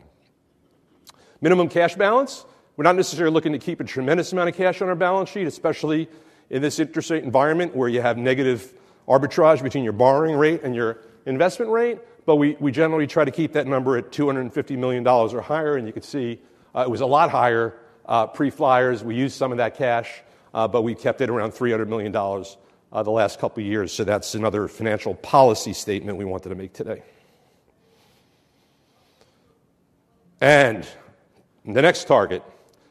Minimum cash balance, we're not necessarily looking to keep a tremendous amount of cash on our balance sheet, especially in this interest rate environment where you have negative arbitrage between your borrowing rate and your investment rate. But we generally try to keep that number at $250 million or higher. And you could see it was a lot higher pre-Flyers. We used some of that cash. But we kept it around $300 million the last couple of years. So that's another financial policy statement we wanted to make today. And the next target,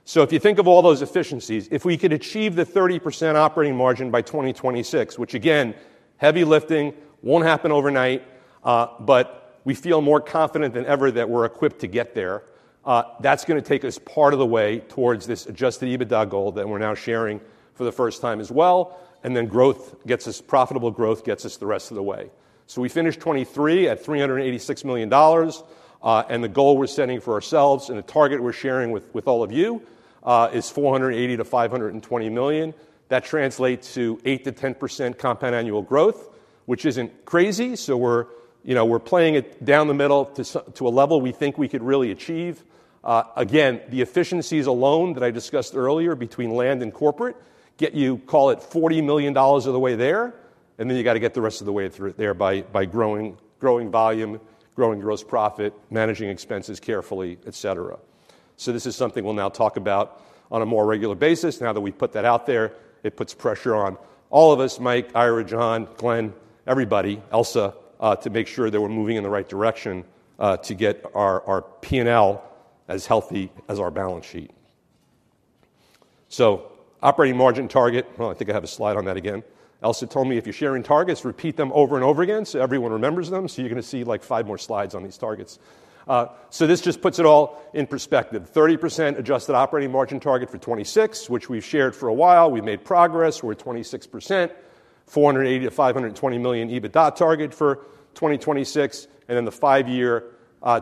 so if you think of all those efficiencies, if we could achieve the 30% operating margin by 2026, which again, heavy lifting, won't happen overnight. But we feel more confident than ever that we're equipped to get there. That's going to take us part of the way towards this adjusted EBITDA goal that we're now sharing for the first time as well. And then growth gets us profitable growth gets us the rest of the way. So we finished 2023 at $386 million. The goal we're setting for ourselves and the target we're sharing with all of you is $480 million-$520 million. That translates to 8%-10% compound annual growth, which isn't crazy. We're playing it down the middle to a level we think we could really achieve. Again, the efficiencies alone that I discussed earlier between land and corporate get you, call it, $40 million of the way there. And then you've got to get the rest of the way through it there by growing volume, growing gross profit, managing expenses carefully, et cetera. This is something we'll now talk about on a more regular basis. Now that we've put that out there, it puts pressure on all of us, Mike, Ira, John, Glenn, everybody, Elsa, to make sure that we're moving in the right direction to get our P&L as healthy as our balance sheet. So operating margin target, well, I think I have a slide on that again. Elsa told me if you're sharing targets, repeat them over and over again so everyone remembers them. So you're going to see like five more slides on these targets. So this just puts it all in perspective, 30% adjusted operating margin target for 2026, which we've shared for a while. We've made progress. We're at 26%, $480 million-$520 million EBITDA target for 2026. And then the five-year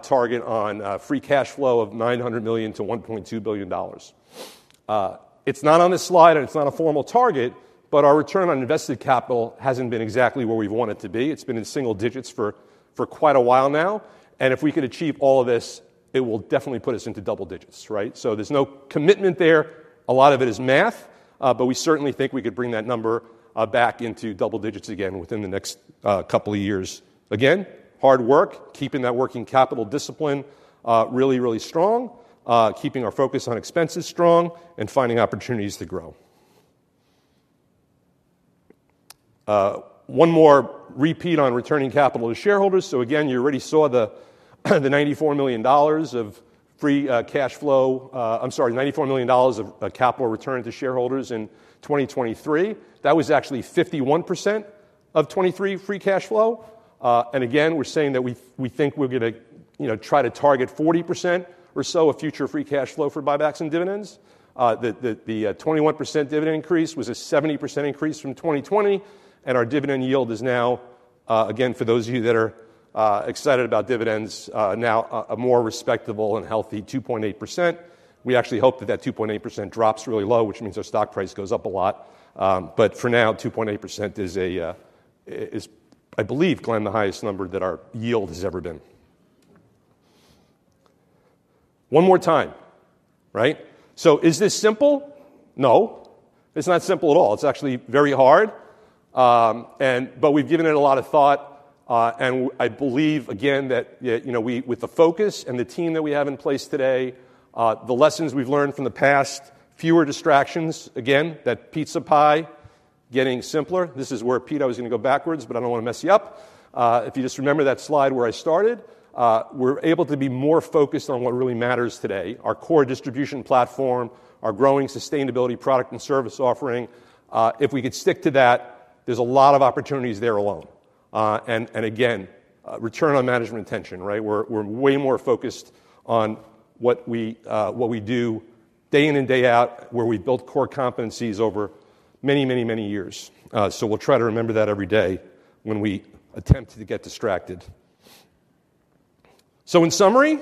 target on free cash flow of $900 million-$1.2 billion. It's not on this slide. And it's not a formal target. But our return on invested capital hasn't been exactly where we've wanted to be. It's been in single digits for quite a while now. And if we could achieve all of this, it will definitely put us into double digits, right? So there's no commitment there. A lot of it is math. But we certainly think we could bring that number back into double digits again within the next couple of years. Again, hard work, keeping that working capital discipline really, really strong, keeping our focus on expenses strong, and finding opportunities to grow. One more repeat on returning capital to shareholders. So again, you already saw the $94 million of free cash flow I'm sorry, $94 million of capital returned to shareholders in 2023. That was actually 51% of 2023 free cash flow. And again, we're saying that we think we're going to try to target 40% or so of future free cash flow for buybacks and dividends. The 21% dividend increase was a 70% increase from 2020. Our dividend yield is now, again, for those of you that are excited about dividends, now a more respectable and healthy 2.8%. We actually hope that that 2.8% drops really low, which means our stock price goes up a lot. But for now, 2.8% is, I believe, Glenn, the highest number that our yield has ever been. One more time, right? So is this simple? No. It's not simple at all. It's actually very hard. But we've given it a lot of thought. I believe, again, that with the focus and the team that we have in place today, the lessons we've learned from the past, fewer distractions, again, that pizza pie getting simpler. This is where Pete, I was going to go backwards. But I don't want to mess you up. If you just remember that slide where I started, we're able to be more focused on what really matters today, our core distribution platform, our growing sustainability product and service offering. If we could stick to that, there's a lot of opportunities there alone. And again, return on management attention, right? We're way more focused on what we do day in and day out, where we've built core competencies over many, many, many years. So we'll try to remember that every day when we attempt to get distracted. So in summary,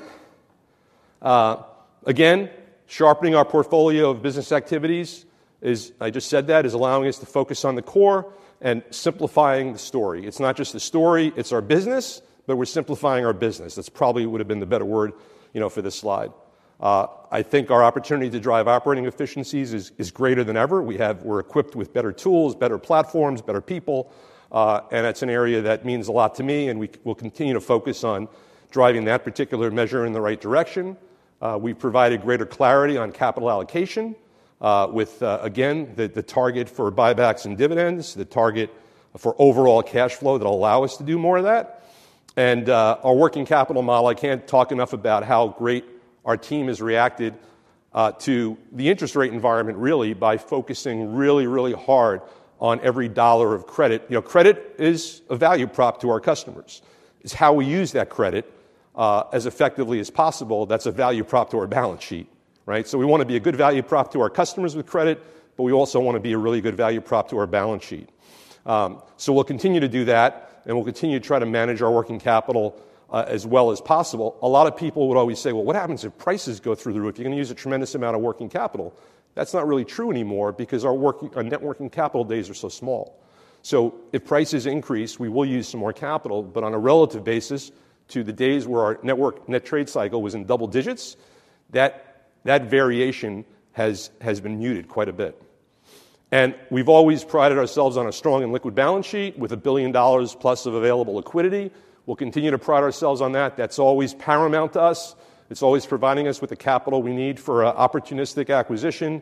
again, sharpening our portfolio of business activities is, I just said that, is allowing us to focus on the core and simplifying the story. It's not just the story. It's our business. But we're simplifying our business. That's probably would have been the better word for this slide. I think our opportunity to drive operating efficiencies is greater than ever. We're equipped with better tools, better platforms, better people. And that's an area that means a lot to me. And we will continue to focus on driving that particular measure in the right direction. We've provided greater clarity on capital allocation with, again, the target for buybacks and dividends, the target for overall cash flow that will allow us to do more of that. And our working capital, Molly, I can't talk enough about how great our team has reacted to the interest rate environment, really, by focusing really, really hard on every dollar of credit. Credit is a value prop to our customers. It's how we use that credit as effectively as possible that's a value prop to our balance sheet, right? So we want to be a good value prop to our customers with credit. But we also want to be a really good value prop to our balance sheet. So we'll continue to do that. And we'll continue to try to manage our working capital as well as possible. A lot of people would always say, well, what happens if prices go through the roof? You're going to use a tremendous amount of working capital. That's not really true anymore because our net working capital days are so small. So if prices increase, we will use some more capital. But on a relative basis, to the days where our net trade cycle was in double digits, that variation has been muted quite a bit. And we've always prided ourselves on a strong and liquid balance sheet with $1 billion plus of available liquidity. We'll continue to pride ourselves on that. That's always paramount to us. It's always providing us with the capital we need for an opportunistic acquisition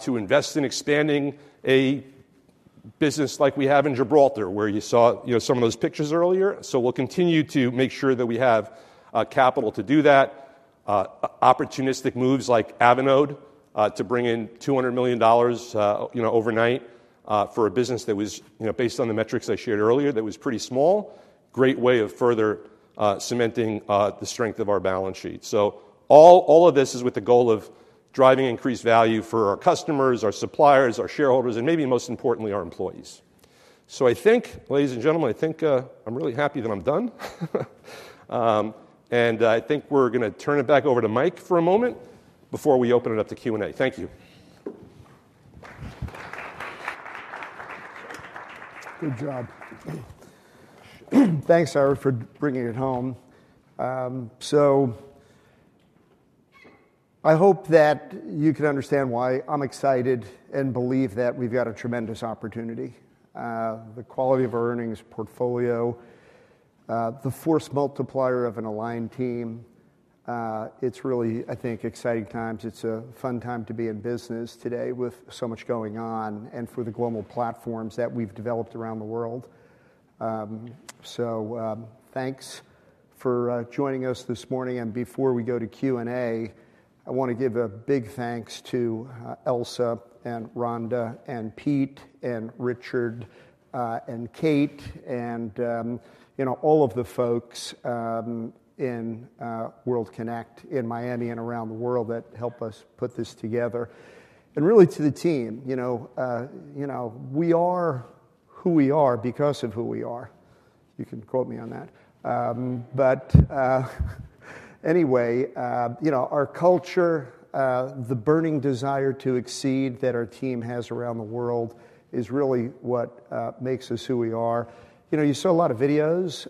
to invest in expanding a business like we have in Gibraltar, where you saw some of those pictures earlier. So we'll continue to make sure that we have capital to do that, opportunistic moves like Avinode to bring in $200 million overnight for a business that was based on the metrics I shared earlier, that was pretty small, great way of further cementing the strength of our balance sheet. So all of this is with the goal of driving increased value for our customers, our suppliers, our shareholders, and maybe most importantly, our employees. So I think, ladies and gentlemen, I think I'm really happy that I'm done. And I think we're going to turn it back over to Mike for a moment before we open it up to Q&A. Thank you. Good job. Thanks, Ira, for bringing it home. So I hope that you can understand why I'm excited and believe that we've got a tremendous opportunity, the quality of our earnings portfolio, the force multiplier of an aligned team. It's really, I think, exciting times. It's a fun time to be in business today with so much going on and for the global platforms that we've developed around the world. So thanks for joining us this morning. And before we go to Q&A, I want to give a big thanks to Elsa and Rhonda and Pete and Richard and Kate and all of the folks in World Kinect in Miami and around the world that help us put this together. And really, to the team, we are who we are because of who we are. You can quote me on that. But anyway, our culture, the burning desire to exceed that our team has around the world, is really what makes us who we are. You saw a lot of videos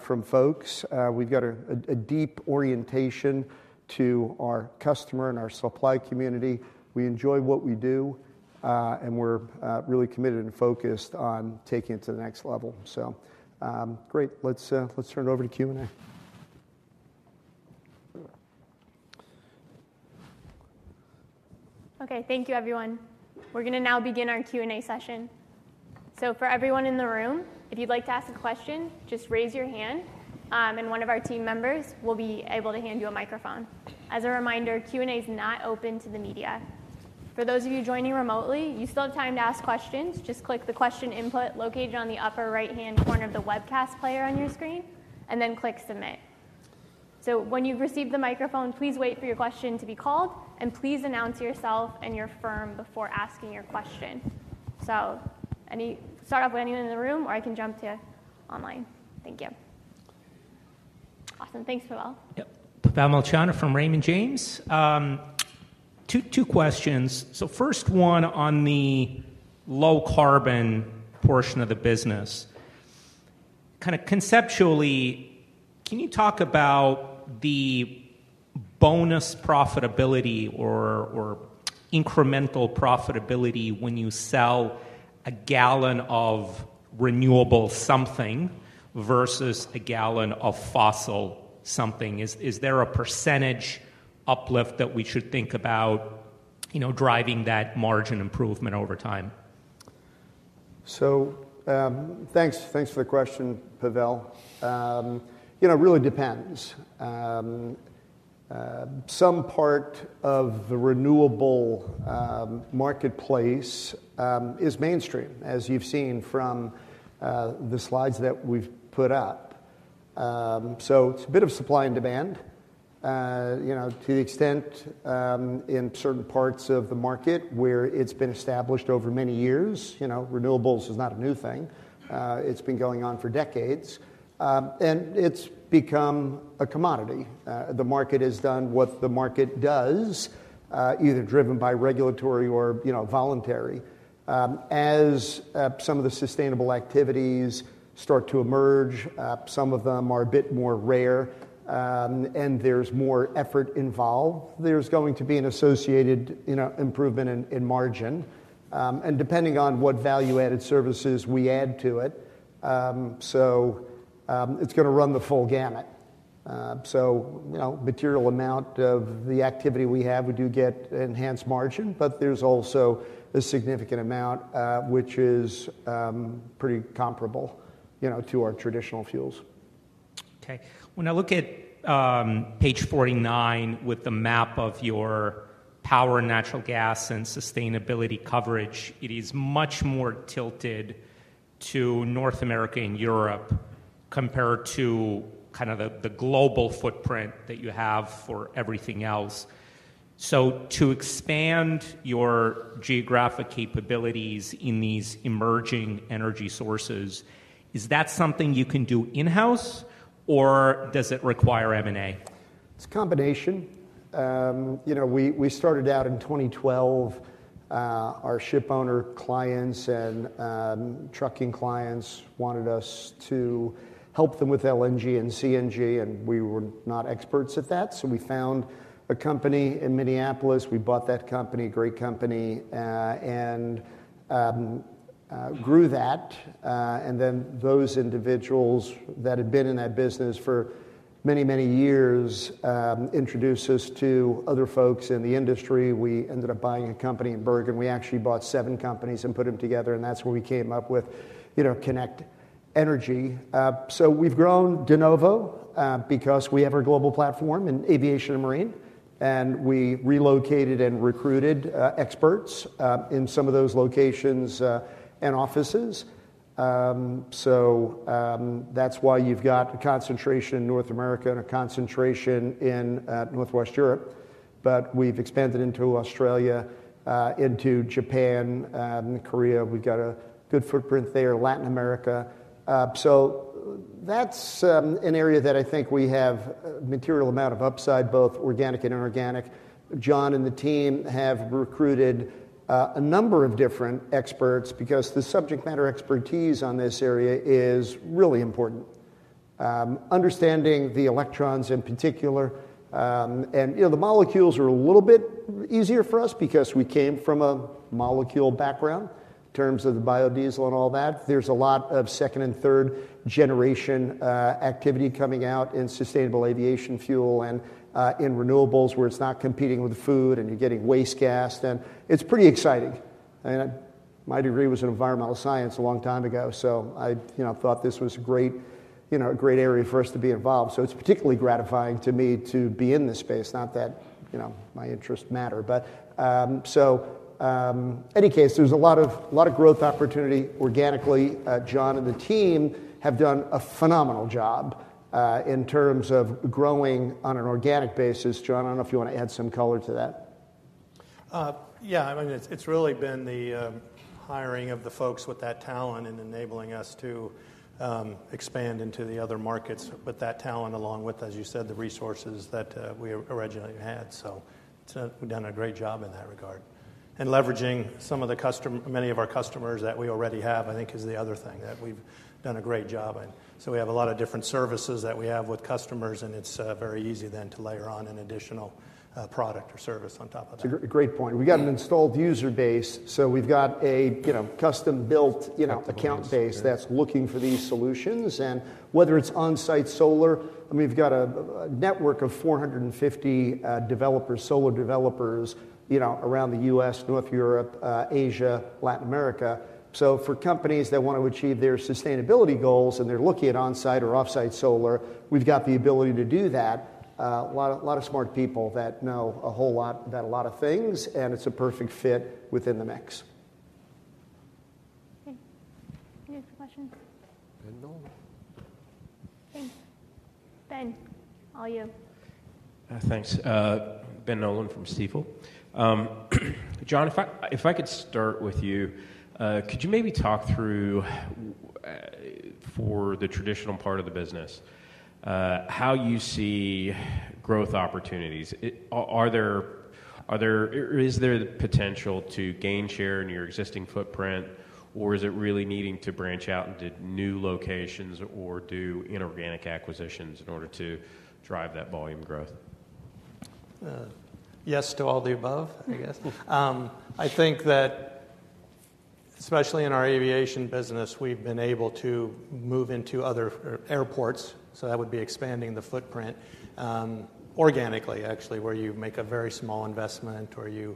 from folks. We've got a deep orientation to our customer and our supply community. We enjoy what we do. We're really committed and focused on taking it to the next level. Great. Let's turn it over to Q&A. OK. Thank you, everyone. We're going to now begin our Q&A session. So for everyone in the room, if you'd like to ask a question, just raise your hand. And one of our team members will be able to hand you a microphone. As a reminder, Q&A is not open to the media. For those of you joining remotely, you still have time to ask questions. Just click the question input located on the upper right-hand corner of the webcast player on your screen. And then click Submit. So when you've received the microphone, please wait for your question to be called. And please announce yourself and your firm before asking your question. So start off with anyone in the room. Or I can jump to online. Thank you. Awesome. Thanks, Pavel. Yep. Pavel Molchanov from Raymond James. Two questions. So first one on the low carbon portion of the business. Kind of conceptually, can you talk about the bonus profitability or incremental profitability when you sell a gallon of renewable something versus a gallon of fossil something? Is there a percentage uplift that we should think about driving that margin improvement over time? So thanks for the question, Pavel. It really depends. Some part of the renewable marketplace is mainstream, as you've seen from the slides that we've put up. It's a bit of supply and demand to the extent in certain parts of the market where it's been established over many years. Renewables is not a new thing. It's been going on for decades. It's become a commodity. The market has done what the market does, either driven by regulatory or voluntary. As some of the sustainable activities start to emerge, some of them are a bit more rare. There's more effort involved. There's going to be an associated improvement in margin. Depending on what value-added services we add to it, it's going to run the full gamut. A material amount of the activity we have, we do get enhanced margin. There's also a significant amount, which is pretty comparable to our traditional fuels. OK. When I look at page 49 with the map of your power and natural gas and sustainability coverage, it is much more tilted to North America and Europe compared to kind of the global footprint that you have for everything else. So to expand your geographic capabilities in these emerging energy sources, is that something you can do in-house? Or does it require M&A? It's a combination. We started out in 2012. Our ship owner clients and trucking clients wanted us to help them with LNG and CNG. We were not experts at that. We found a company in Minneapolis. We bought that company, a great company, and grew that. Then those individuals that had been in that business for many, many years introduced us to other folks in the industry. We ended up buying a company in Bergen. We actually bought seven companies and put them together. That's where we came up with Kinect Energy. We've grown de novo because we have our global platform in aviation and marine. We relocated and recruited experts in some of those locations and offices. That's why you've got a concentration in North America and a concentration in Northwest Europe. We've expanded into Australia, into Japan, Korea. We've got a good footprint there, Latin America. So that's an area that I think we have a material amount of upside, both organic and inorganic. John and the team have recruited a number of different experts because the subject matter expertise on this area is really important, understanding the electrons in particular. And the molecules are a little bit easier for us because we came from a molecule background in terms of the biodiesel and all that. There's a lot of second and third generation activity coming out in sustainable aviation fuel and in renewables, where it's not competing with food. And you're getting waste gas. And it's pretty exciting. And my degree was in environmental science a long time ago. So I thought this was a great area for us to be involved. It's particularly gratifying to me to be in this space, not that my interests matter. In any case, there's a lot of growth opportunity organically. John and the team have done a phenomenal job in terms of growing on an organic basis. John, I don't know if you want to add some color to that? Yeah. I mean, it's really been the hiring of the folks with that talent and enabling us to expand into the other markets with that talent, along with, as you said, the resources that we originally had. So we've done a great job in that regard. And leveraging some of the customers, many of our customers that we already have, I think, is the other thing that we've done a great job in. So we have a lot of different services that we have with customers. And it's very easy then to layer on an additional product or service on top of that. It's a great point. We've got an installed user base. So we've got a custom-built account base that's looking for these solutions. And whether it's on-site solar, I mean, we've got a network of 450 developers, solar developers around the U.S., North Europe, Asia, Latin America. So for companies that want to achieve their sustainability goals and they're looking at on-site or off-site solar, we've got the ability to do that. A lot of smart people that know a whole lot about a lot of things. And it's a perfect fit within the mix. OK. Any other questions? Ben Nolan. Thanks. Ben, all you. Thanks. Ben Nolan from Stifel. John, if I could start with you, could you maybe talk through, for the traditional part of the business, how you see growth opportunities? Is there the potential to gain share in your existing footprint? Or is it really needing to branch out into new locations or do inorganic acquisitions in order to drive that volume growth? Yes to all the above, I guess. I think that, especially in our aviation business, we've been able to move into other airports. So that would be expanding the footprint organically, actually, where you make a very small investment or you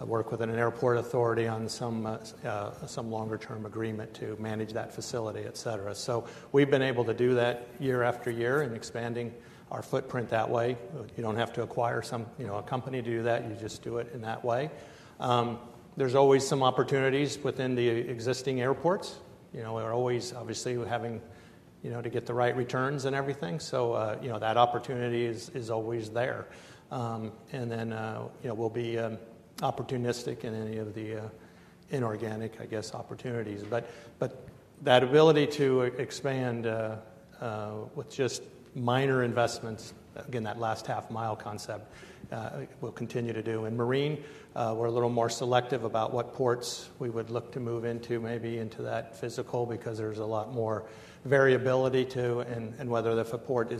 work with an airport authority on some longer-term agreement to manage that facility, et cetera. So we've been able to do that year after year and expanding our footprint that way. You don't have to acquire a company to do that. You just do it in that way. There's always some opportunities within the existing airports. We're always, obviously, having to get the right returns and everything. So that opportunity is always there. And then we'll be opportunistic in any of the inorganic, I guess, opportunities. But that ability to expand with just minor investments, again, that last half-mile concept, we'll continue to do. In marine, we're a little more selective about what ports we would look to move into, maybe into that physical, because there's a lot more variability too. And whether if a port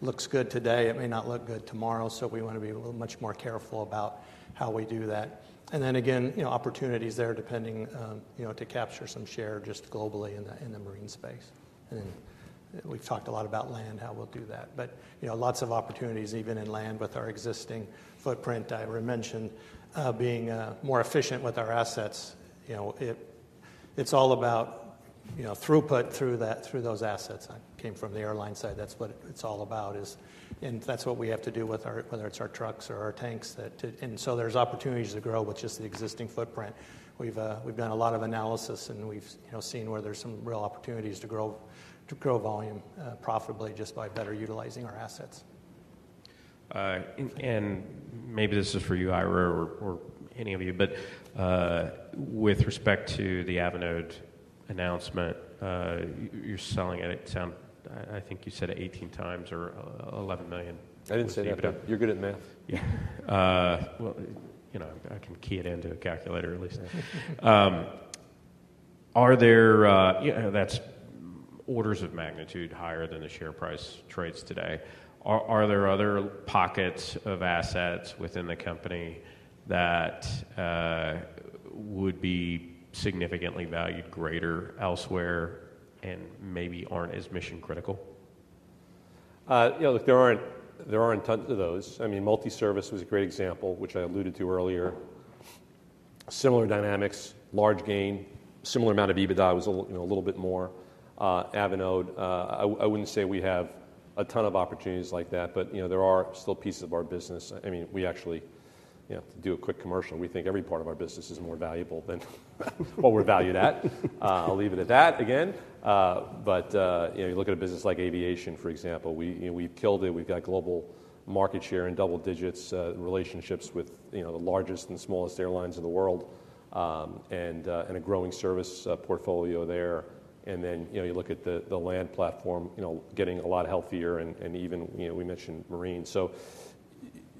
looks good today, it may not look good tomorrow. So we want to be a little much more careful about how we do that. And then again, opportunities there depending to capture some share just globally in the marine space. And then we've talked a lot about land, how we'll do that. But lots of opportunities, even in land with our existing footprint. I mentioned being more efficient with our assets. It's all about throughput through those assets. I came from the airline side. That's what it's all about. And that's what we have to do with whether it's our trucks or our tanks. And so there's opportunities to grow with just the existing footprint. We've done a lot of analysis. We've seen where there's some real opportunities to grow volume profitably just by better utilizing our assets. Maybe this is for you, Ira, or any of you. With respect to the Avinode announcement, you're selling at, I think you said, 18x or $11 million. I didn't say that. You're good at math. Yeah. Well, I can key it into a calculator, at least. That's orders of magnitude higher than the share price trades today. Are there other pockets of assets within the company that would be significantly valued greater elsewhere and maybe aren't as mission-critical? Look, there aren't tons of those. I mean, Multi Service was a great example, which I alluded to earlier. Similar dynamics, large gain, similar amount of EBITDA was a little bit more. Avinode, I wouldn't say we have a ton of opportunities like that. But there are still pieces of our business. I mean, we actually do a quick commercial. We think every part of our business is more valuable than what we're valued at. I'll leave it at that, again. But you look at a business like aviation, for example. We've killed it. We've got global market share in double digits, relationships with the largest and smallest airlines in the world, and a growing service portfolio there. And then you look at the land platform getting a lot healthier. And even we mentioned marine. So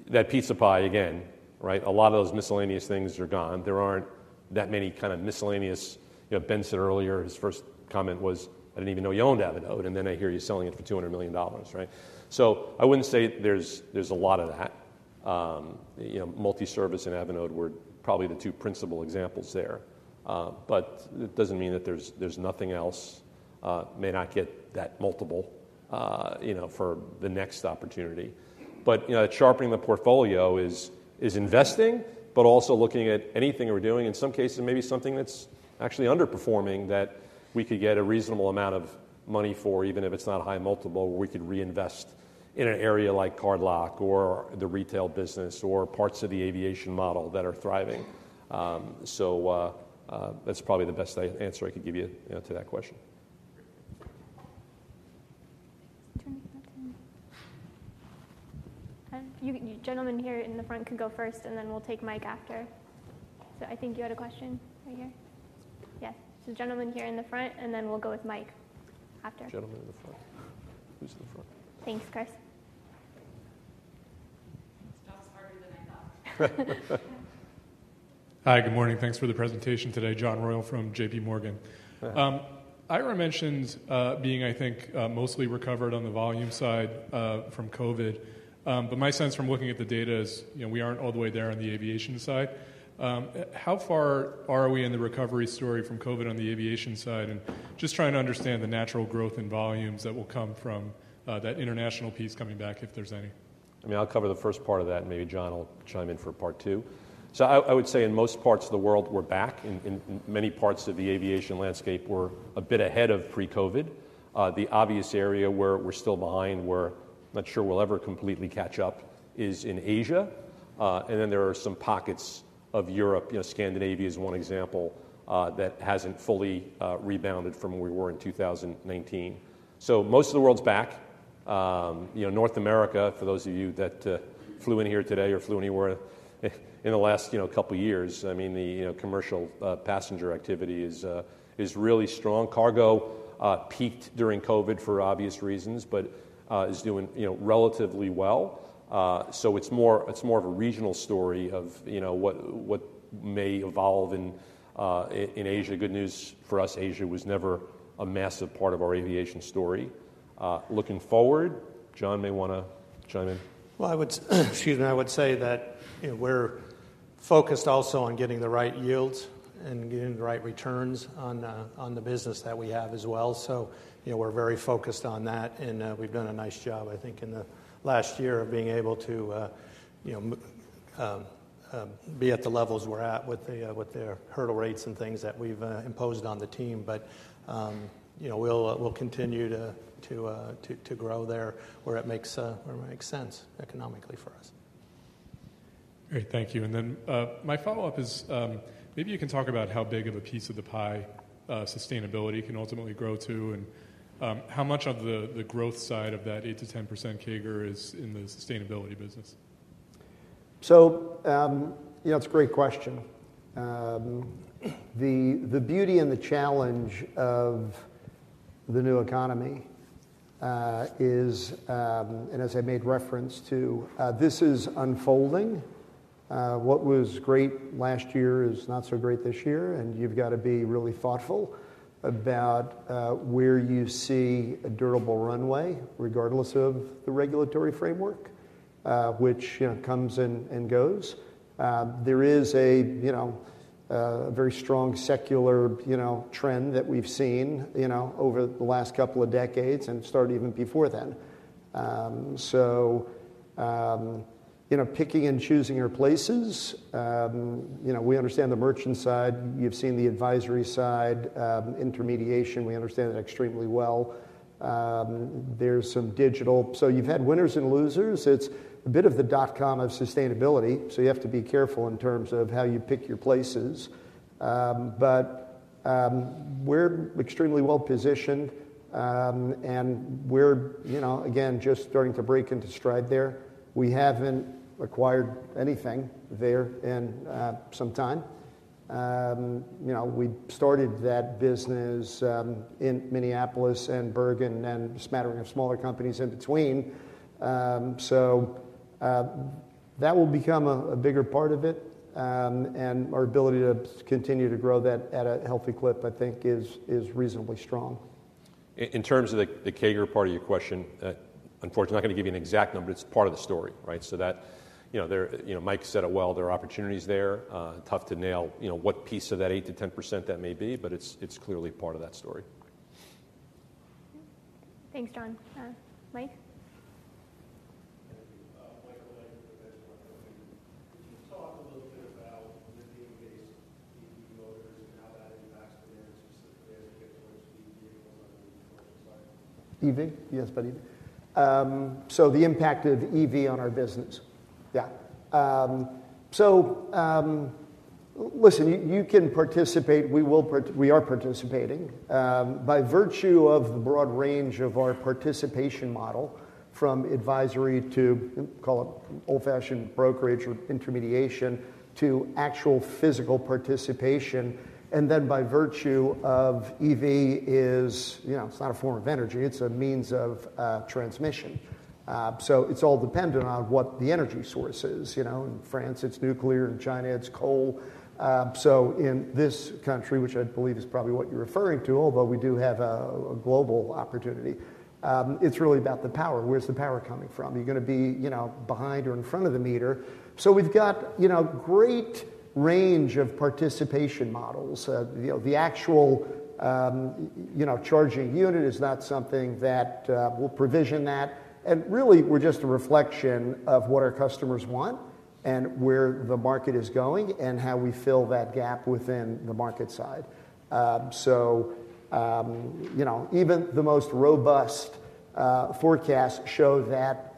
that pizza pie, again, a lot of those miscellaneous things are gone. There aren't that many kind of miscellaneous. Ben said earlier, his first comment was, I didn't even know you owned Avinode. And then I hear you selling it for $200 million. So I wouldn't say there's a lot of that. Multi Service and Avinode were probably the two principal examples there. But it doesn't mean that there's nothing else may not get that multiple for the next opportunity. But sharpening the portfolio is investing, but also looking at anything we're doing, in some cases, maybe something that's actually underperforming that we could get a reasonable amount of money for, even if it's not a high multiple, where we could reinvest in an area like Card Lock or the retail business or parts of the aviation model that are thriving. So that's probably the best answer I could give you to that question. Thanks. Gentlemen here in the front could go first. And then we'll take Mike after. So I think you had a question right here. Yes. So gentlemen here in the front. And then we'll go with Mike after. Gentlemen in the front. Who's in the front? Thanks, Chris. It's much harder than I thought. Hi. Good morning. Thanks for the presentation today. John Royall from J.P. Morgan. Ira mentioned being, I think, mostly recovered on the volume side from COVID. But my sense from looking at the data is we aren't all the way there on the aviation side. How far are we in the recovery story from COVID on the aviation side? And just trying to understand the natural growth in volumes that will come from that international piece coming back, if there's any. I mean, I'll cover the first part of that. And maybe John will chime in for part two. So I would say, in most parts of the world, we're back. In many parts of the aviation landscape, we're a bit ahead of pre-COVID. The obvious area where we're still behind, where I'm not sure we'll ever completely catch up, is in Asia. And then there are some pockets of Europe. Scandinavia is one example that hasn't fully rebounded from where we were in 2019. So most of the world's back. North America, for those of you that flew in here today or flew anywhere in the last couple of years, I mean, the commercial passenger activity is really strong. Cargo peaked during COVID for obvious reasons, but is doing relatively well. So it's more of a regional story of what may evolve in Asia. Good news for us, Asia was never a massive part of our aviation story. Looking forward, John may want to chime in. Well, excuse me. I would say that we're focused also on getting the right yields and getting the right returns on the business that we have as well. We're very focused on that. We've done a nice job, I think, in the last year of being able to be at the levels we're at with the hurdle rates and things that we've imposed on the team. We'll continue to grow there where it makes sense economically for us. Great. Thank you. And then my follow-up is, maybe you can talk about how big of a piece of the pie sustainability can ultimately grow to. And how much of the growth side of that 8%-10% CAGR is in the sustainability business? So it's a great question. The beauty and the challenge of the new economy is, and as I made reference to, this is unfolding. What was great last year is not so great this year. And you've got to be really thoughtful about where you see a durable runway, regardless of the regulatory framework, which comes and goes. There is a very strong secular trend that we've seen over the last couple of decades and started even before then. So picking and choosing your places, we understand the merchant side. You've seen the advisory side, intermediation. We understand that extremely well. There's some digital. So you've had winners and losers. It's a bit of the dot-com of sustainability. So you have to be careful in terms of how you pick your places. But we're extremely well positioned. And we're, again, just starting to break into stride there. We haven't acquired anything there in some time. We started that business in Minneapolis and Bergen and a smattering of smaller companies in between. So that will become a bigger part of it. And our ability to continue to grow that at a healthy clip, I think, is reasonably strong. In terms of the CAGR part of your question, unfortunately, I'm not going to give you an exact number. It's part of the story. So Mike said it well. There are opportunities there. Tough to nail what piece of that 8%-10% that may be. But it's clearly part of that story. Thanks, John. Mike? Thank you. Michael Lake, the venture entrepreneur. Could you talk a little bit about lithium-based EV motors and how that impacts the market, specifically as it gets more speed vehicles on the commercial side? EV? Yes, about EV. So the impact of EV on our business. Yeah. So listen, you can participate. We are participating. By virtue of the broad range of our participation model, from advisory to call it old-fashioned brokerage or intermediation to actual physical participation, and then by virtue of EV, it's not a form of energy. It's a means of transmission. So it's all dependent on what the energy source is. In France, it's nuclear. In China, it's coal. So in this country, which I believe is probably what you're referring to, although we do have a global opportunity, it's really about the power. Where's the power coming from? Are you going to be behind or in front of the meter? So we've got a great range of participation models. The actual charging unit is not something that we'll provision that. Really, we're just a reflection of what our customers want and where the market is going and how we fill that gap within the market side. Even the most robust forecasts show that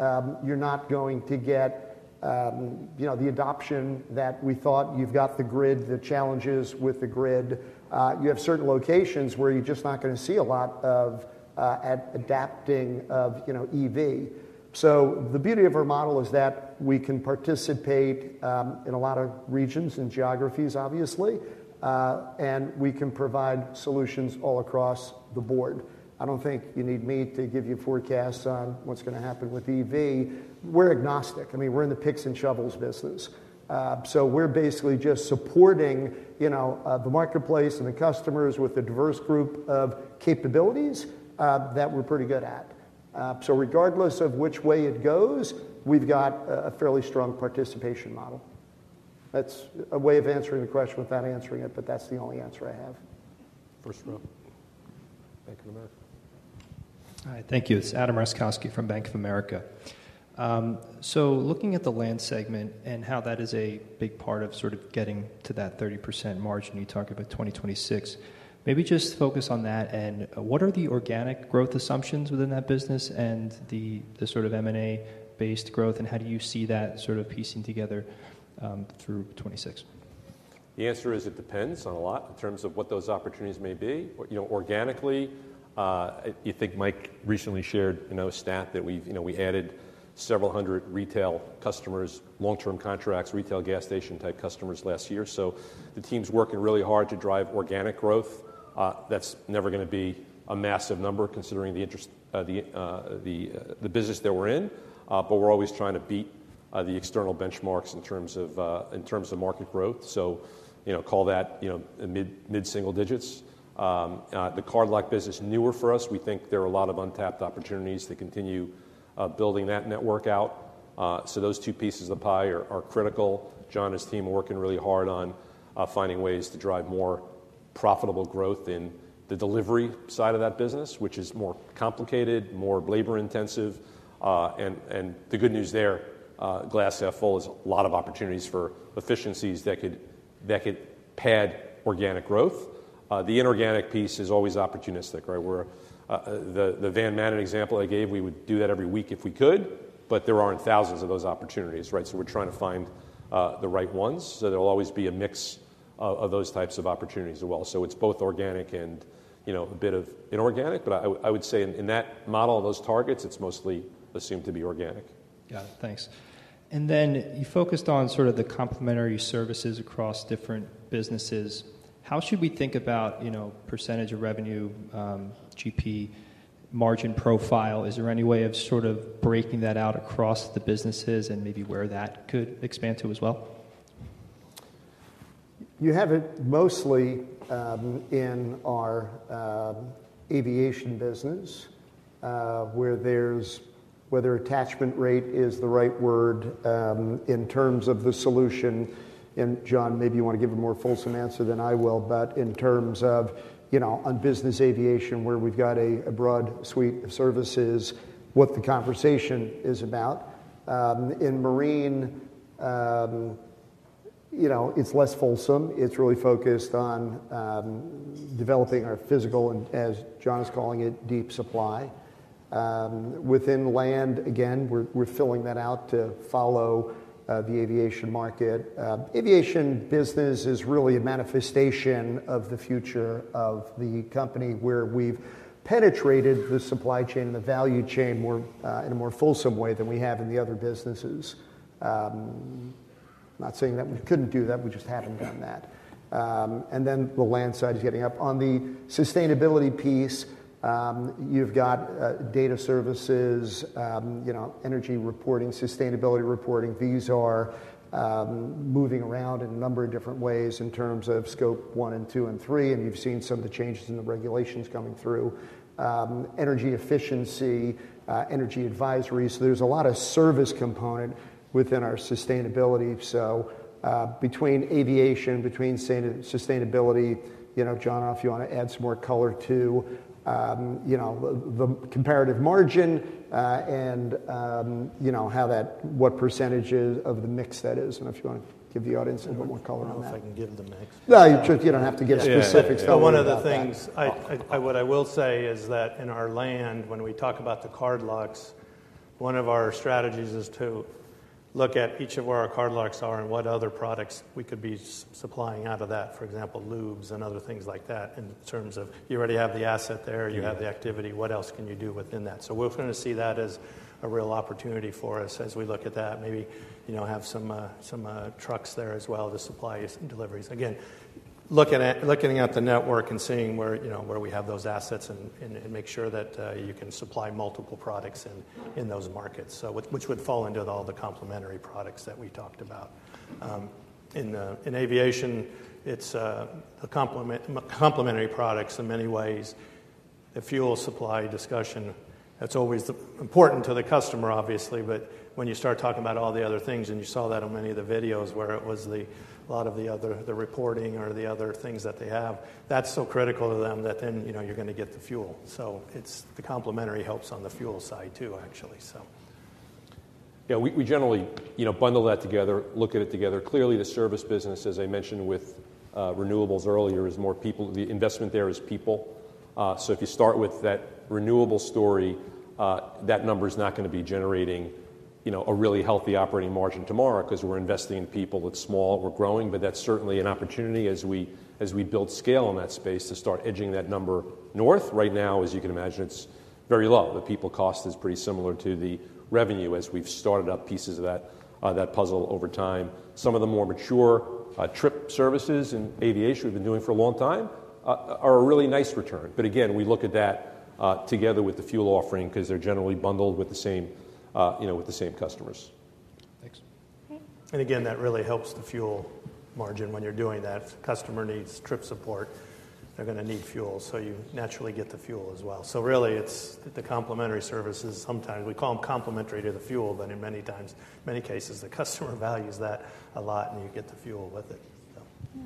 you're not going to get the adoption that we thought. You've got the grid, the challenges with the grid. You have certain locations where you're just not going to see a lot of adapting of EV. The beauty of our model is that we can participate in a lot of regions and geographies, obviously. We can provide solutions all across the board. I don't think you need me to give you forecasts on what's going to happen with EV. We're agnostic. I mean, we're in the picks and shovels business. We're basically just supporting the marketplace and the customers with a diverse group of capabilities that we're pretty good at. Regardless of which way it goes, we've got a fairly strong participation model. That's a way of answering the question without answering it. That's the only answer I have. First row, Bank of America. Hi. Thank you. It's Adam Roszkowski from Bank of America. So looking at the Land segment and how that is a big part of sort of getting to that 30% margin, you talked about 2026. Maybe just focus on that. And what are the organic growth assumptions within that business and the sort of M&A-based growth? And how do you see that sort of piecing together through 2026? The answer is, it depends on a lot in terms of what those opportunities may be. Organically, I think Mike recently shared a stat that we added several hundred retail customers, long-term contracts, retail gas station-type customers last year. So the team's working really hard to drive organic growth. That's never going to be a massive number, considering the business that we're in. But we're always trying to beat the external benchmarks in terms of market growth. So call that mid-single digits. The Card Lock business, newer for us, we think there are a lot of untapped opportunities to continue building that network out. So those two pieces of the pie are critical. John and his team are working really hard on finding ways to drive more profitable growth in the delivery side of that business, which is more complicated, more labor-intensive. The good news there, Glass Half Full has a lot of opportunities for efficiencies that could pad organic growth. The inorganic piece is always opportunistic. The Van Manen example I gave, we would do that every week if we could. There aren't thousands of those opportunities. We're trying to find the right ones. There'll always be a mix of those types of opportunities as well. It's both organic and a bit of inorganic. I would say, in that model of those targets, it's mostly assumed to be organic. Got it. Thanks. Then you focused on sort of the complementary services across different businesses. How should we think about percentage of revenue, GP, margin profile? Is there any way of sort of breaking that out across the businesses and maybe where that could expand to as well? You have it mostly in our aviation business, where there's whether attachment rate is the right word in terms of the solution. And John, maybe you want to give a more fulsome answer than I will. But in terms of on business aviation, where we've got a broad suite of services, what the conversation is about. In marine, it's less fulsome. It's really focused on developing our physical, as John is calling it, deep supply. Within land, again, we're filling that out to follow the aviation market. Aviation business is really a manifestation of the future of the company, where we've penetrated the supply chain and the value chain in a more fulsome way than we have in the other businesses. I'm not saying that we couldn't do that. We just haven't done that. And then the land side is getting up. On the sustainability piece, you've got data services, energy reporting, sustainability reporting. These are moving around in a number of different ways in terms of Scope 1, 2, and 3. And you've seen some of the changes in the regulations coming through, energy efficiency, energy advisories. So there's a lot of service component within our sustainability. So between aviation, between sustainability, John, if you want to add some more color to the comparative margin and what percentage of the mix that is. I don't know if you want to give the audience a little bit more color on that. I don't know if I can give them the mix. No, you don't have to give specifics. Yeah. One of the things what I will say is that, in our land, when we talk about the Card Locks, one of our strategies is to look at each of where our Card Locks are and what other products we could be supplying out of that, for example, lubes and other things like that, in terms of you already have the asset there. You have the activity. What else can you do within that? So we're going to see that as a real opportunity for us, as we look at that, maybe have some trucks there as well to supply some deliveries. Again, looking at the network and seeing where we have those assets and make sure that you can supply multiple products in those markets, which would fall into all the complementary products that we talked about. In aviation, it's the complementary products in many ways, the fuel supply discussion. That's always important to the customer, obviously. But when you start talking about all the other things, and you saw that in many of the videos, where it was a lot of the reporting or the other things that they have, that's so critical to them that then you're going to get the fuel. So the complementary helps on the fuel side too, actually. Yeah. We generally bundle that together, look at it together. Clearly, the service business, as I mentioned with renewables earlier, is more people. The investment there is people. So if you start with that renewable story, that number is not going to be generating a really healthy operating margin tomorrow because we're investing in people. It's small. We're growing. But that's certainly an opportunity, as we build scale in that space, to start edging that number north. Right now, as you can imagine, it's very low. The people cost is pretty similar to the revenue, as we've started up pieces of that puzzle over time. Some of the more mature trip services in aviation we've been doing for a long time are a really nice return. But again, we look at that together with the fuel offering because they're generally bundled with the same customers. Thanks. Great. Again, that really helps the fuel margin when you're doing that. If the customer needs trip support, they're going to need fuel. You naturally get the fuel as well. Really, it's the complementary services. Sometimes we call them complementary to the fuel. In many cases, the customer values that a lot. You get the fuel with it. Yeah.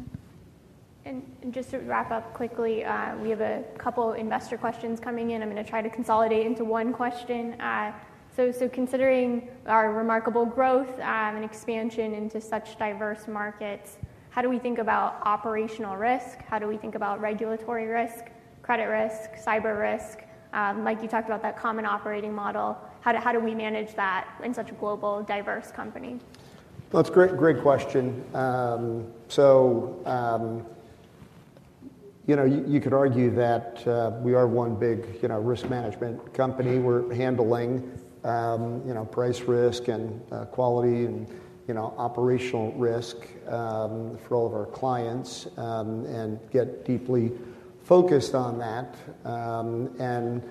And just to wrap up quickly, we have a couple of investor questions coming in. I'm going to try to consolidate into one question. So considering our remarkable growth and expansion into such diverse markets, how do we think about operational risk? How do we think about regulatory risk, credit risk, cyber risk? Mikey, you talked about that common operating model. How do we manage that in such a global, diverse company? That's a great question. So you could argue that we are one big risk management company. We're handling price risk and quality and operational risk for all of our clients and get deeply focused on that. And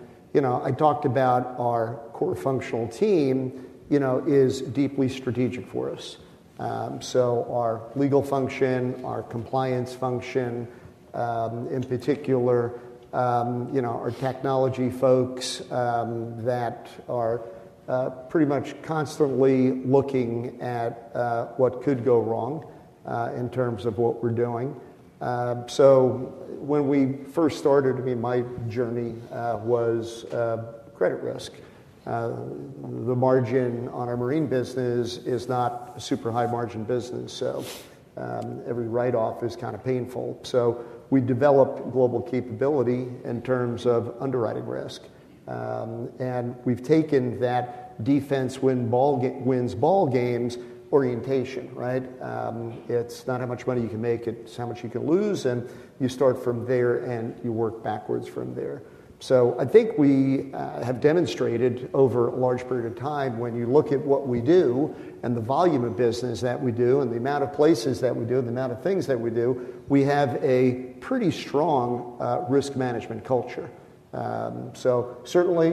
I talked about our core functional team is deeply strategic for us. So our legal function, our compliance function, in particular, our technology folks that are pretty much constantly looking at what could go wrong in terms of what we're doing. So when we first started, I mean, my journey was credit risk. The margin on our marine business is not a super high-margin business. So every write-off is kind of painful. So we developed global capability in terms of underwriting risk. And we've taken that defense wins ball games orientation. It's not how much money you can make. It's how much you can lose. And you start from there. You work backwards from there. So I think we have demonstrated, over a large period of time, when you look at what we do and the volume of business that we do and the amount of places that we do and the amount of things that we do, we have a pretty strong risk management culture. So certainly,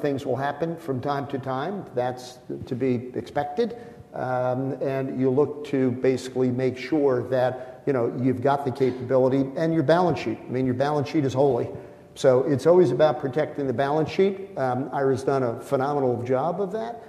things will happen from time to time. That's to be expected. And you look to basically make sure that you've got the capability and your balance sheet. I mean, your balance sheet is holy. So it's always about protecting the balance sheet. Ira has done a phenomenal job of that.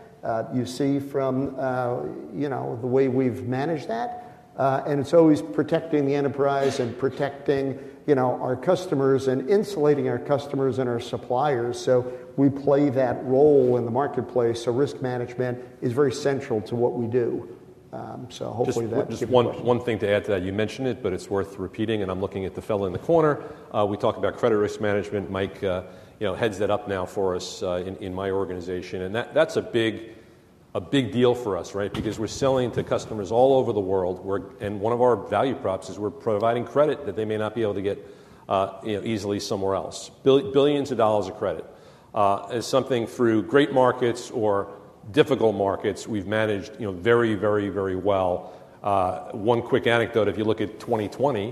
You see from the way we've managed that. And it's always protecting the enterprise and protecting our customers and insulating our customers and our suppliers. So we play that role in the marketplace. Risk management is very central to what we do. Hopefully, that's what we're doing. Just one thing to add to that. You mentioned it. But it's worth repeating. And I'm looking at the fellow in the corner. We talked about credit risk management. Mike heads that up now for us in my organization. And that's a big deal for us because we're selling to customers all over the world. And one of our value props is we're providing credit that they may not be able to get easily somewhere else, billions of dollars of credit. It's something, through great markets or difficult markets, we've managed very, very, very well. One quick anecdote. If you look at 2020,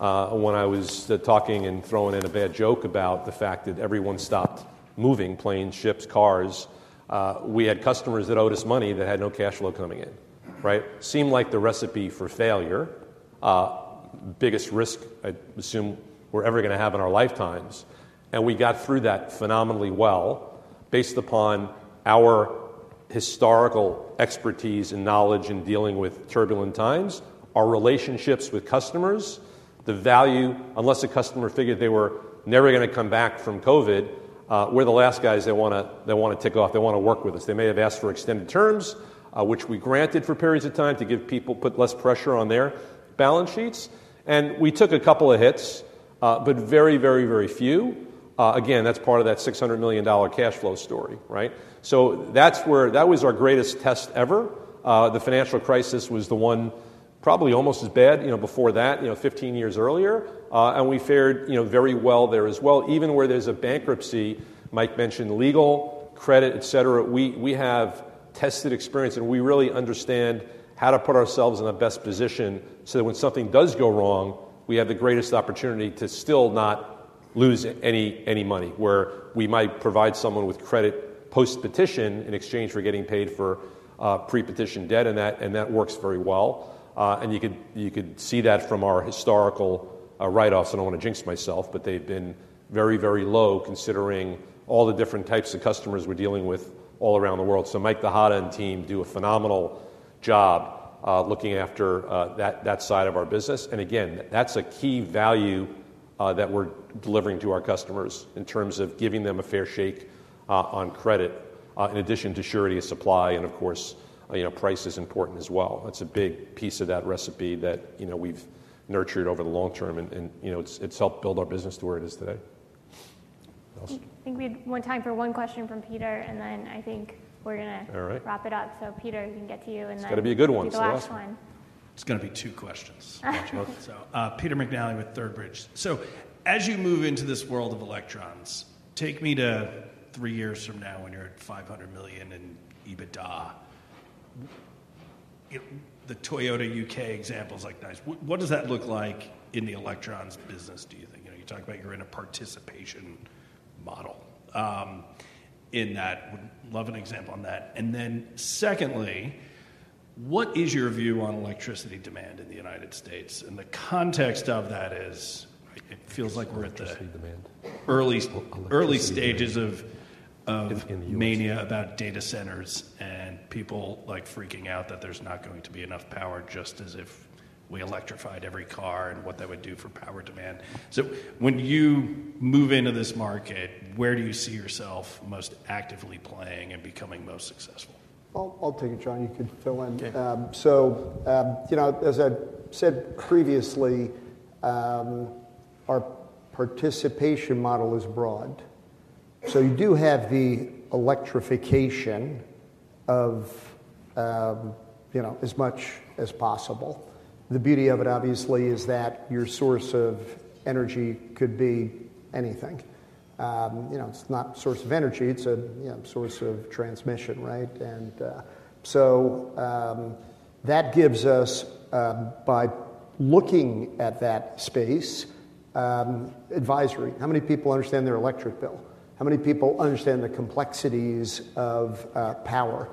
when I was talking and throwing in a bad joke about the fact that everyone stopped moving, planes, ships, cars, we had customers that owed us money that had no cash flow coming in. Seemed like the recipe for failure, biggest risk, I assume, we're ever going to have in our lifetimes. And we got through that phenomenally well, based upon our historical expertise and knowledge in dealing with turbulent times, our relationships with customers, the value, unless a customer figured they were never going to come back from COVID, we're the last guys they want to tick off. They want to work with us. They may have asked for extended terms, which we granted for periods of time to put less pressure on their balance sheets. And we took a couple of hits, but very, very, very few. Again, that's part of that $600 million cash flow story. So that was our greatest test ever. The financial crisis was the one, probably almost as bad before that, 15 years earlier. And we fared very well there as well. Even where there's a bankruptcy, Mike mentioned legal, credit, et cetera, we have tested experience. And we really understand how to put ourselves in the best position so that, when something does go wrong, we have the greatest opportunity to still not lose any money, where we might provide someone with credit post-petition in exchange for getting paid for pre-petition debt. And that works very well. And you could see that from our historical write-offs. And I don't want to jinx myself. But they've been very, very low, considering all the different types of customers we're dealing with all around the world. So Mike, the Hodden team do a phenomenal job looking after that side of our business. And again, that's a key value that we're delivering to our customers in terms of giving them a fair shake on credit, in addition to surety of supply. Of course, price is important as well. That's a big piece of that recipe that we've nurtured over the long term. It's helped build our business to where it is today. I think we have one time for one question from Peter. Then I think we're going to wrap it up. So Peter, you can get to you. Then. It's going to be a good one. I'll. Do the last one. It's going to be two questions. All right. So Peter McNally with Third Bridge. So as you move into this world of electrons, take me to three years from now, when you're at $500 million in EBITDA, the Toyota U.K. example is nice. What does that look like in the electrons business, do you think? You talk about you're in a participation model in that. Would love an example on that. And then secondly, what is your view on electricity demand in the United States? And the context of that is, it feels like we're at the. Electricity demand? Early stages of mania about data centers and people freaking out that there's not going to be enough power, just as if we electrified every car and what that would do for power demand. So when you move into this market, where do you see yourself most actively playing and becoming most successful? I'll take it, John. You could fill in. So as I said previously, our participation model is broad. So you do have the electrification of as much as possible. The beauty of it, obviously, is that your source of energy could be anything. It's not a source of energy. It's a source of transmission. And so that gives us, by looking at that space, advisory. How many people understand their electric bill? How many people understand the complexities of power?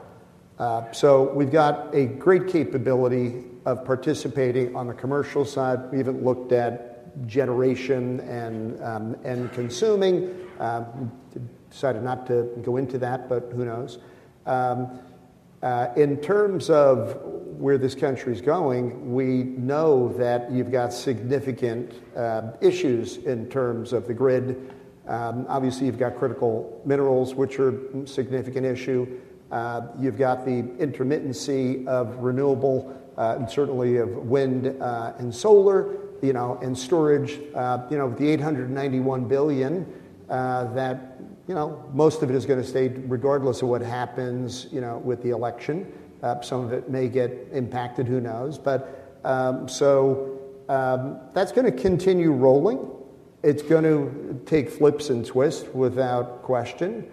So we've got a great capability of participating on the commercial side. We even looked at generation and consuming. Decided not to go into that. But who knows? In terms of where this country is going, we know that you've got significant issues in terms of the grid. Obviously, you've got critical minerals, which are a significant issue. You've got the intermittency of renewable and certainly of wind and solar and storage. With the $891 billion, most of it is going to stay regardless of what happens with the election. Some of it may get impacted. Who knows? So that's going to continue rolling. It's going to take flips and twists without question.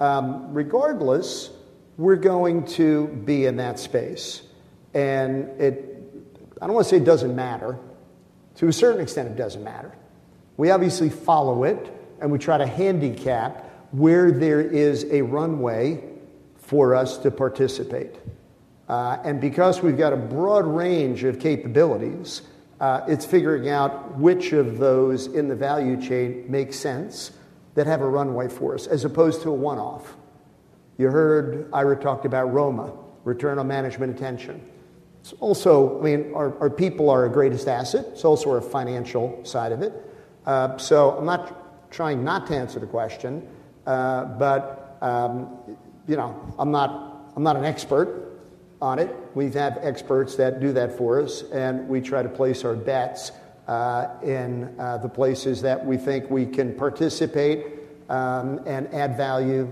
Regardless, we're going to be in that space. And I don't want to say it doesn't matter. To a certain extent, it doesn't matter. We obviously follow it. And we try to handicap where there is a runway for us to participate. And because we've got a broad range of capabilities, it's figuring out which of those in the value chain make sense that have a runway for us, as opposed to a one-off. You heard Ira talked about ROMA, Return on Management Attention. I mean, our people are our greatest asset. It's also our financial side of it. So I'm trying not to answer the question. But I'm not an expert on it. We have experts that do that for us. And we try to place our bets in the places that we think we can participate and add value,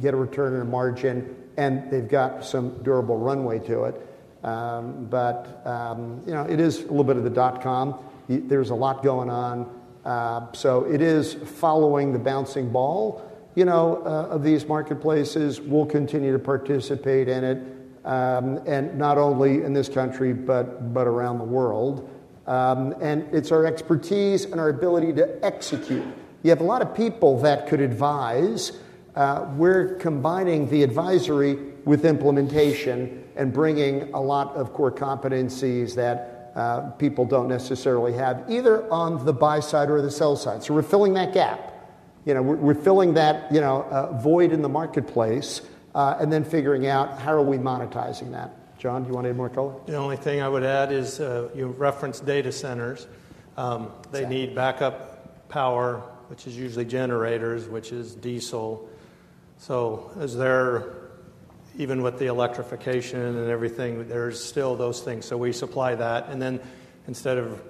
get a return on margin. And they've got some durable runway to it. But it is a little bit of the dot-com. There's a lot going on. So it is following the bouncing ball of these marketplaces. We'll continue to participate in it, not only in this country but around the world. And it's our expertise and our ability to execute. You have a lot of people that could advise. We're combining the advisory with implementation and bringing a lot of core competencies that people don't necessarily have, either on the buy side or the sell side. So we're filling that gap. We're filling that void in the marketplace and then figuring out, how are we monetizing that? John, do you want to add more color? The only thing I would add is you referenced data centers. They need backup power, which is usually generators, which is diesel. So even with the electrification and everything, there's still those things. So we supply that. And then instead of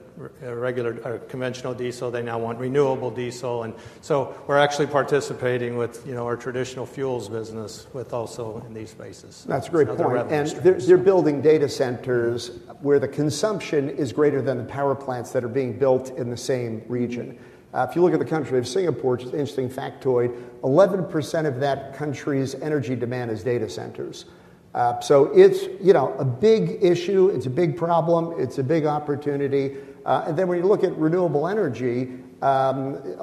conventional diesel, they now want renewable diesel. And so we're actually participating with our traditional fuels business also in these spaces. That's a great point. They're building data centers where the consumption is greater than the power plants that are being built in the same region. If you look at the country, Singapore, which is an interesting factoid, 11% of that country's energy demand is data centers. It's a big issue. It's a big problem. It's a big opportunity. When you look at renewable energy, a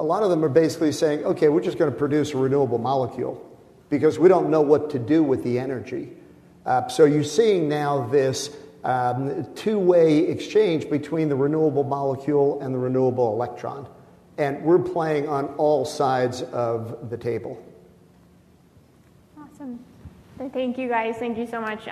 lot of them are basically saying, "OK, we're just going to produce a renewable molecule because we don't know what to do with the energy." You're seeing now this two-way exchange between the renewable molecule and the renewable electron. We're playing on all sides of the table. Awesome. Thank you, guys. Thank you so much.